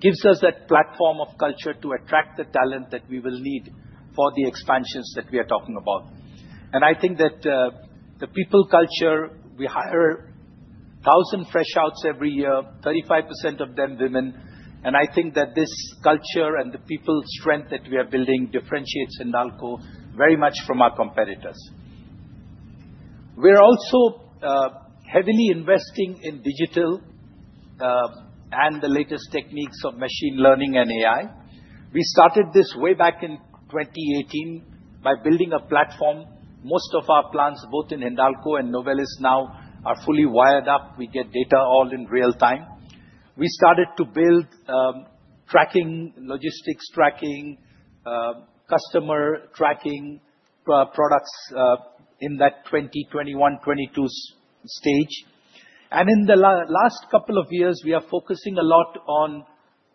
Speaker 3: gives us that platform of culture to attract the talent that we will need for the expansions that we are talking about. I think that the people culture, we hire 1,000 fresh outs every year, 35% of them women. I think that this culture and the people strength that we are building differentiates Hindalco very much from our competitors. We're also heavily investing in digital and the latest techniques of Machine Learning and AI. We started this way back in 2018 by building a platform. Most of our plants, both in Hindalco and Novelis now, are fully wired up. We get data all in real time. We started to build tracking, logistics tracking, customer tracking products in that 2021, 2022 stage. In the last couple of years, we are focusing a lot on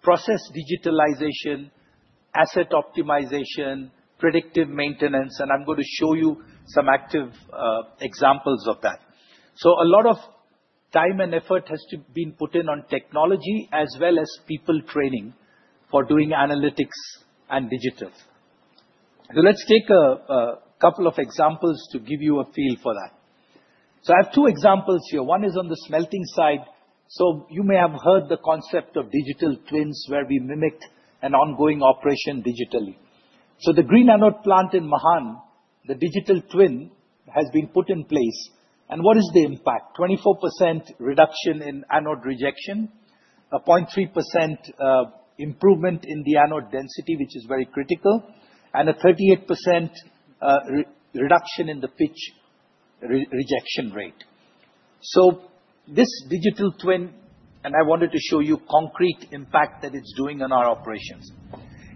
Speaker 3: process digitalization, asset optimization, predictive maintenance. I'm going to show you some active examples of that. A lot of time and effort has been put in on technology as well as people training for doing analytics and digital. Let's take a couple of examples to give you a feel for that. I have two examples here. One is on the smelting side. You may have heard the concept of Digital Twins where we mimic an ongoing operation digitally. The Green Anode Plant in Mahan, the Digital Twin has been put in place. What is the impact? 24% reduction in anode rejection, a 0.3% improvement in the anode density, which is very critical, and a 38% reduction in the pitch rejection rate. This Digital Twin, and I wanted to show you concrete impact that it's doing on our operations.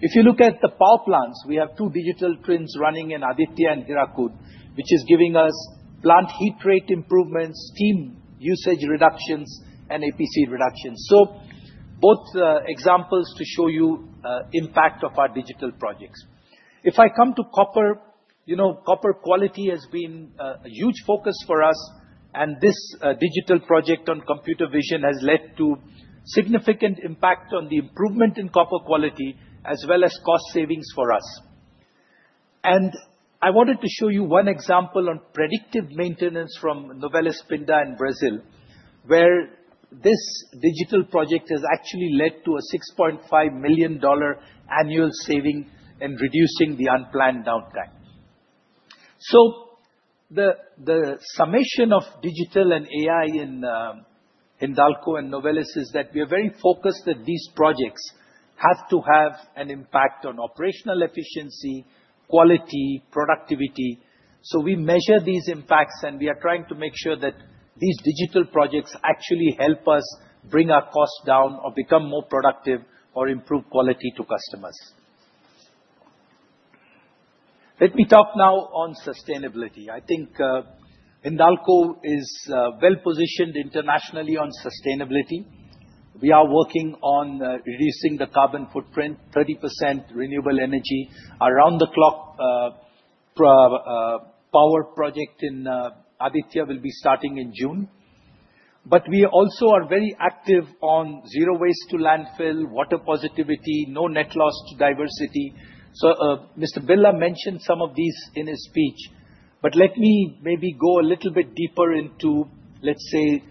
Speaker 3: If you look at the power plants, we have two Digital Twins running in Aditya and Hirakud, which is giving us plant heat rate improvements, steam usage reductions, and APC reductions. Both examples to show you the impact of our digital projects. If I come to Copper, Copper quality has been a huge focus for us. This digital project on Computer Vision has led to significant impact on the improvement in copper quality as well as cost savings for us. I wanted to show you one example on Predictive Maintenance from Novelis Pinda in Brazil, where this digital project has actually led to a $6.5 million annual saving and reducing the unplanned downtime. The summation of digital and AI in Hindalco and Novelis is that we are very focused that these projects have to have an impact on operational efficiency, quality, productivity. We measure these impacts. We are trying to make sure that these digital projects actually help us bring our cost down or become more productive or improve quality to customers. Let me talk now on Sustainability. I think Hindalco is well positioned internationally on Sustainability. We are working on reducing the carbon footprint, 30% renewable energy. Around-the-Clock Power Project in Aditya will be starting in June. We also are very active on Zero Waste to Landfill, water positivity, no net loss to diversity. Mr. Birla mentioned some of these in his speech. Let me maybe go a little bit deeper into, let's say,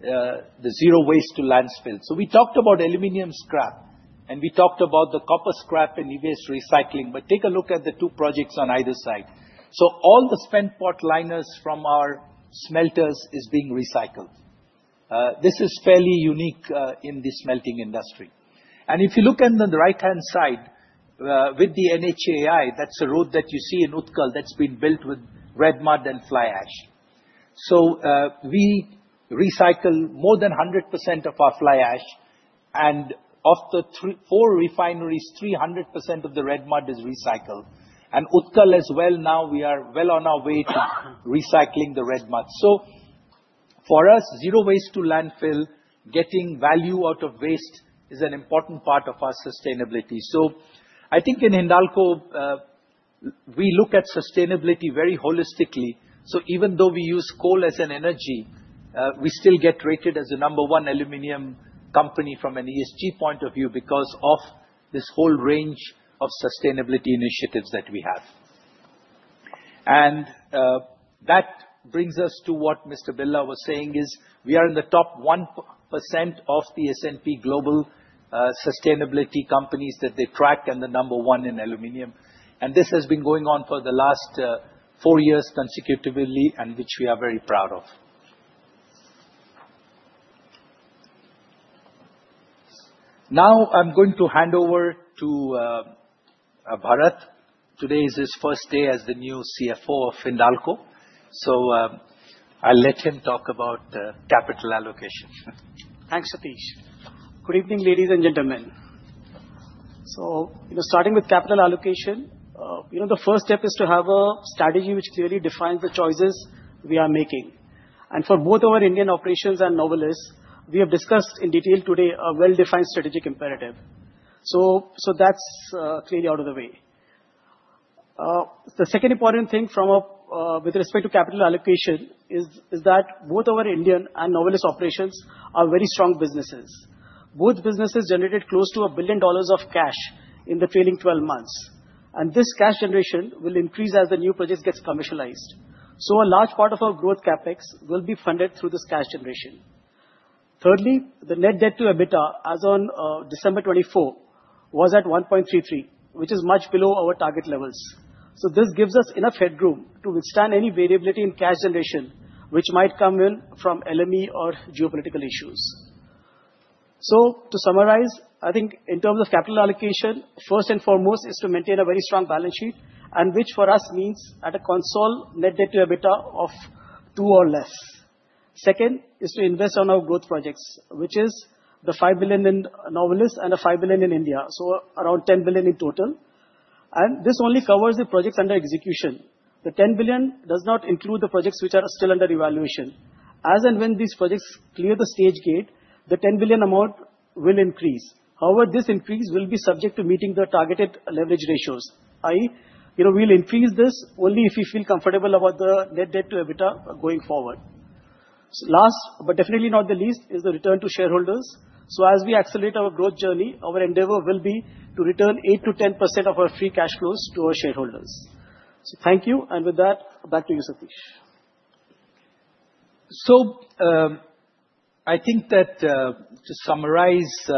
Speaker 3: the zero waste to landfill. We talked about aluminum scrap. We talked about the copper scrap and e-waste recycling. Take a look at the two projects on either side. All the Spent Pot Liners from our smelters are being recycled. This is fairly unique in the smelting industry. If you look on the right-hand side with the NHAI, that is a road that you see in Utkal that has been built with red mud and fly ash. We recycle more than 100% of our fly ash. Of the four refineries, 300% of the red mud is recycled. In Utkal as well, now we are well on our way to recycling the red mud. For us, Zero Waste to Landfill, getting value out of waste is an important part of our Sustainability. I think in Hindalco, we look at Sustainability very holistically. Even though we use coal as an energy, we still get rated as the number one aluminum company from an ESG point of view because of this whole range of Sustainability initiatives that we have. That brings us to what Mr. Birla was saying is we are in the top 1% of the S&P Global Sustainability Companies that they track and the number one in aluminum. This has been going on for the last four years consecutively, which we are very proud of. Now, I'm going to hand over to Bharat. Today is his first day as the new CFO of Hindalco. I'll let him talk about Capital Allocation.
Speaker 7: Thanks, Satish. Good evening, ladies and gentlemen. Starting with Capital Allocation, the first step is to have a strategy which clearly defines the choices we are making. For both our Indian Operations and Novelis, we have discussed in detail today a well-defined strategic imperative. That is clearly out of the way. The second important thing with respect to Capital Allocation is that both our Indian and Novelis operations are very strong businesses. Both businesses generated close to $1 billion of cash in the trailing 12 months. This cash generation will increase as the new project gets commercialized. A large part of our growth CapEx will be funded through this cash generation. Thirdly, the net debt to EBITDA, as of December 2024, was at 1.33, which is much below our target levels. This gives us enough headroom to withstand any variability in cash generation, which might come in from LME or Geopolitical Issues. To summarize, I think in terms of Capital Allocation, first and foremost is to maintain a very strong balance sheet, which for us means at a consolidated EBITDA of two or less. Second is to invest on our growth projects, which is the $5 billion in Novelis and the $5 billion in India. So around $10 billion in total. This only covers the projects under execution. The $10 billion does not include the projects which are still under evaluation. As and when these projects clear the Stage Rate, the $10 billion amount will increase. However, this increase will be subject to meeting the targeted leverage ratios. I will increase this only if you feel comfortable about the net debt to EBITDA going forward. Last, but definitely not the least, is the Return to Shareholders. As we accelerate our growth journey, our endeavor will be to return 8%-10% of our free cash flows to our shareholders. Thank you. With that, back to you, Satish.
Speaker 3: I think that to summarize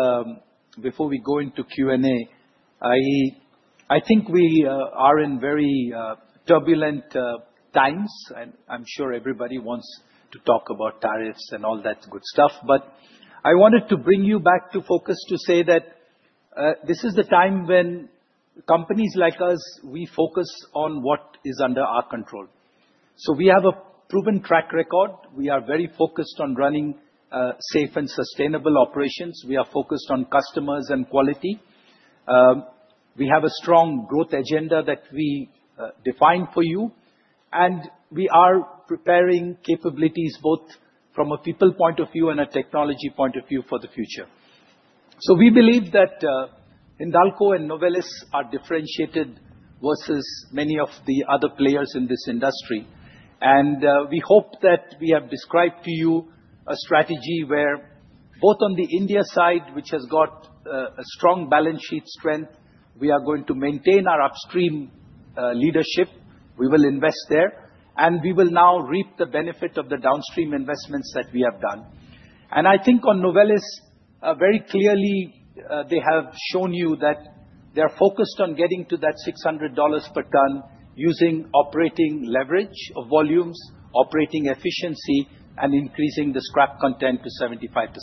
Speaker 3: before we go into Q&A, I think we are in very turbulent times. I'm sure everybody wants to talk about tariffs and all that good stuff. I wanted to bring you back to focus to say that this is the time when companies like us, we focus on what is under our control. We have a proven track record. We are very focused on running safe and sustainable operations. We are focused on customers and quality. We have a strong growth agenda that we defined for you. We are preparing capabilities both from a people point of view and a technology point of view for the future. We believe that Hindalco and Novelis are differentiated versus many of the other players in this industry. We hope that we have described to you a strategy where both on the India side, which has got a strong Balance Sheet Strength, we are going to maintain our Upstream Leadership. We will invest there. We will now reap the benefit of the Downstream Investments that we have done. I think on Novelis, very clearly, they have shown you that they are focused on getting to that $600 per ton using operating leverage of volumes, operating efficiency, and increasing the scrap content to 75%.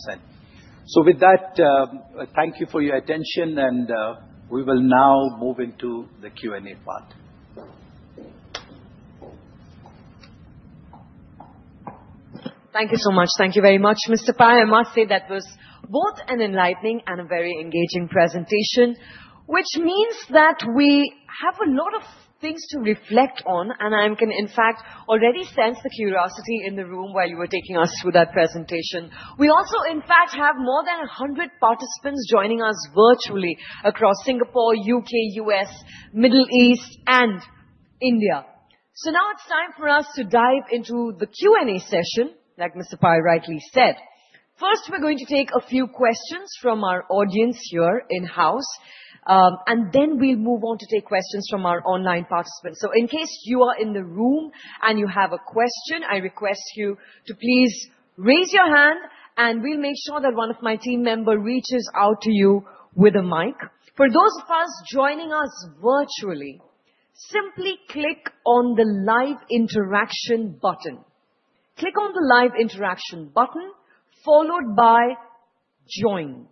Speaker 3: Thank you for your attention. We will now move into the Q&A part.
Speaker 1: Thank you so much. Thank you very much, Mr. Pai. I must say that was both an enlightening and a very engaging presentation, which means that we have a lot of things to reflect on. I can, in fact, already sense the curiosity in the room while you were taking us through that presentation. We also, in fact, have more than 100 participants joining us virtually across Singapore, U.K., U.S., Middle East, and India. Now it is time for us to dive into the Q&A session, like Mr. Pai rightly said. First, we're going to take a few questions from our audience here in-house. Then we'll move on to take questions from our online participants. In case you are in the room and you have a question, I request you to please raise your hand. We will make sure that one of my team members reaches out to you with a mic. For those of us joining us virtually, simply click on the Live Interaction Button. Click on the Live Interaction Button followed by Join.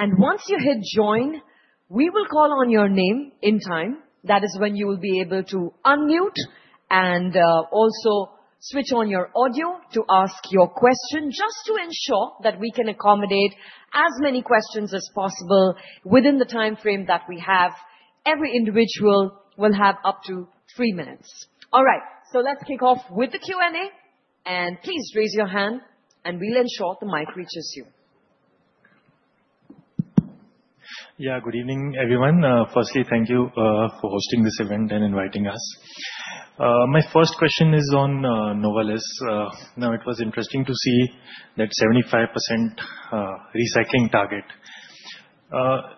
Speaker 1: Once you hit join, we will call on your name in time. That is when you will be able to unmute and also switch on your audio to ask your question. Just to ensure that we can accommodate as many questions as possible within the time frame that we have, every individual will have up to three minutes. All right. Let's kick off with the Q&A. Please raise your hand, and we will ensure the mic reaches you.
Speaker 8: Yeah, good evening, everyone. Firstly, thank you for hosting this event and inviting us. My first question is on Novelis. Now, it was interesting to see that 75% recycling target.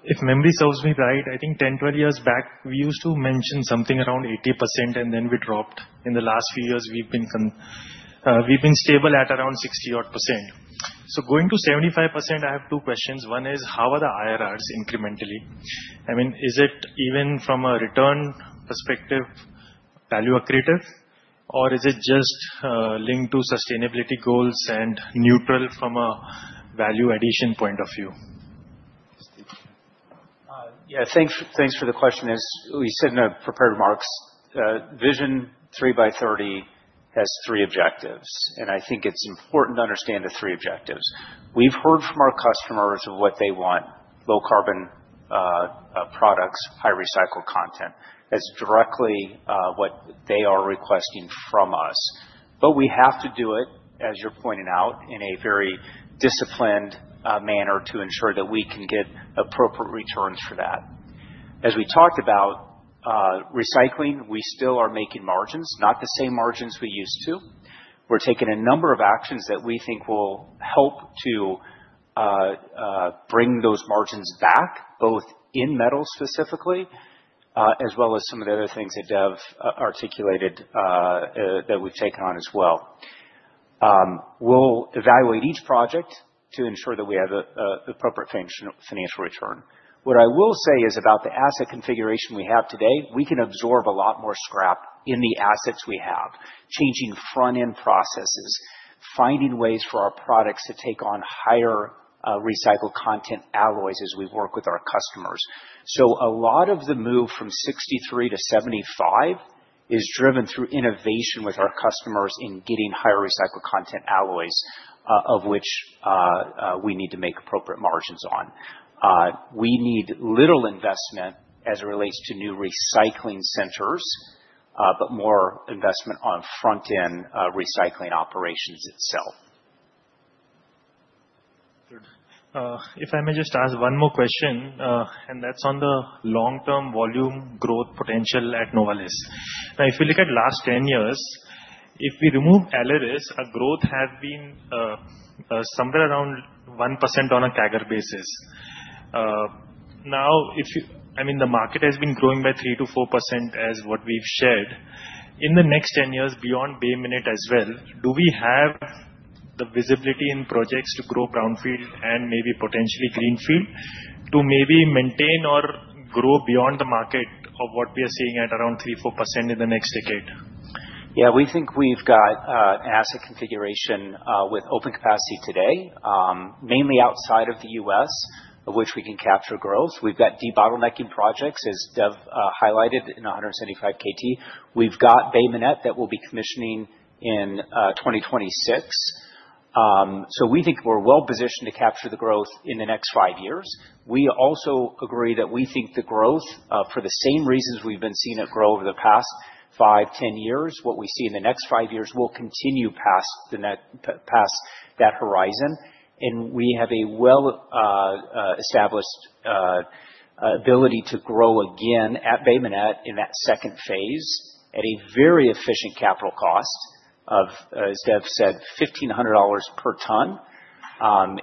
Speaker 8: If memory serves me right, I think 10, 12 years back, we used to mention something around 80%. Then we dropped. In the last few years, we've been stable at around 60%. Going to 75%, I have two questions. One is, how are the IRRs incrementally? I mean, is it even from a return perspective, value accretive? Or is it just linked to sustainability goals and neutral from a value addition point of view?
Speaker 4: Yeah, thanks for the question. As we said in our prepared remarks, Vision 3x30 has three objectives. I think it's important to understand the three objectives. We've heard from our customers of what they want: low carbon products, high recycled content as directly what they are requesting from us. We have to do it, as you're pointing out, in a very disciplined manner to ensure that we can get appropriate returns for that. As we talked about recycling, we still are making margins, not the same margins we used to. We're taking a number of actions that we think will help to bring those margins back, both in metal specifically, as well as some of the other things that Dev articulated that we've taken on as well. We'll evaluate each project to ensure that we have the appropriate financial return. What I will say is about the asset configuration we have today, we can absorb a lot more scrap in the assets we have, changing front-end processes, finding ways for our products to take on higher recycled content alloys as we work with our customers. A lot of the move from 63% to 75% is driven through innovation with our customers in getting higher recycled content alloys, of which we need to make appropriate margins on. We need little investment as it relates to new recycling centers, but more investment on front-end recycling operations itself.
Speaker 8: If I may just ask one more question, and that's on the long-term volume growth potential at Novelis. Now, if you look at the last 10 years, if we remove Aleris, our growth has been somewhere around 1% on a CAGR basis. Now, I mean, the market has been growing by 3%-4% as what we've shared. In the next 10 years, beyond Bay Minette as well, do we have the visibility in projects to grow brownfield and maybe potentially greenfield to maybe maintain or grow beyond the market of what we are seeing at around 3%-4% in the next decade?
Speaker 4: Yeah, we think we've got an asset configuration with open capacity today, mainly outside of the U.S., of which we can capture growth. We've got de-bottlenecking projects, as Dev highlighted in 175 KT. We've got Bay Minette that we'll be commissioning in 2026. We think we're well positioned to capture the growth in the next five years. We also agree that we think the growth, for the same reasons we've been seeing it grow over the past 5, 10 years, what we see in the next five years will continue past that horizon. We have a well-established ability to grow again at Bay Minette in that second phase at a very efficient capital cost of, as Dev said, $1,500 per ton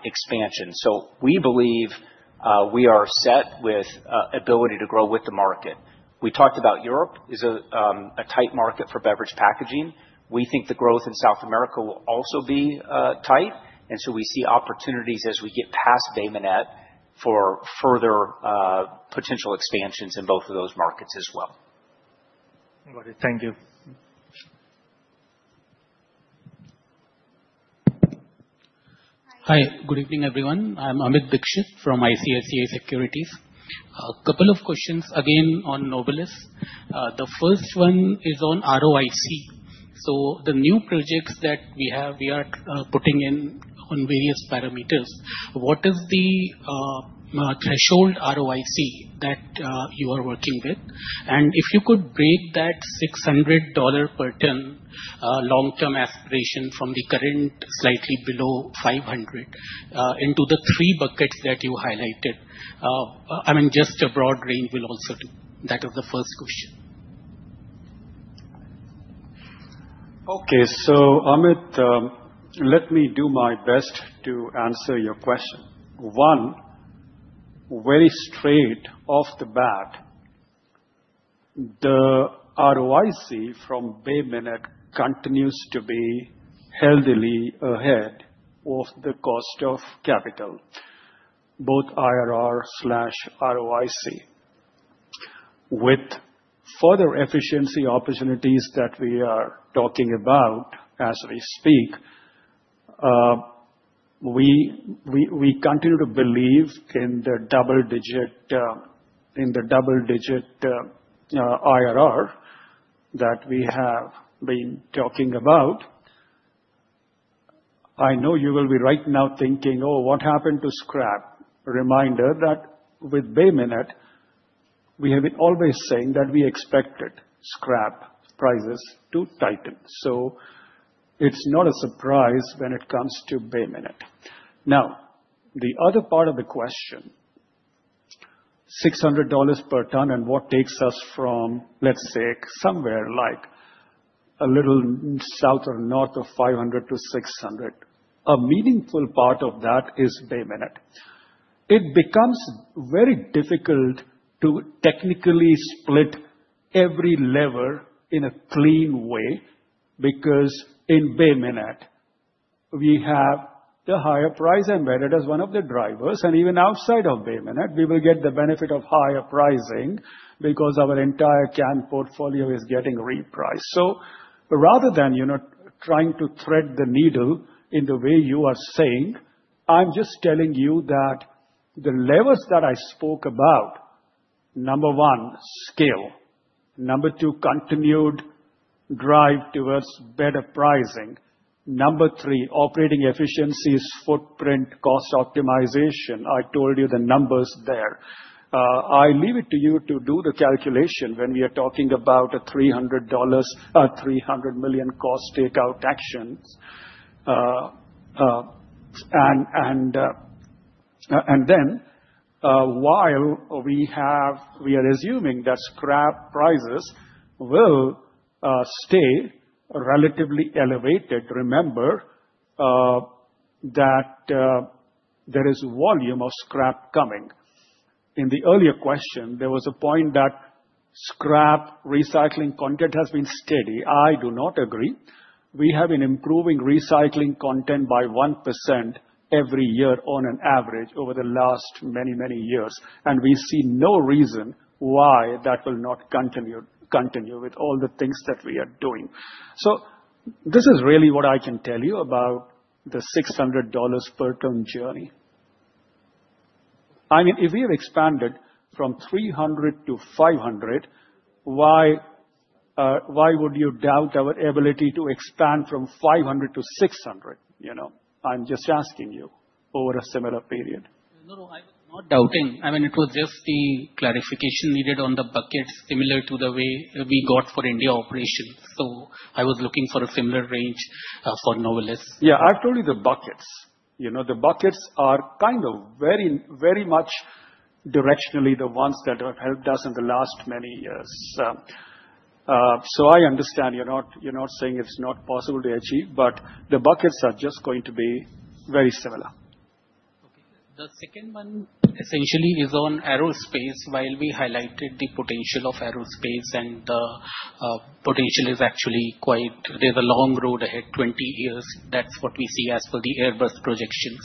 Speaker 4: expansion. We believe we are set with the ability to grow with the market. We talked about Europe is a tight market for beverage packaging. We think the growth in South America will also be tight. We see opportunities as we get past Bay Minette for further potential expansions in both of those markets as well.
Speaker 8: Got it. Thank you.
Speaker 9: Hi, good evening, everyone. I'm Amit Dixit from ICICI Securities. A couple of questions again on Novelis. The first one is on ROIC. The new projects that we have, we are putting in on various parameters. What is the threshold ROIC that you are working with? If you could break that $600 per ton long-term aspiration from the current slightly below $500 into the three buckets that you highlighted, I mean, just a broad range will also do. That is the first question.
Speaker 5: Okay. Amit, let me do my best to answer your question. One, very straight off the bat, the ROIC from Bay Minette continues to be heavily ahead of the cost of capital, both IRR/ROIC. With further efficiency opportunities that we are talking about as we speak, we continue to believe in the double-digit IRR that we have been talking about. I know you will be right now thinking, "Oh, what happened to scrap?" Reminder that with Bay Minette, we have always said that we expected scrap prices to tighten. It is not a surprise when it comes to Bay Minette. Now, the other part of the question, $600 per ton and what takes us from, let's say, somewhere like a little south or north of $500 to $600, a meaningful part of that is Bay Minette. It becomes very difficult to technically split every lever in a clean way because in Bay Minette, we have the higher price embedded as one of the drivers. Even outside of Bay Minette, we will get the benefit of higher pricing because our entire can portfolio is getting repriced. Rather than trying to thread the needle in the way you are saying, I'm just telling you that the levers that I spoke about, number one, scale. Number two, continued drive towards better pricing. Number three, operating efficiencies, footprint, cost optimization. I told you the numbers there. I leave it to you to do the calculation when we are talking about a $300 million cost takeout action. While we are assuming that scrap prices will stay relatively elevated, remember that there is volume of scrap coming. In the earlier question, there was a point that scrap recycling content has been steady. I do not agree. We have been improving recycling content by 1% every year on an average over the last many, many years. We see no reason why that will not continue with all the things that we are doing. This is really what I can tell you about the $600 per ton journey. I mean, if we have expanded from $300 to $500, why would you doubt our ability to expand from $500 to $600? I'm just asking you over a similar period.
Speaker 9: No, no, I was not doubting. I mean, it was just the clarification needed on the buckets similar to the way we got for India operations. I was looking for a similar range for Novelis.
Speaker 5: Yeah, I've told you the buckets. The buckets are kind of very much directionally the ones that have helped us in the last many years. I understand you're not saying it's not possible to achieve, but the buckets are just going to be very similar.
Speaker 9: Okay. The second one essentially is on Aerospace. While we highlighted the potential of Aerospace, and the potential is actually quite, there is a long road ahead, 20 years. That is what we see as per the Airbus projections.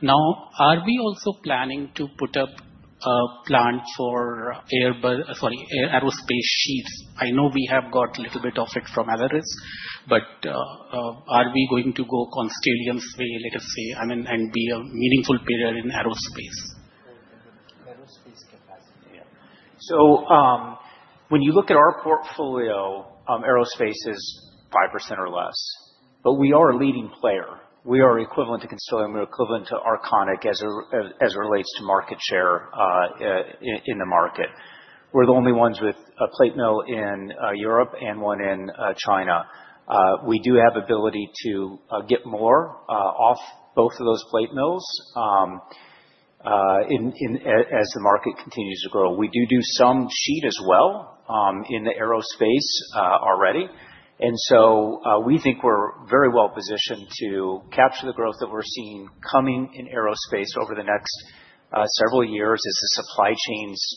Speaker 9: Now, are we also planning to put up a plant for Aerospace sheets? I know we have got a little bit of it from Aleris. Are we going to go Constellium's way, let us say, and be a meaningful player in Aerospace?
Speaker 4: Aerospace capacity. When you look at our portfolio, Aerospace is 5% or less. We are a leading player. We are equivalent to Constellium. We are equivalent to Arconic as it relates to market share in the market. We are the only ones with a Plate Mill in Europe and one in China. We do have the ability to get more off both of those Plate Mills as the market continues to grow. We do some sheet as well in Aerospace already. We think we are very well positioned to capture the growth that we are seeing coming in Aerospace over the next several years as the supply chains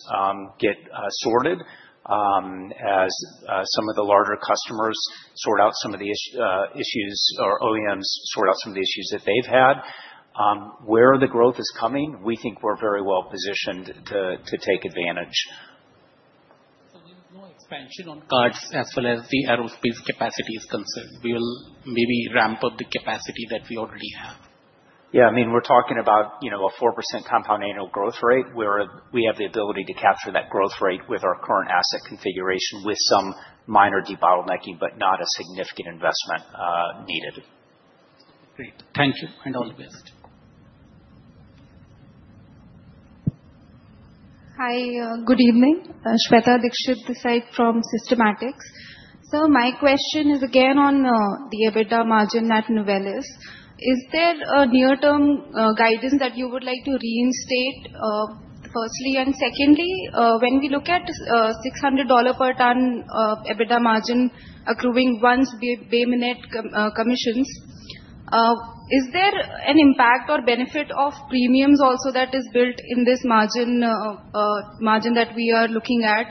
Speaker 4: get sorted as some of the larger customers sort out some of the issues or OEMs sort out some of the issues that they have had. Where the growth is coming, we think we are very well positioned to take advantage.
Speaker 9: There is no expansion on cards as far as theAerospace capacity is concerned. We will maybe ramp up the capacity that we already have.
Speaker 4: Yeah, I mean, we're talking about a 4% Compound Annual Growth rate where we have the ability to capture that Growth Rate with our current Asset Configuration with some minor debottlenecking, but not a significant investment needed.
Speaker 9: Great. Thank you. All the best.
Speaker 10: Hi, good evening. Shweta Dikshit from Systematix. My question is again on the EBITDA Margin at Novelis. Is there a near-term guidance that you would like to reinstate firstly? Secondly, when we look at $600 per ton EBITDA margin accruing once Bay Minette commissions, is there an impact or benefit of premiums also that is built in this margin that we are looking at?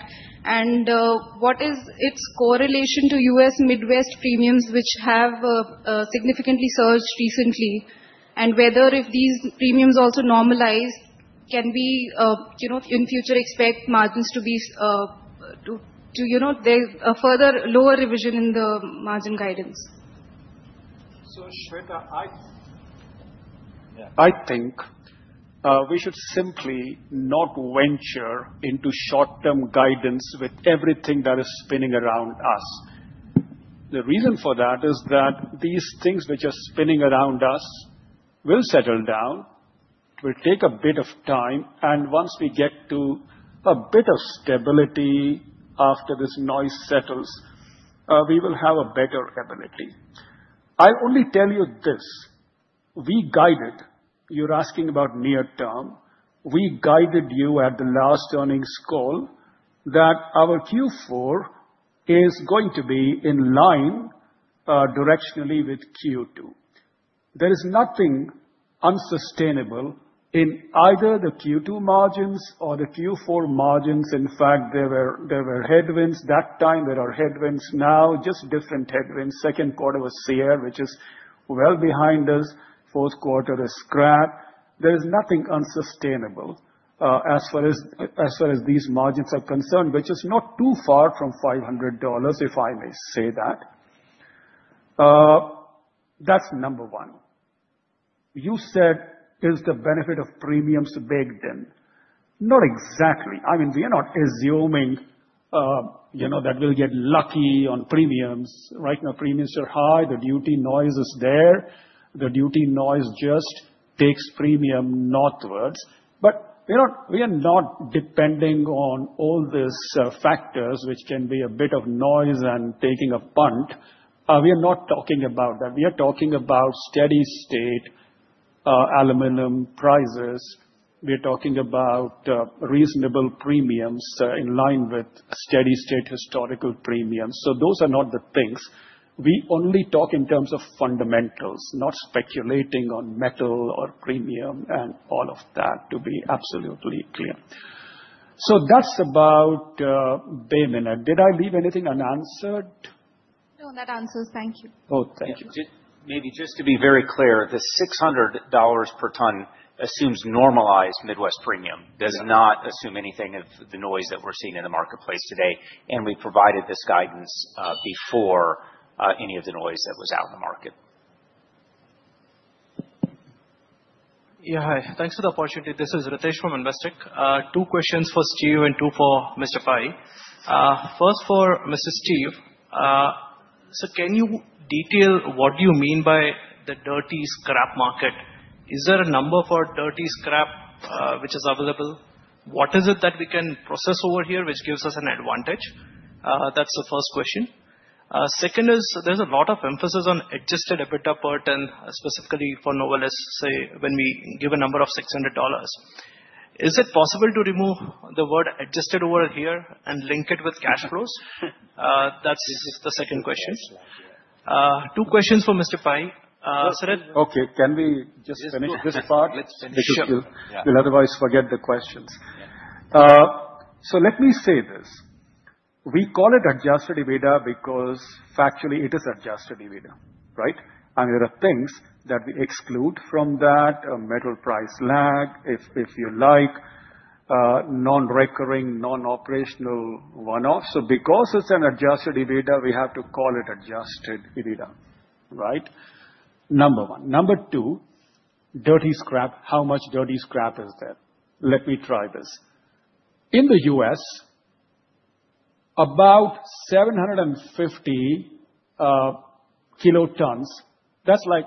Speaker 10: What is its correlation to US Midwest premiums, which have significantly surged recently? Whether if these premiums also normalize, can we in future expect margins to be further lower revision in the margin guidance?
Speaker 5: Shweta, I think we should simply not venture into short-term guidance with everything that is spinning around us. The reason for that is that these things which are spinning around us will settle down. It will take a bit of time. Once we get to a bit of stability after this noise settles, we will have a better ability. I only tell you this. We guided, you are asking about near-term. We guided you at the last Earnings Call that our Q4 is going to be in line directionally with Q2. There is nothing unsustainable in either the Q2 margins or the Q4 margins. In fact, there were headwinds that time. There are headwinds now, just different headwinds. Second Quarter was Sierra, which is well behind us. Fourth Quarter is scrap. There is nothing unsustainable as far as these margins are concerned, which is not too far from $500, if I may say that. That's number one. You said, "Is the benefit of premiums baked in?" Not exactly. I mean, we are not assuming that we'll get lucky on premiums. Right now, premiums are high. The duty noise is there. The duty noise just takes premium northwards. We are not depending on all these factors, which can be a bit of noise and taking a punt. We are not talking about that. We are talking about Steady-State Aluminum prices. We are talking about Reasonable Premiums in line with Steady-State Historical Premiums. Those are not the things. We only talk in terms of fundamentals, not speculating on metal or premium and all of that, to be absolutely clear. That is about Bay Minette. Did I leave anything unanswered?
Speaker 10: No, that answers. Thank you.
Speaker 5: Oh, thank you.
Speaker 4: Maybe just to be very clear, the $600 per ton assumes normalized Midwest Premium, does not assume anything of the noise that we're seeing in the marketplace today. We provided this guidance before any of the noise that was out in the market.
Speaker 11: Yeah, hi. Thanks for the opportunity. This is Ritesh from Investec. Two questions for Steve and two for Mr. Pai. First for Steve. Can you detail what do you mean by the Dirty Scrap Market? Is there a number for Dirty Scrap which is available? What is it that we can process over here which gives us an advantage? That's the first question. Second is there's a lot of emphasis on Adjusted EBITDA per ton, specifically for Novelis, say, when we give a number of $600. Is it possible to remove the word Adjusted over here and link it with Cash Flows? That's the second question. Two questions for Mr. Pai.
Speaker 5: Okay. Can we just finish this part? We should. We'll otherwise forget the questions. Let me say this. We call it Adjusted EBITDA because factually it is Adjusted EBITDA, right? I mean, there are things that we exclude from that: Metal Price Lag, if you like, non-recurring, non-operational one-off. Because it is an Adjusted EBITDA, we have to call it Adjusted EBITDA, right? Number one. Number two, dirty scrap, how much Dirty Scrap is there? Let me try this. In the U.S., about 750 Kilotons, that's like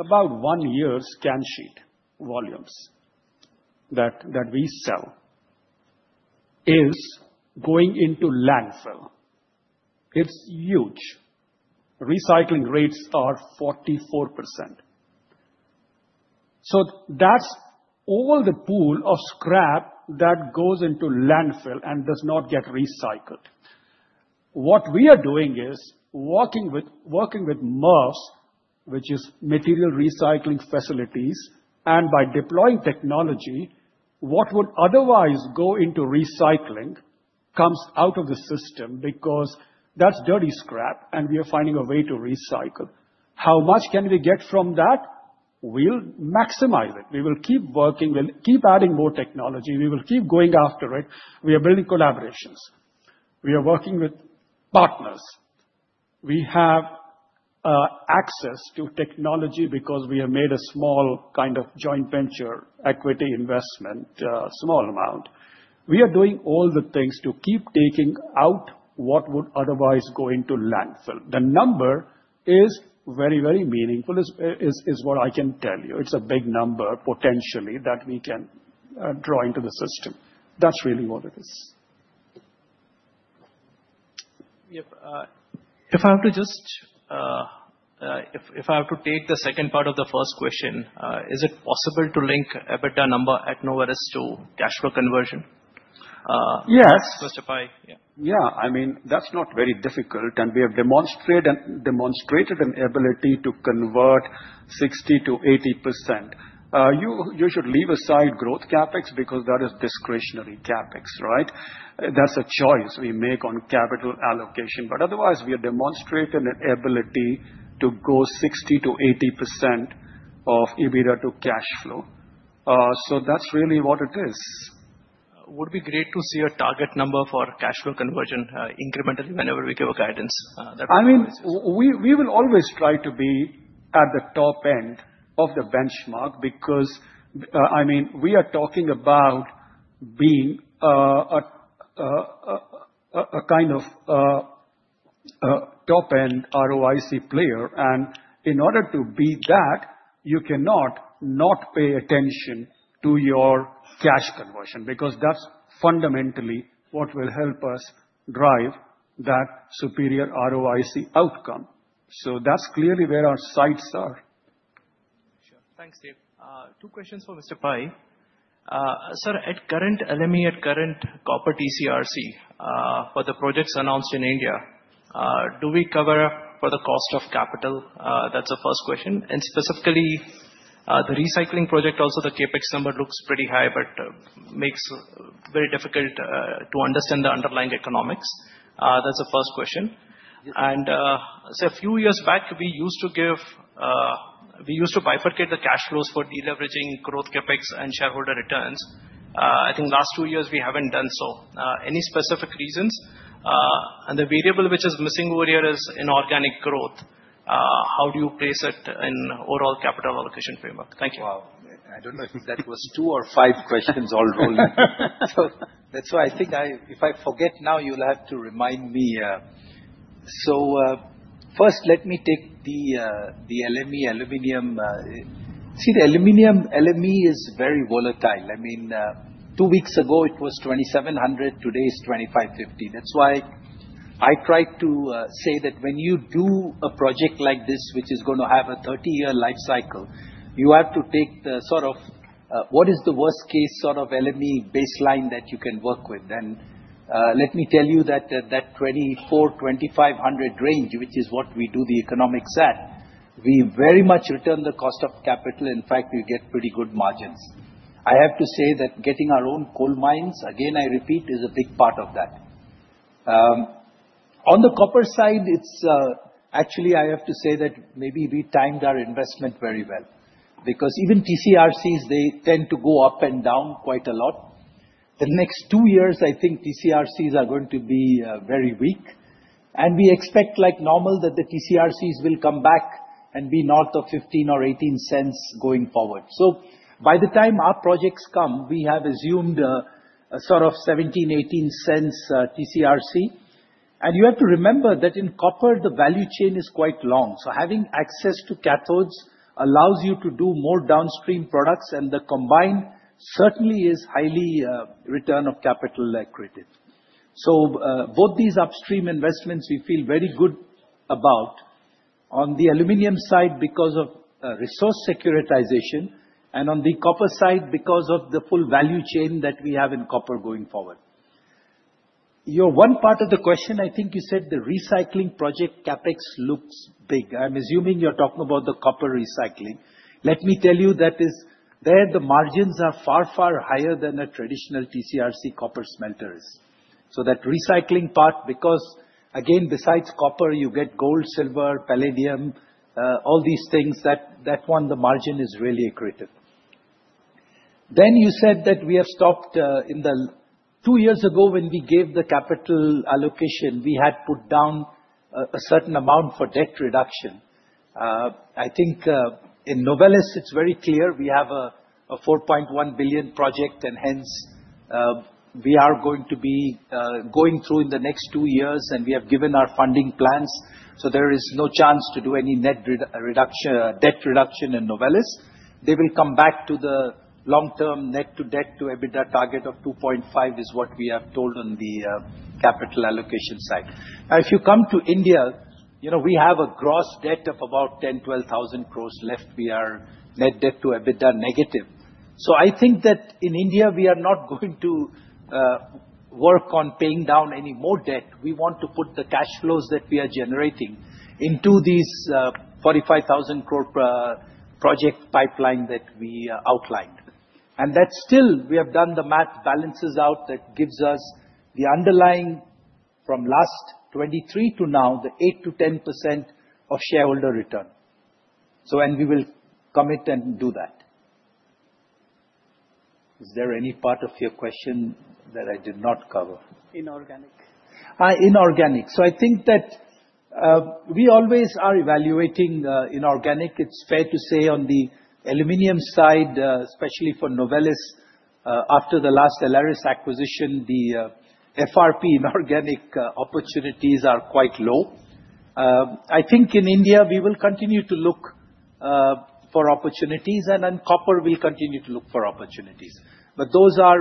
Speaker 5: about one year's can sheet volumes that we sell, is going into landfill. It's huge. Recycling Rates are 44%. That's all the pool of scrap that goes into landfill and does not get recycled. What we are doing is working with MRFs, which is Material Recycling Facilities. By deploying technology, what would otherwise go into recycling comes out of the system because that's Dirty Scrap, and we are finding a way to recycle. How much can we get from that? We'll maximize it. We will keep working. We'll keep adding more technology. We will keep going after it. We are building collaborations. We are working with partners. We have access to technology because we have made a small kind of Joint Venture Equity Investment, small amount. We are doing all the things to keep taking out what would otherwise go into landfill. The number is very, very meaningful, is what I can tell you. It's a big number potentially that we can draw into the system. That's really what it is.
Speaker 11: If I have to just take the second part of the first question, is it possible to link EBITDA number at Novelis to cash flow conversion?
Speaker 5: Yes.
Speaker 9: Yeah.
Speaker 5: Yeah. I mean, that's not very difficult. We have demonstrated an ability to convert 60-80%. You should leave aside Growth CapEx because that is discretionary CapEx, right? That's a choice we make on Capital Allocation. Otherwise, we have demonstrated an ability to go 60-80% of EBITDA to Cash Flow. That's really what it is.
Speaker 11: Would it be great to see a target number for Cash Flow Conversion incrementally whenever we give a guidance?
Speaker 5: I mean, we will always try to be at the top end of the benchmark because, I mean, we are talking about being a kind of top-end ROIC player. In order to be that, you cannot not pay attention to your Cash Conversion because that's fundamentally what will help us drive that superior ROIC outcome. That's clearly where our sights are.
Speaker 11: Sure. Thanks, Steve. Two questions for Mr. Pai. Sir, at current LME, at current corporate TC/RC for the projects announced in India, do we cover for the Cost of Capital? That's the first question. Specifically, the Recycling Project, also the CapEx number looks pretty high, but makes it very difficult to understand the Underlying Economics. That's the first question. A few years back, we used to give, we used to bifurcate the Cash Flows for Deleveraging, Growth CapEx, and Shareholder Returns. I think last two years, we haven't done so. Any specific reasons? The variable which is missing over here is Inorganic Growth. How do you place it in overall Capital Allocation Framework? Thank you.
Speaker 3: Wow. I don't know if that was two or five questions all rolling. That's why I think if I forget now, you'll have to remind me. First, let me take the LME, aluminum. See, the aluminum LME is very volatile. I mean, two weeks ago, it was $2,700. Today is $2,550. That's why I tried to say that when you do a project like this, which is going to have a 30-year life cycle, you have to take the sort of what is the Worst-Case sort of LME Baseline that you can work with. Let me tell you that that $2,400-$2,500 range, which is what we do the economics at, we very much return the Cost of Capital. In fact, we get pretty good margins. I have to say that getting our own Coal Mines, again, I repeat, is a big part of that. On the copper side, actually, I have to say that maybe we timed our investment very well because even TCRCs, they tend to go up and down quite a lot. The next two years, I think TCRCs are going to be very weak. We expect, like normal, that the TCRCs will come back and be north of 15-18 cents going forward. By the time our projects come, we have assumed a sort of 17-18 cents TCRC. You have to remember that in copper, the Value Chain is quite long. Having access to Cathodes allows you to do more Downstream Products. The combined certainly is Highly Return of Capital Accredited. Both these upstream investments, we feel very good about on the aluminum side because of Resource Securitization and on the copper side because of the full Value Chain that we have in copper going forward. One part of the question, I think you said the Recycling Project CapEx looks big. I'm assuming you're talking about the Copper Recycling. Let me tell you that there, the margins are far, far higher than a traditional TCRC copper smelter is. That recycling part, because again, besides copper, you get Gold, Silver, Palladium, all these things, that one, the margin is really accretive. You said that we have stopped in the two years ago when we gave the Capital Allocation, we had put down a certain amount for Debt Reduction. I think in Novelis, it's very clear we have a $4.1 billion project, and hence we are going to be going through in the next two years. We have given our Funding Plans. There is no chance to do any Net Debt Reduction in Novelis. They will come back to the long-term Net Debt-to-EBITDA target of 2.5 is what we have told on the Capital Allocation side. Now, if you come to India, we have a Gross Debt of about 10,000-12,000 crores left. We are Net Debt-to-EBITDA Negative. I think that in India, we are not going to work on paying down any more debt. We want to put the cash flows that we are generating into these 45,000 Crore Project Pipeline that we outlined. That still, we have done the math, balances out. That gives us the underlying from last 2023 to now, the 8%-10% of Shareholder Return. We will commit and do that. Is there any part of your question that I did not cover?
Speaker 11: Inorganic.
Speaker 3: Inorganic. I think that we always are evaluating Inorganic. It's fair to say on the aluminum side, especially for Novelis, after the last Aleris acquisition, the FRP inorganic opportunities are quite low. I think in India, we will continue to look for opportunities, and in copper, we'll continue to look for opportunities. Those are,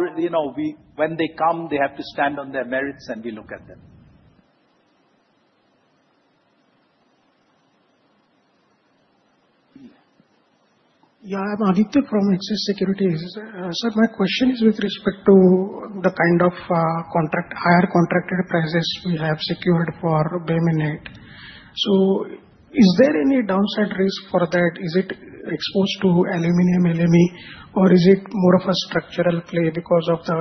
Speaker 3: when they come, they have to stand on their merits, and we look at them.
Speaker 12: Yeah, I'm Aditya from Axis Securities. My question is with respect to the kind of contract, higher contracted prices we have secured for Bay Minette. Is there any Downside Risk for that? Is it exposed to aluminum LME, or is it more of a Structural Play because of the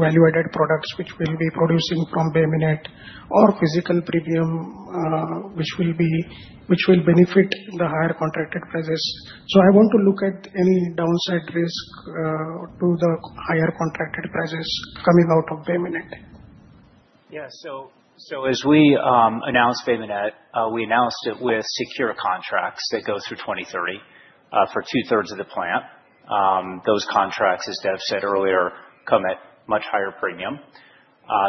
Speaker 12: Value-Added Products which we'll be producing from Bay Minette or Physical Premium which will benefit the higher contracted prices? I want to look at any Downside Risk to the higher contracted prices coming out of Bay Minette.
Speaker 4: Yeah. As we announced Bay Minette, we announced it with Secure Contracts that go through 2030 for two-thirds of the plant. Those contracts, as Dev said earlier, come at much higher premium.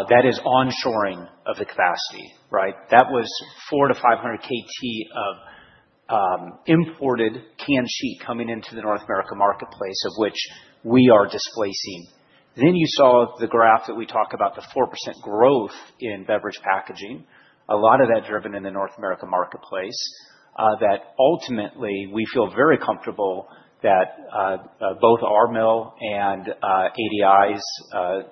Speaker 4: That is Onshoring of the capacity, right? That was 400-500 KT of imported Can Sheet coming into the North America marketplace, of which we are displacing. You saw the graph that we talk about the 4% growth in Beverage Packaging. A lot of that driven in the North America marketplace that ultimately we feel very comfortable that both our mill and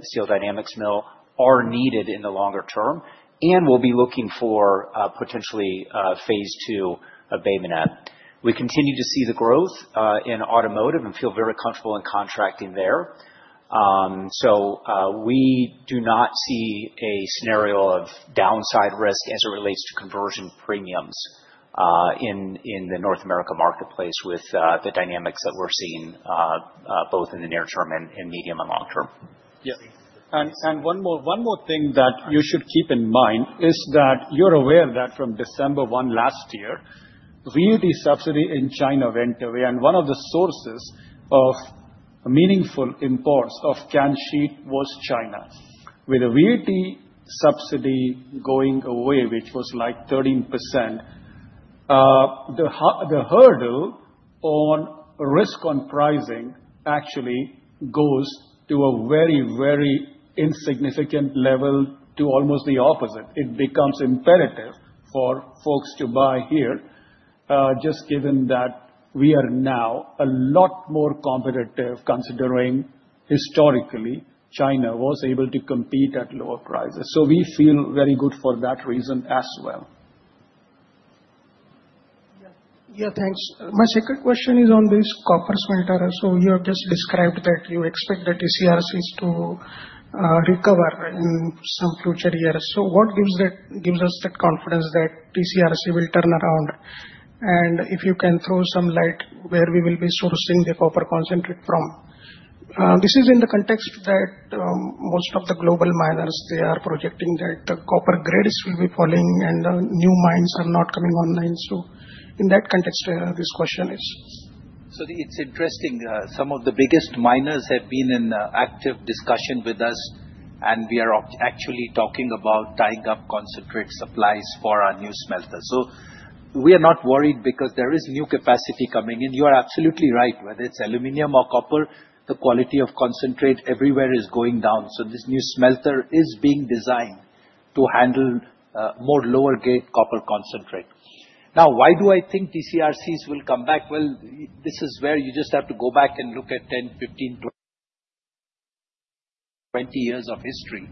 Speaker 4: Steel Dynamics' mill are needed in the longer term. We will be looking for potentially Phase II of Bay Minette. We continue to see the growth in Automotive and feel very comfortable in contracting there. We do not see a scenario of Downside Risk as it relates to Conversion Premiums in the North America marketplace with the dynamics that we're seeing both in the near term and medium and long term.
Speaker 5: Yeah. One more thing that you should keep in mind is that you're aware that from December 1 last year, VAT subsidy in China went away. One of the sources of meaningful imports of Canned Sheet was China. With the VAT subsidy going away, which was like 13%, the hurdle on risk on pricing actually goes to a very, very insignificant level to almost the opposite. It becomes imperative for folks to buy here just given that we are now a lot more competitive considering historically China was able to compete at lower prices. We feel very good for that reason as well.
Speaker 12: Yeah, thanks. My second question is on this Copper Smelter. You have just described that you expect that TCRCs to recover in some future years. What gives us that Confidence that TCRC will turn around? If you can throw some light where we will be sourcing the copper concentrate from? This is in the context that most of the global miners, they are projecting that the Copper Grades will be falling and the New Mines are not coming online. In that context, this question is.
Speaker 3: It's interesting. Some of the biggest Miners have been in active discussion with us, and we are actually talking about tying up Concentrate Supplies for our New Smelter. We are not worried because there is New Capacity coming in. You are absolutely right. Whether it's aluminum or copper, the quality of Concentrate everywhere is going down. This New Smelter is being designed to handle more Lower-Grade Copper Concentrate. Now, why do I think TCRCs will come back? This is where you just have to go back and look at 10, 15, 20 years of history.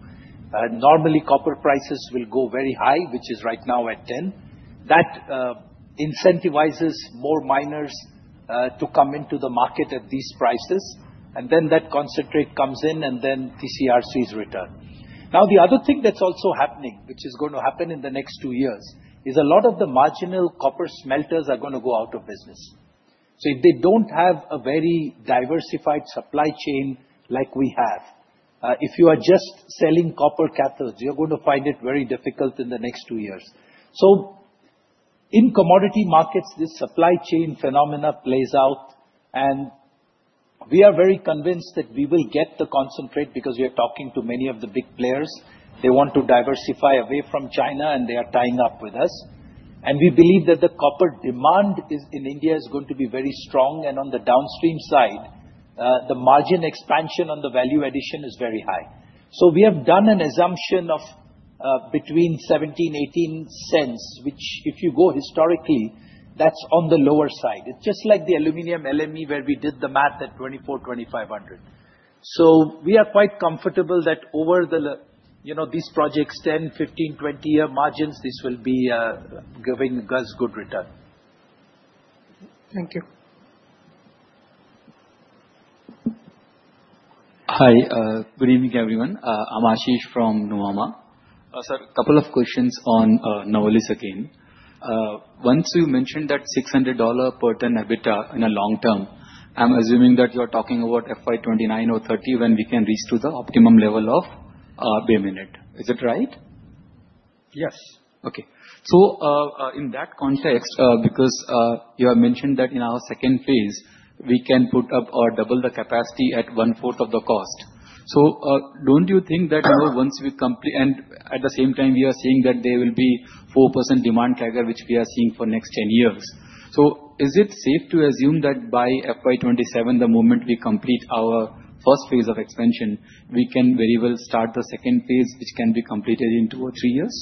Speaker 3: Normally, Copper Prices will go very high, which is right now at 10. That incentivizes more Miners to come into the market at these prices. Then that Concentrate comes in, and TCRCs return. Now, the other thing that's also happening, which is going to happen in the next two years, is a lot of the Marginal Copper Smelters are going to go out of business. If they don't have a very Diversified Supply Chain like we have, if you are just selling Copper Cathodes, you're going to find it very difficult in the next two years. In Commodity Markets, this Supply Chain Phenomena plays out. We are very convinced that we will get the Concentrate because we are talking to many of the Big Players. They want to diversify away from China, and they are tying up with us. We believe that the Copper Demand in India is going to be very strong. On the downstream side, the Margin Expansion on the Value Addition is very high.
Speaker 5: We have done an assumption of between 17-18 cents, which if you go historically, that's on the lower side. It's just like the aluminum LME where we did the math at $2,400-$2,500. We are quite comfortable that over these projects, 10-15-20-year margins, this will be giving us good return.
Speaker 12: Thank you.
Speaker 13: Hi. Good evening, everyone. I'm Ashish from Nuwama. A couple of questions on Novelis again. Once you mentioned that $600 per ton EBITDA in a long term, I'm assuming that you are talking about FY2029 or 2030 when we can reach to the optimum level of Bay Minette. Is it right?
Speaker 5: Yes.
Speaker 13: Okay. In that context, because you have mentioned that in our second phase, we can put up or double the capacity at one-fourth of the cost. Don't you think that once we complete and at the same time, we are seeing that there will be 4% demand trigger, which we are seeing for the next 10 years. Is it safe to assume that by FY2027, the moment we complete our first phase of expansion, we can very well start the second phase, which can be completed in two or three years?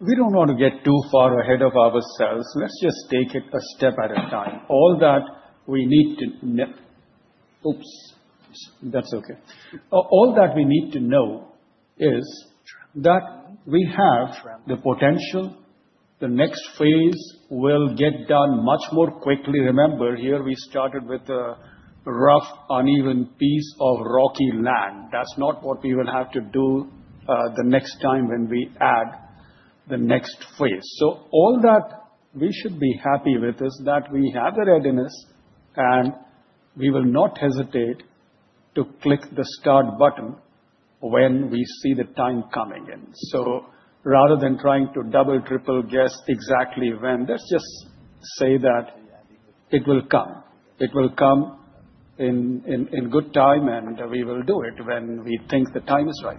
Speaker 5: We don't want to get too far ahead of ourselves. Let's just take it a step at a time. All that we need to—that's okay. All that we need to know is that we have the potential. The next phase will get done much more quickly. Remember, here we started with a rough, uneven piece of rocky land. That is not what we will have to do the next time when we add the next phase. All that we should be happy with is that we have the readiness, and we will not hesitate to click the start button when we see the time coming. Rather than trying to double, triple guess exactly when, let's just say that it will come. It will come in good time, and we will do it when we think the time is right.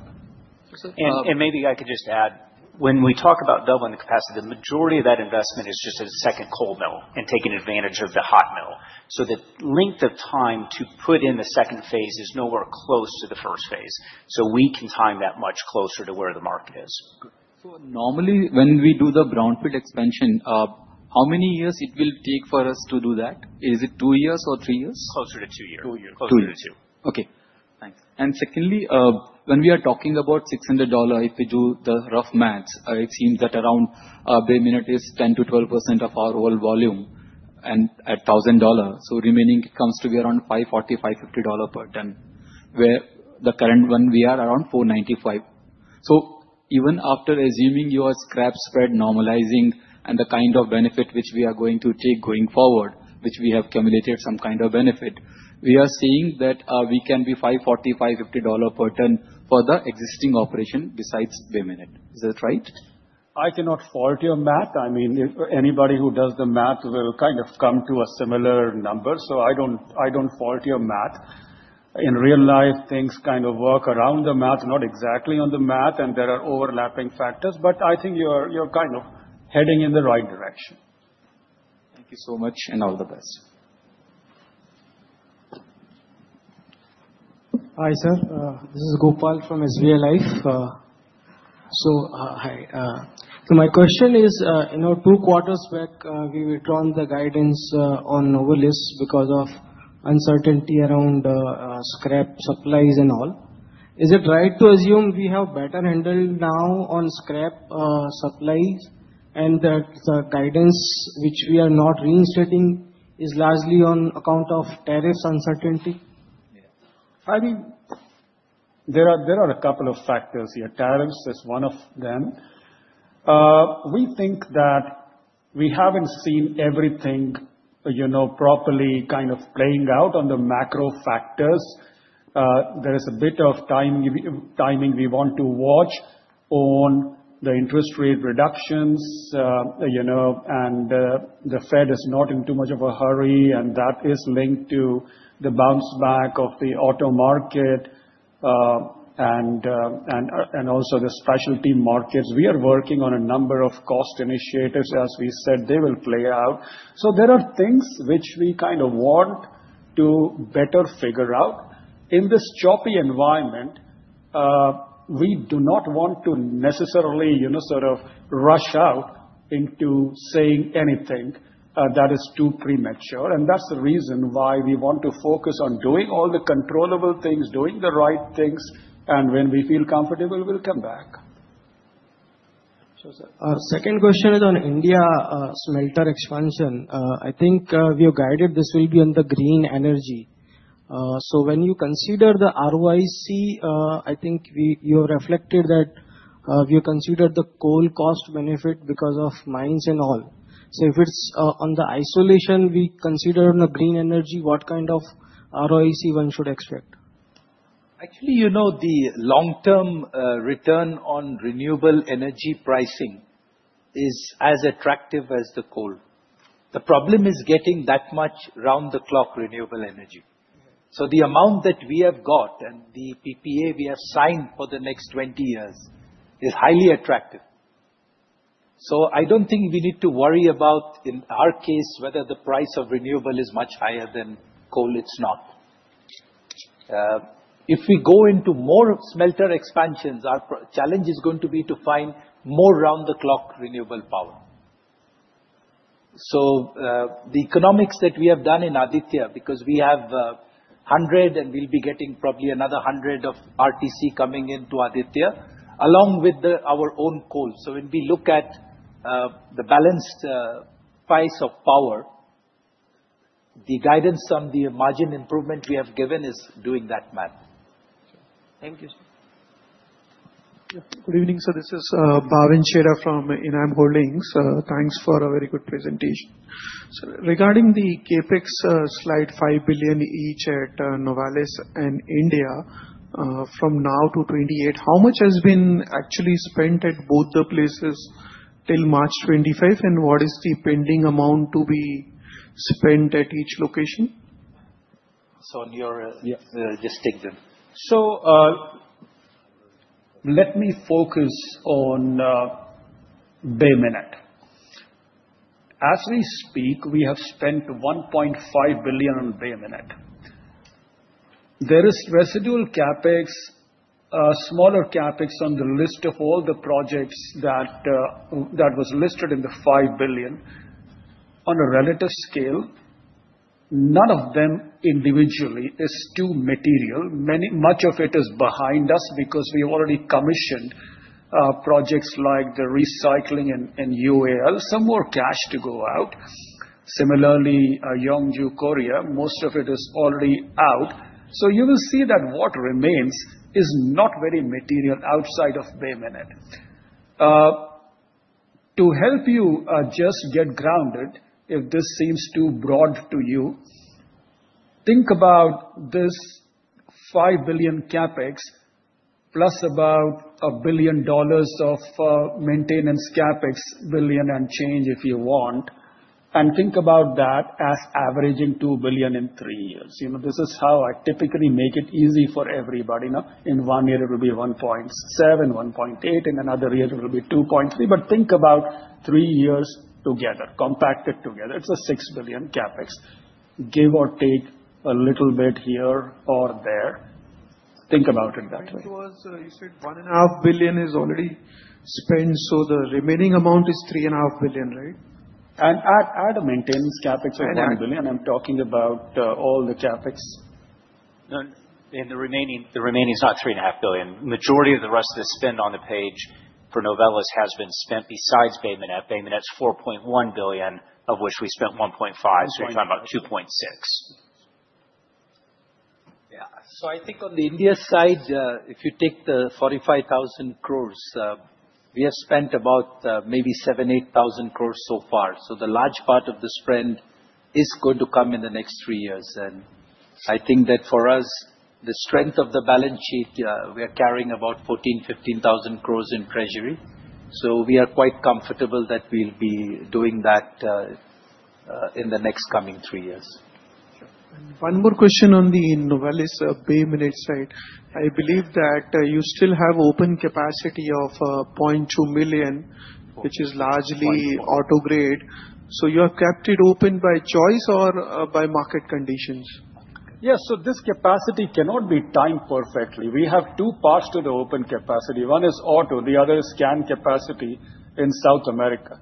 Speaker 4: Maybe I could just add, when we talk about doubling the capacity, the majority of that investment is just in the Second Cold Mill and taking advantage of the Hot Mill. The length of time to put in the second phase is nowhere close to the first phase. We can time that much closer to where the market is.
Speaker 13: Normally, when we do the brownfield expansion, how many years will it take for us to do that? Is it two years or three years?
Speaker 4: Closer to two years.
Speaker 5: Two years.
Speaker 4: Two years.
Speaker 13: Okay. Thanks. Secondly, when we are talking about $600, if we do the rough maths, it seems that around Bay Minette is 10-12% of our whole volume at $1,000. The remaining comes to be around $540-$550 per ton, where the current one we are around $495. Even after assuming your Scrap Spread normalizing and the kind of benefit which we are going to take going forward, which we have accumulated some kind of benefit, we are seeing that we can be $540-$550 per ton for the existing operation besides Bay Minette. Is that right?
Speaker 5: I cannot fault your math. I mean, anybody who does the math will kind of come to a similar number. I do not fault your math. In real life, things kind of work around the math, not exactly on the math, and there are overlapping factors. I think you're kind of heading in the right direction.
Speaker 13: Thank you so much, and all the best.
Speaker 14: Hi, sir. This is Gopal from SBI Life. My question is, two quarters back, we withdrew the guidance on Novelis because of uncertainty around Scrap Supplies and all. Is it right to assume we have a better handle now on Scrap Supplies and that the guidance which we are not reinstating is largely on account of Tariffs Uncertainty?
Speaker 5: I mean, there are a couple of factors here. Tariffs is one of them. We think that we haven't seen everything properly kind of playing out on the macro factors. There is a bit of timing we want to watch on the Interest Rate Reductions. The Fed is not in too much of a hurry, and that is linked to the bounce back of the Auto Market and also the Specialty Markets. We are working on a number of Cost Initiatives, as we said, they will play out. There are things which we kind of want to better figure out. In this Choppy Environment, we do not want to necessarily sort of rush out into saying anything that is too premature. That is the reason why we want to focus on doing all the Controllable Things, doing the Right Things, and when we feel comfortable, we'll come back.
Speaker 14: Second question is on India Smelter Expansion. I think we are guided this will be on the Green Energy. When you consider the ROIC, I think you reflected that we considered the Coal Cost Benefit because of mines and all. If it's on the isolation, we consider on the Green Energy, what kind of ROIC one should expect?
Speaker 3: Actually, you know the Long-Term Return on Renewable Energy pricing is as attractive as the coal. The problem is getting that much Round-the-Clock Renewable Energy. The amount that we have got and the PPA we have signed for the next 20 years is highly attractive. I don't think we need to worry about, in our case, whether the price of Renewable is much higher than coal. It's not. If we go into more Smelter Expansions, our challenge is going to be to find more Round-the-Clock Renewable Power. The economics that we have done in Aditya, because we have 100 and we'll be getting probably another 100 of RTC coming into Aditya, along with our own coal. When we look at the Balanced Price of Power, the guidance on the Margin Improvement we have given is doing that math.
Speaker 15: Thank you. Good evening. This is Bhavin Chheda from Enam Holdings. Thanks for a very good presentation. Regarding the CapEx slide, $5 billion each at Novelis and India from now to 2028, how much has been actually spent at both the places till March 2025? What is the pending amount to be spent at each location?
Speaker 5: Just take them. Let me focus on Bay Minette. As we speak, we have spent $1.5 billion on Bay Minette. There is Residual CapEx, smaller CapEx on the list of all the projects that was listed in the $5 billion. On a relative scale, none of them individually is too material. Much of it is behind us because we have already commissioned projects like the Recycling and UAL. Some more cash to go out. Similarly, Yeongju, Korea, most of it is already out. You will see that what remains is not very material outside of Bay Minette. To help you just get grounded, if this seems too broad to you, think about this $5 billion CapEx plus about a billion dollars of Maintenance CapEx, billion and change if you want, and think about that as averaging $2 billion in three years. This is how I typically make it easy for everybody. In one year, it will be 1.7, 1.8. In another year, it will be 2.3. Think about three years together, compacted together. It is a $6 billion CapEx, give or take a little bit here or there. Think about it that way.
Speaker 15: You said $1.5 billion is already spent. The remaining amount is $3.5 billion, right?
Speaker 5: Add a Maintenance CapEx of $1 billion. I'm talking about all the CapEx.
Speaker 4: The remaining is not $3.5 billion. The majority of the rest of the spend on the page for Novelis has been spent besides Bay Minette. Bay Minette's $4.1 billion, of which we spent $1.5 billion. We are talking about $2.6 billion.
Speaker 3: Yeah. I think on the India side, if you take the 45,000 crores, we have spent about maybe 7,000-8,000 Crores so far. The large part of the spend is going to come in the next three years. I think that for us, the Strength of the Balance Sheet, we are carrying about 14,000-15,000 Crores in Treasury. We are quite comfortable that we'll be doing that in the next coming three years.
Speaker 15: One more question on the Novelis Bay Minette side. I believe that you still have Open Capacity of $0.2 million, which is largely Auto Grade. You have kept it open by choice or by market conditions?
Speaker 5: Yes. This capacity cannot be timed perfectly. We have two parts to the Open Capacity. One is Auto. The other is Scan Capacity in South America.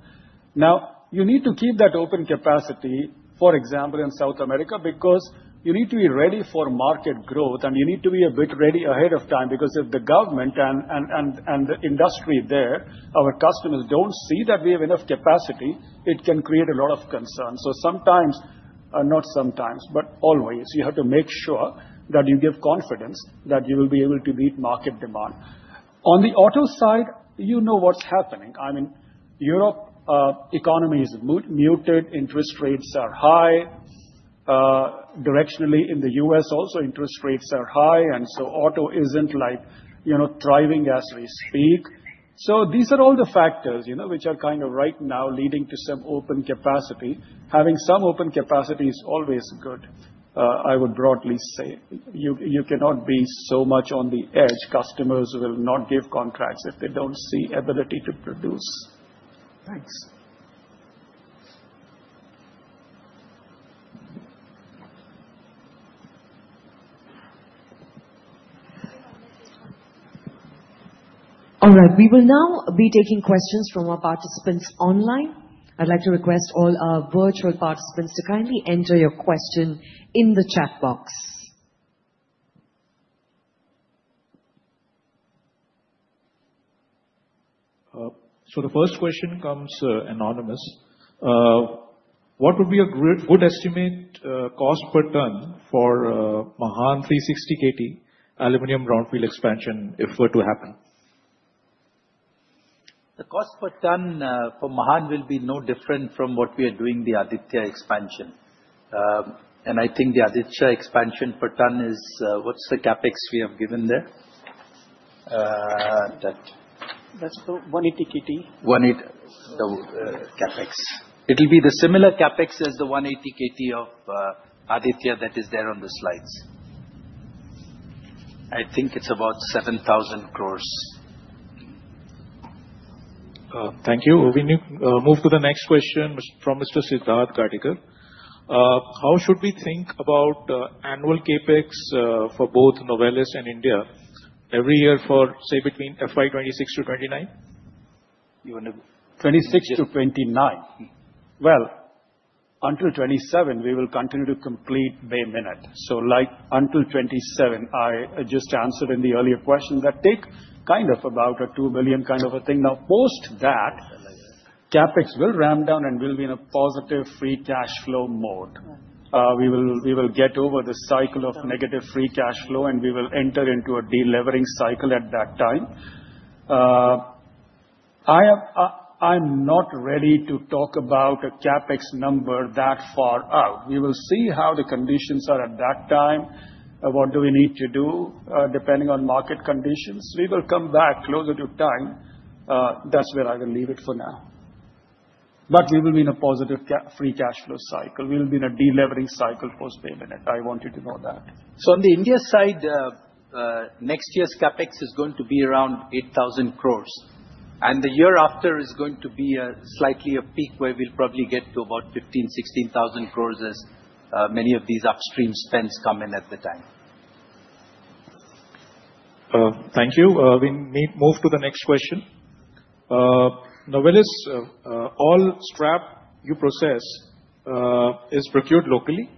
Speaker 5: You need to keep that Open Capacity, for example, in South America, because you need to be ready for Market Growth, and you need to be a bit ready ahead of time. Because if the government and the industry there, our customers, do not see that we have enough capacity, it can create a lot of concern. Sometimes, not sometimes, but always, you have to make sure that you give confidence that you will be able to meet Market Demand. On the Auto side, you know what's happening. I mean, Europe economy is muted. Interest Rates are high. Directionally, in the U.S., also interest rates are high. Auto is not thriving as we speak. These are all the factors which are kind of right now leading to some Open Capacity. Having some Open Capacity is always good, I would broadly say. You cannot be so much on the edge. Customers will not give contracts if they do not see the ability to produce.
Speaker 15: Thanks.
Speaker 1: All right. We will now be taking questions from our Participants Online. I'd like to request all our virtual participants to kindly enter your question in the chat box. The first question comes Anonymous. What would be a good estimate cost per ton for Mahan 360 KT Aluminum Brownfield Expansion if were to happen?
Speaker 3: The cost per ton for Mahan will be no different from what we are doing the Aditya Expansion. I think the Aditya Expansion Per Ton is what's the CapEx we have given there?
Speaker 5: That's the 180 KT.
Speaker 3: CapEx. It'll be the similar CapEx as the 180 KT of Aditya that is there on the slides. I think it's about 7,000 Crore.
Speaker 1: Thank you. We move to the next question from Mr. Siddharth Gadigal.
Speaker 16: How should we think about Annual CapEx for both Novelis and India every year for, say, between FY 2026 to 2029?
Speaker 3: Twenty-six to Twenty-nine. Until Twenty-seven, we will continue to complete Bay Minette. Until twenty-seven, I just answered in the earlier question that take kind of about a $2 billion kind of a thing. Now, post that, CapEx will ramp down and we will be in a Positive Free Cash flow mode. We will get over the cycle of Negative Free Cash flow, and we will enter into a Delevering Cycle at that time. I'm not ready to talk about a CapEx number that far out. We will see how the conditions are at that time, what we need to do depending on Market Conditions. We will come back closer to time. That is where I will leave it for now. We will be in a Positive Free Cash flow cycle. We will be in a Delevering Cycle post Bay Minette. I want you to know that. On the India side, Next Cear's CapEx is going to be around 8,000 crore. The year after is going to be slightly a Peak where we'll probably get to about 15,000-16,000 crore as many of these Upstream Spends come in at the time.
Speaker 1: Thank you. We move to the next question. Novelis, all scrap you process is procured locally.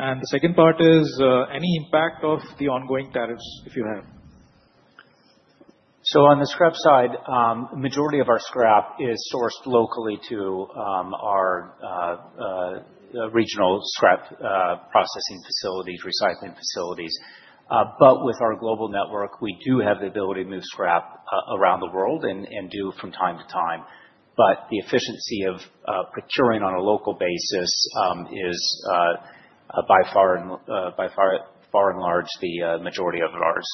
Speaker 1: Is there any impact of the ongoing tariffs if you have?
Speaker 4: On the Scrap Side, the majority of our scrap is sourced locally to our Regional Scrap Processing Facilities, Recycling Gacilities. With our Global Network, we do have the ability to move scrap around the world and do from time to time. The Efficiency of Procuring on a local basis is by far and large the majority of ours.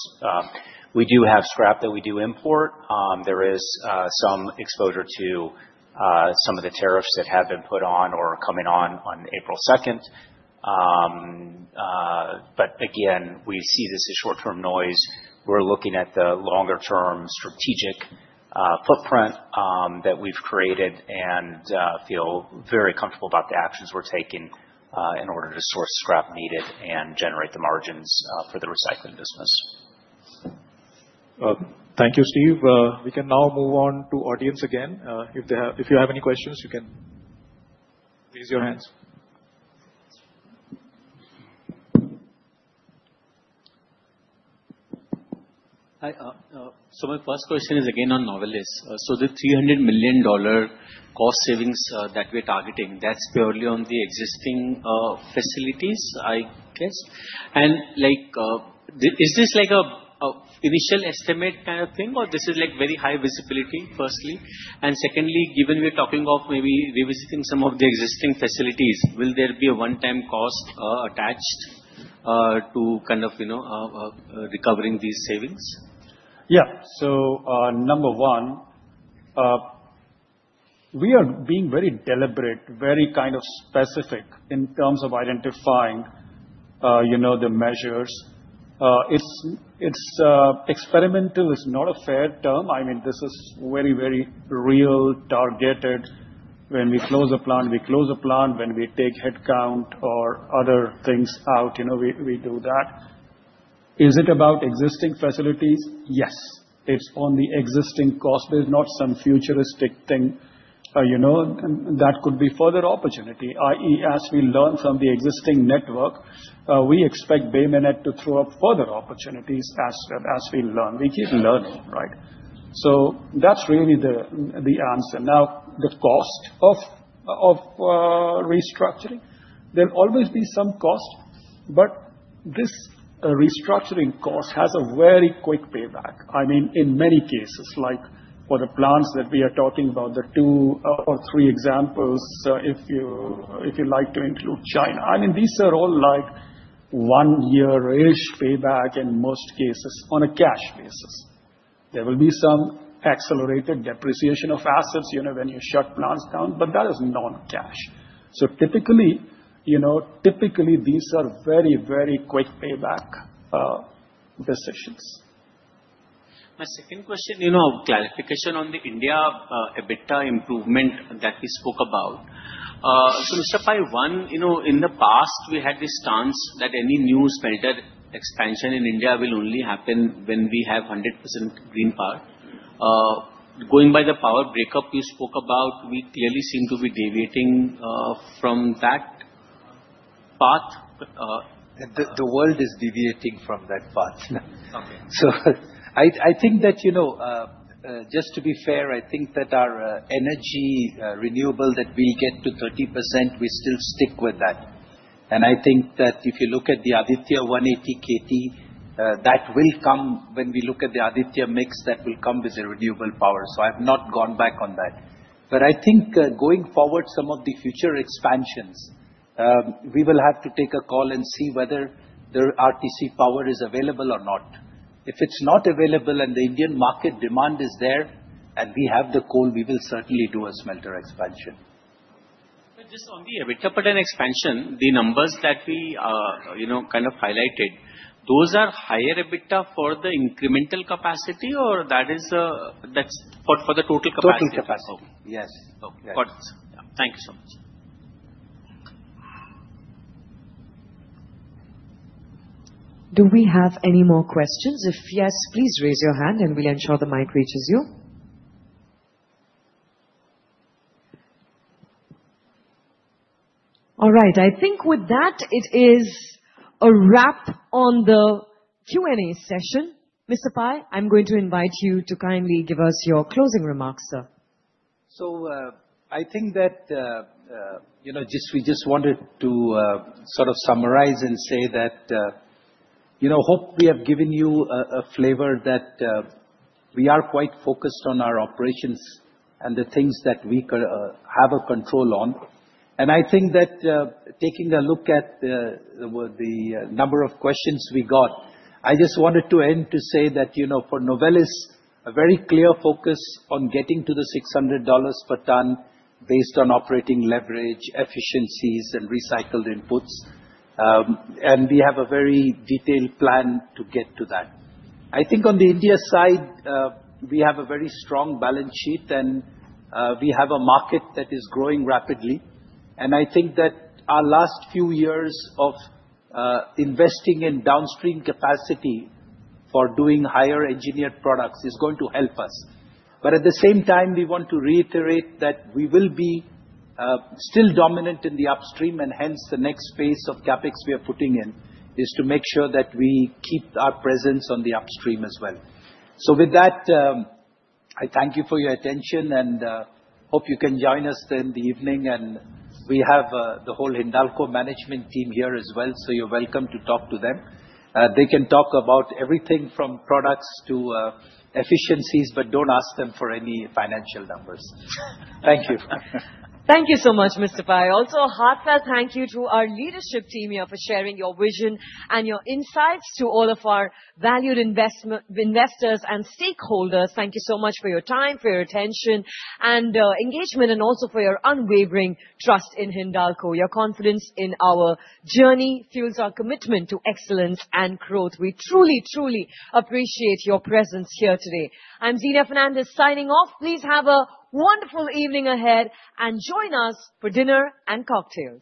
Speaker 4: We do have scrap that we do import. There is some exposure to some of the Tariffs that have been put on or coming on on April 2nd. Again, we see this as Short-Term Noise. We're looking at the Longer-Term Strategic Footprint that we've created and feel very comfortable about the actions we're taking in order to source scrap needed and generate the margins for the Recycling Business.
Speaker 1: Thank you, Steve. We can now move on to audience again. If you have any questions, you can raise your hands.
Speaker 17: My first question is again on Novelis. The $300 million Cost Ssavings that we're targeting, that's purely on the Existing Facilities, I guess. Is this like an Initial Estimate kind of thing, or this is like very High Visibility firstly? Secondly, given we're talking of maybe revisiting some of the Existing Facilities, will there be a One-Time Cost attached to kind of recovering these savings?
Speaker 3: Yeah. Number one, we are being very deliberate, very kind of specific in terms of identifying the measures. Experimental is not a fair term. I mean, this is very, very real targeted. When we close a plant, we close a plant. When we take Headcount or other things out, we do that. Is it about Existing Facilities? Yes. It is on the Existing Cost Base, not some Futuristic Thing. That could be further opportunity, i.e., as we learn from the Existing Network, we expect Bay Minette to throw up further opportunities as we learn. We keep learning, right? That is really the answer. Now, the Cost of Restructuring, there will always be some cost. This Restructuring Cost has a very Quick Payback. I mean, in many cases, like for the plants that we are talking about, the two or three examples, if you like to include China.
Speaker 5: I mean, these are all like One-Year-ish Payback in most cases on a Cash Basis. There will be some Accelerated Depreciation of Assets when you shut plants down, but that is Non-Cash. Typically, these are very, very Quick Payback Decisions.
Speaker 17: My second question, Clarification on the India EBITDA Improvement that we spoke about. Mr. Pai, one, in the past, we had this stance that any New Smelter Expansion in India will only happen when we have 100% Green Power. Going by the Power Breakup you spoke about, we clearly seem to be deviating from that path.
Speaker 3: The world is deviating from that path. I think that just to be fair, I think that our Energy Renewable that we'll get to 30%, we still stick with that. I think that if you look at the Aditya 180 KT, that will come when we look at the Aditya mix that will come with the Renewable Power. I've not gone back on that. I think going forward, some of the Future Expansions, we will have to take a call and see whether the RTC Power is available or not. If it's not available and the Indian market demand is there and we have the coal, we will certainly do a smelter expansion. Just on the EBITDA Per Ton Expansion, the numbers that we kind of highlighted, those are Higher EBITDA for the Incremental Capacity or that's for the Total Capacity?
Speaker 5: Total capacity. Yes.
Speaker 17: Okay. Thank you so much.
Speaker 1: Do we have any more questions? If yes, please raise your hand and we'll ensure the mic reaches you. All right. I think with that, it is a wrap on the Q&A session. Mr. Pai, I'm going to invite you to kindly give us your closing remarks, sir.
Speaker 3: I think that we just wanted to sort of summarize and say that hope we have given you a flavor that we are quite focused on our operations and the things that we have control on. I think that taking a look at the number of questions we got, I just wanted to end to say that for Novelis, a very clear focus on getting to the $600 per ton based on Operating Leverage, Efficiencies, and Recycled Inputs. We have a very detailed plan to get to that. I think on the India side, we have a very Strong Balance Sheet and we have a market that is growing rapidly. I think that our last few years of investing in Downstream Capacity for doing Higher Engineered Products is going to help us.
Speaker 5: At the same time, we want to reiterate that we will be still dominant in the Upstream and hence the next phase of CapEx we are putting in is to make sure that we keep our presence on the Upstream as well. With that, I thank you for your attention and hope you can join us in the evening. We have the whole Hindalco Management Team here as well, so you're welcome to talk to them. They can talk about everything from Products to Efficiencies, but don't ask them for any Financial Numbers. Thank you.
Speaker 1: Thank you so much, Mr. Pai. Also, a heartfelt thank you to our Leadership Team here for sharing your Vision and your Insights to all of our Valued Investors and Stakeholders. Thank you so much for your time, for your attention, and Engagement, and also for your Unwavering Trust in Hindalco. Your confidence in our Journey fuels our Commitment to Excellence and Growth. We truly, truly appreciate your presence here today. I'm Zenia Fernandez signing off. Please have a wonderful evening ahead and join us for dinner and cocktails.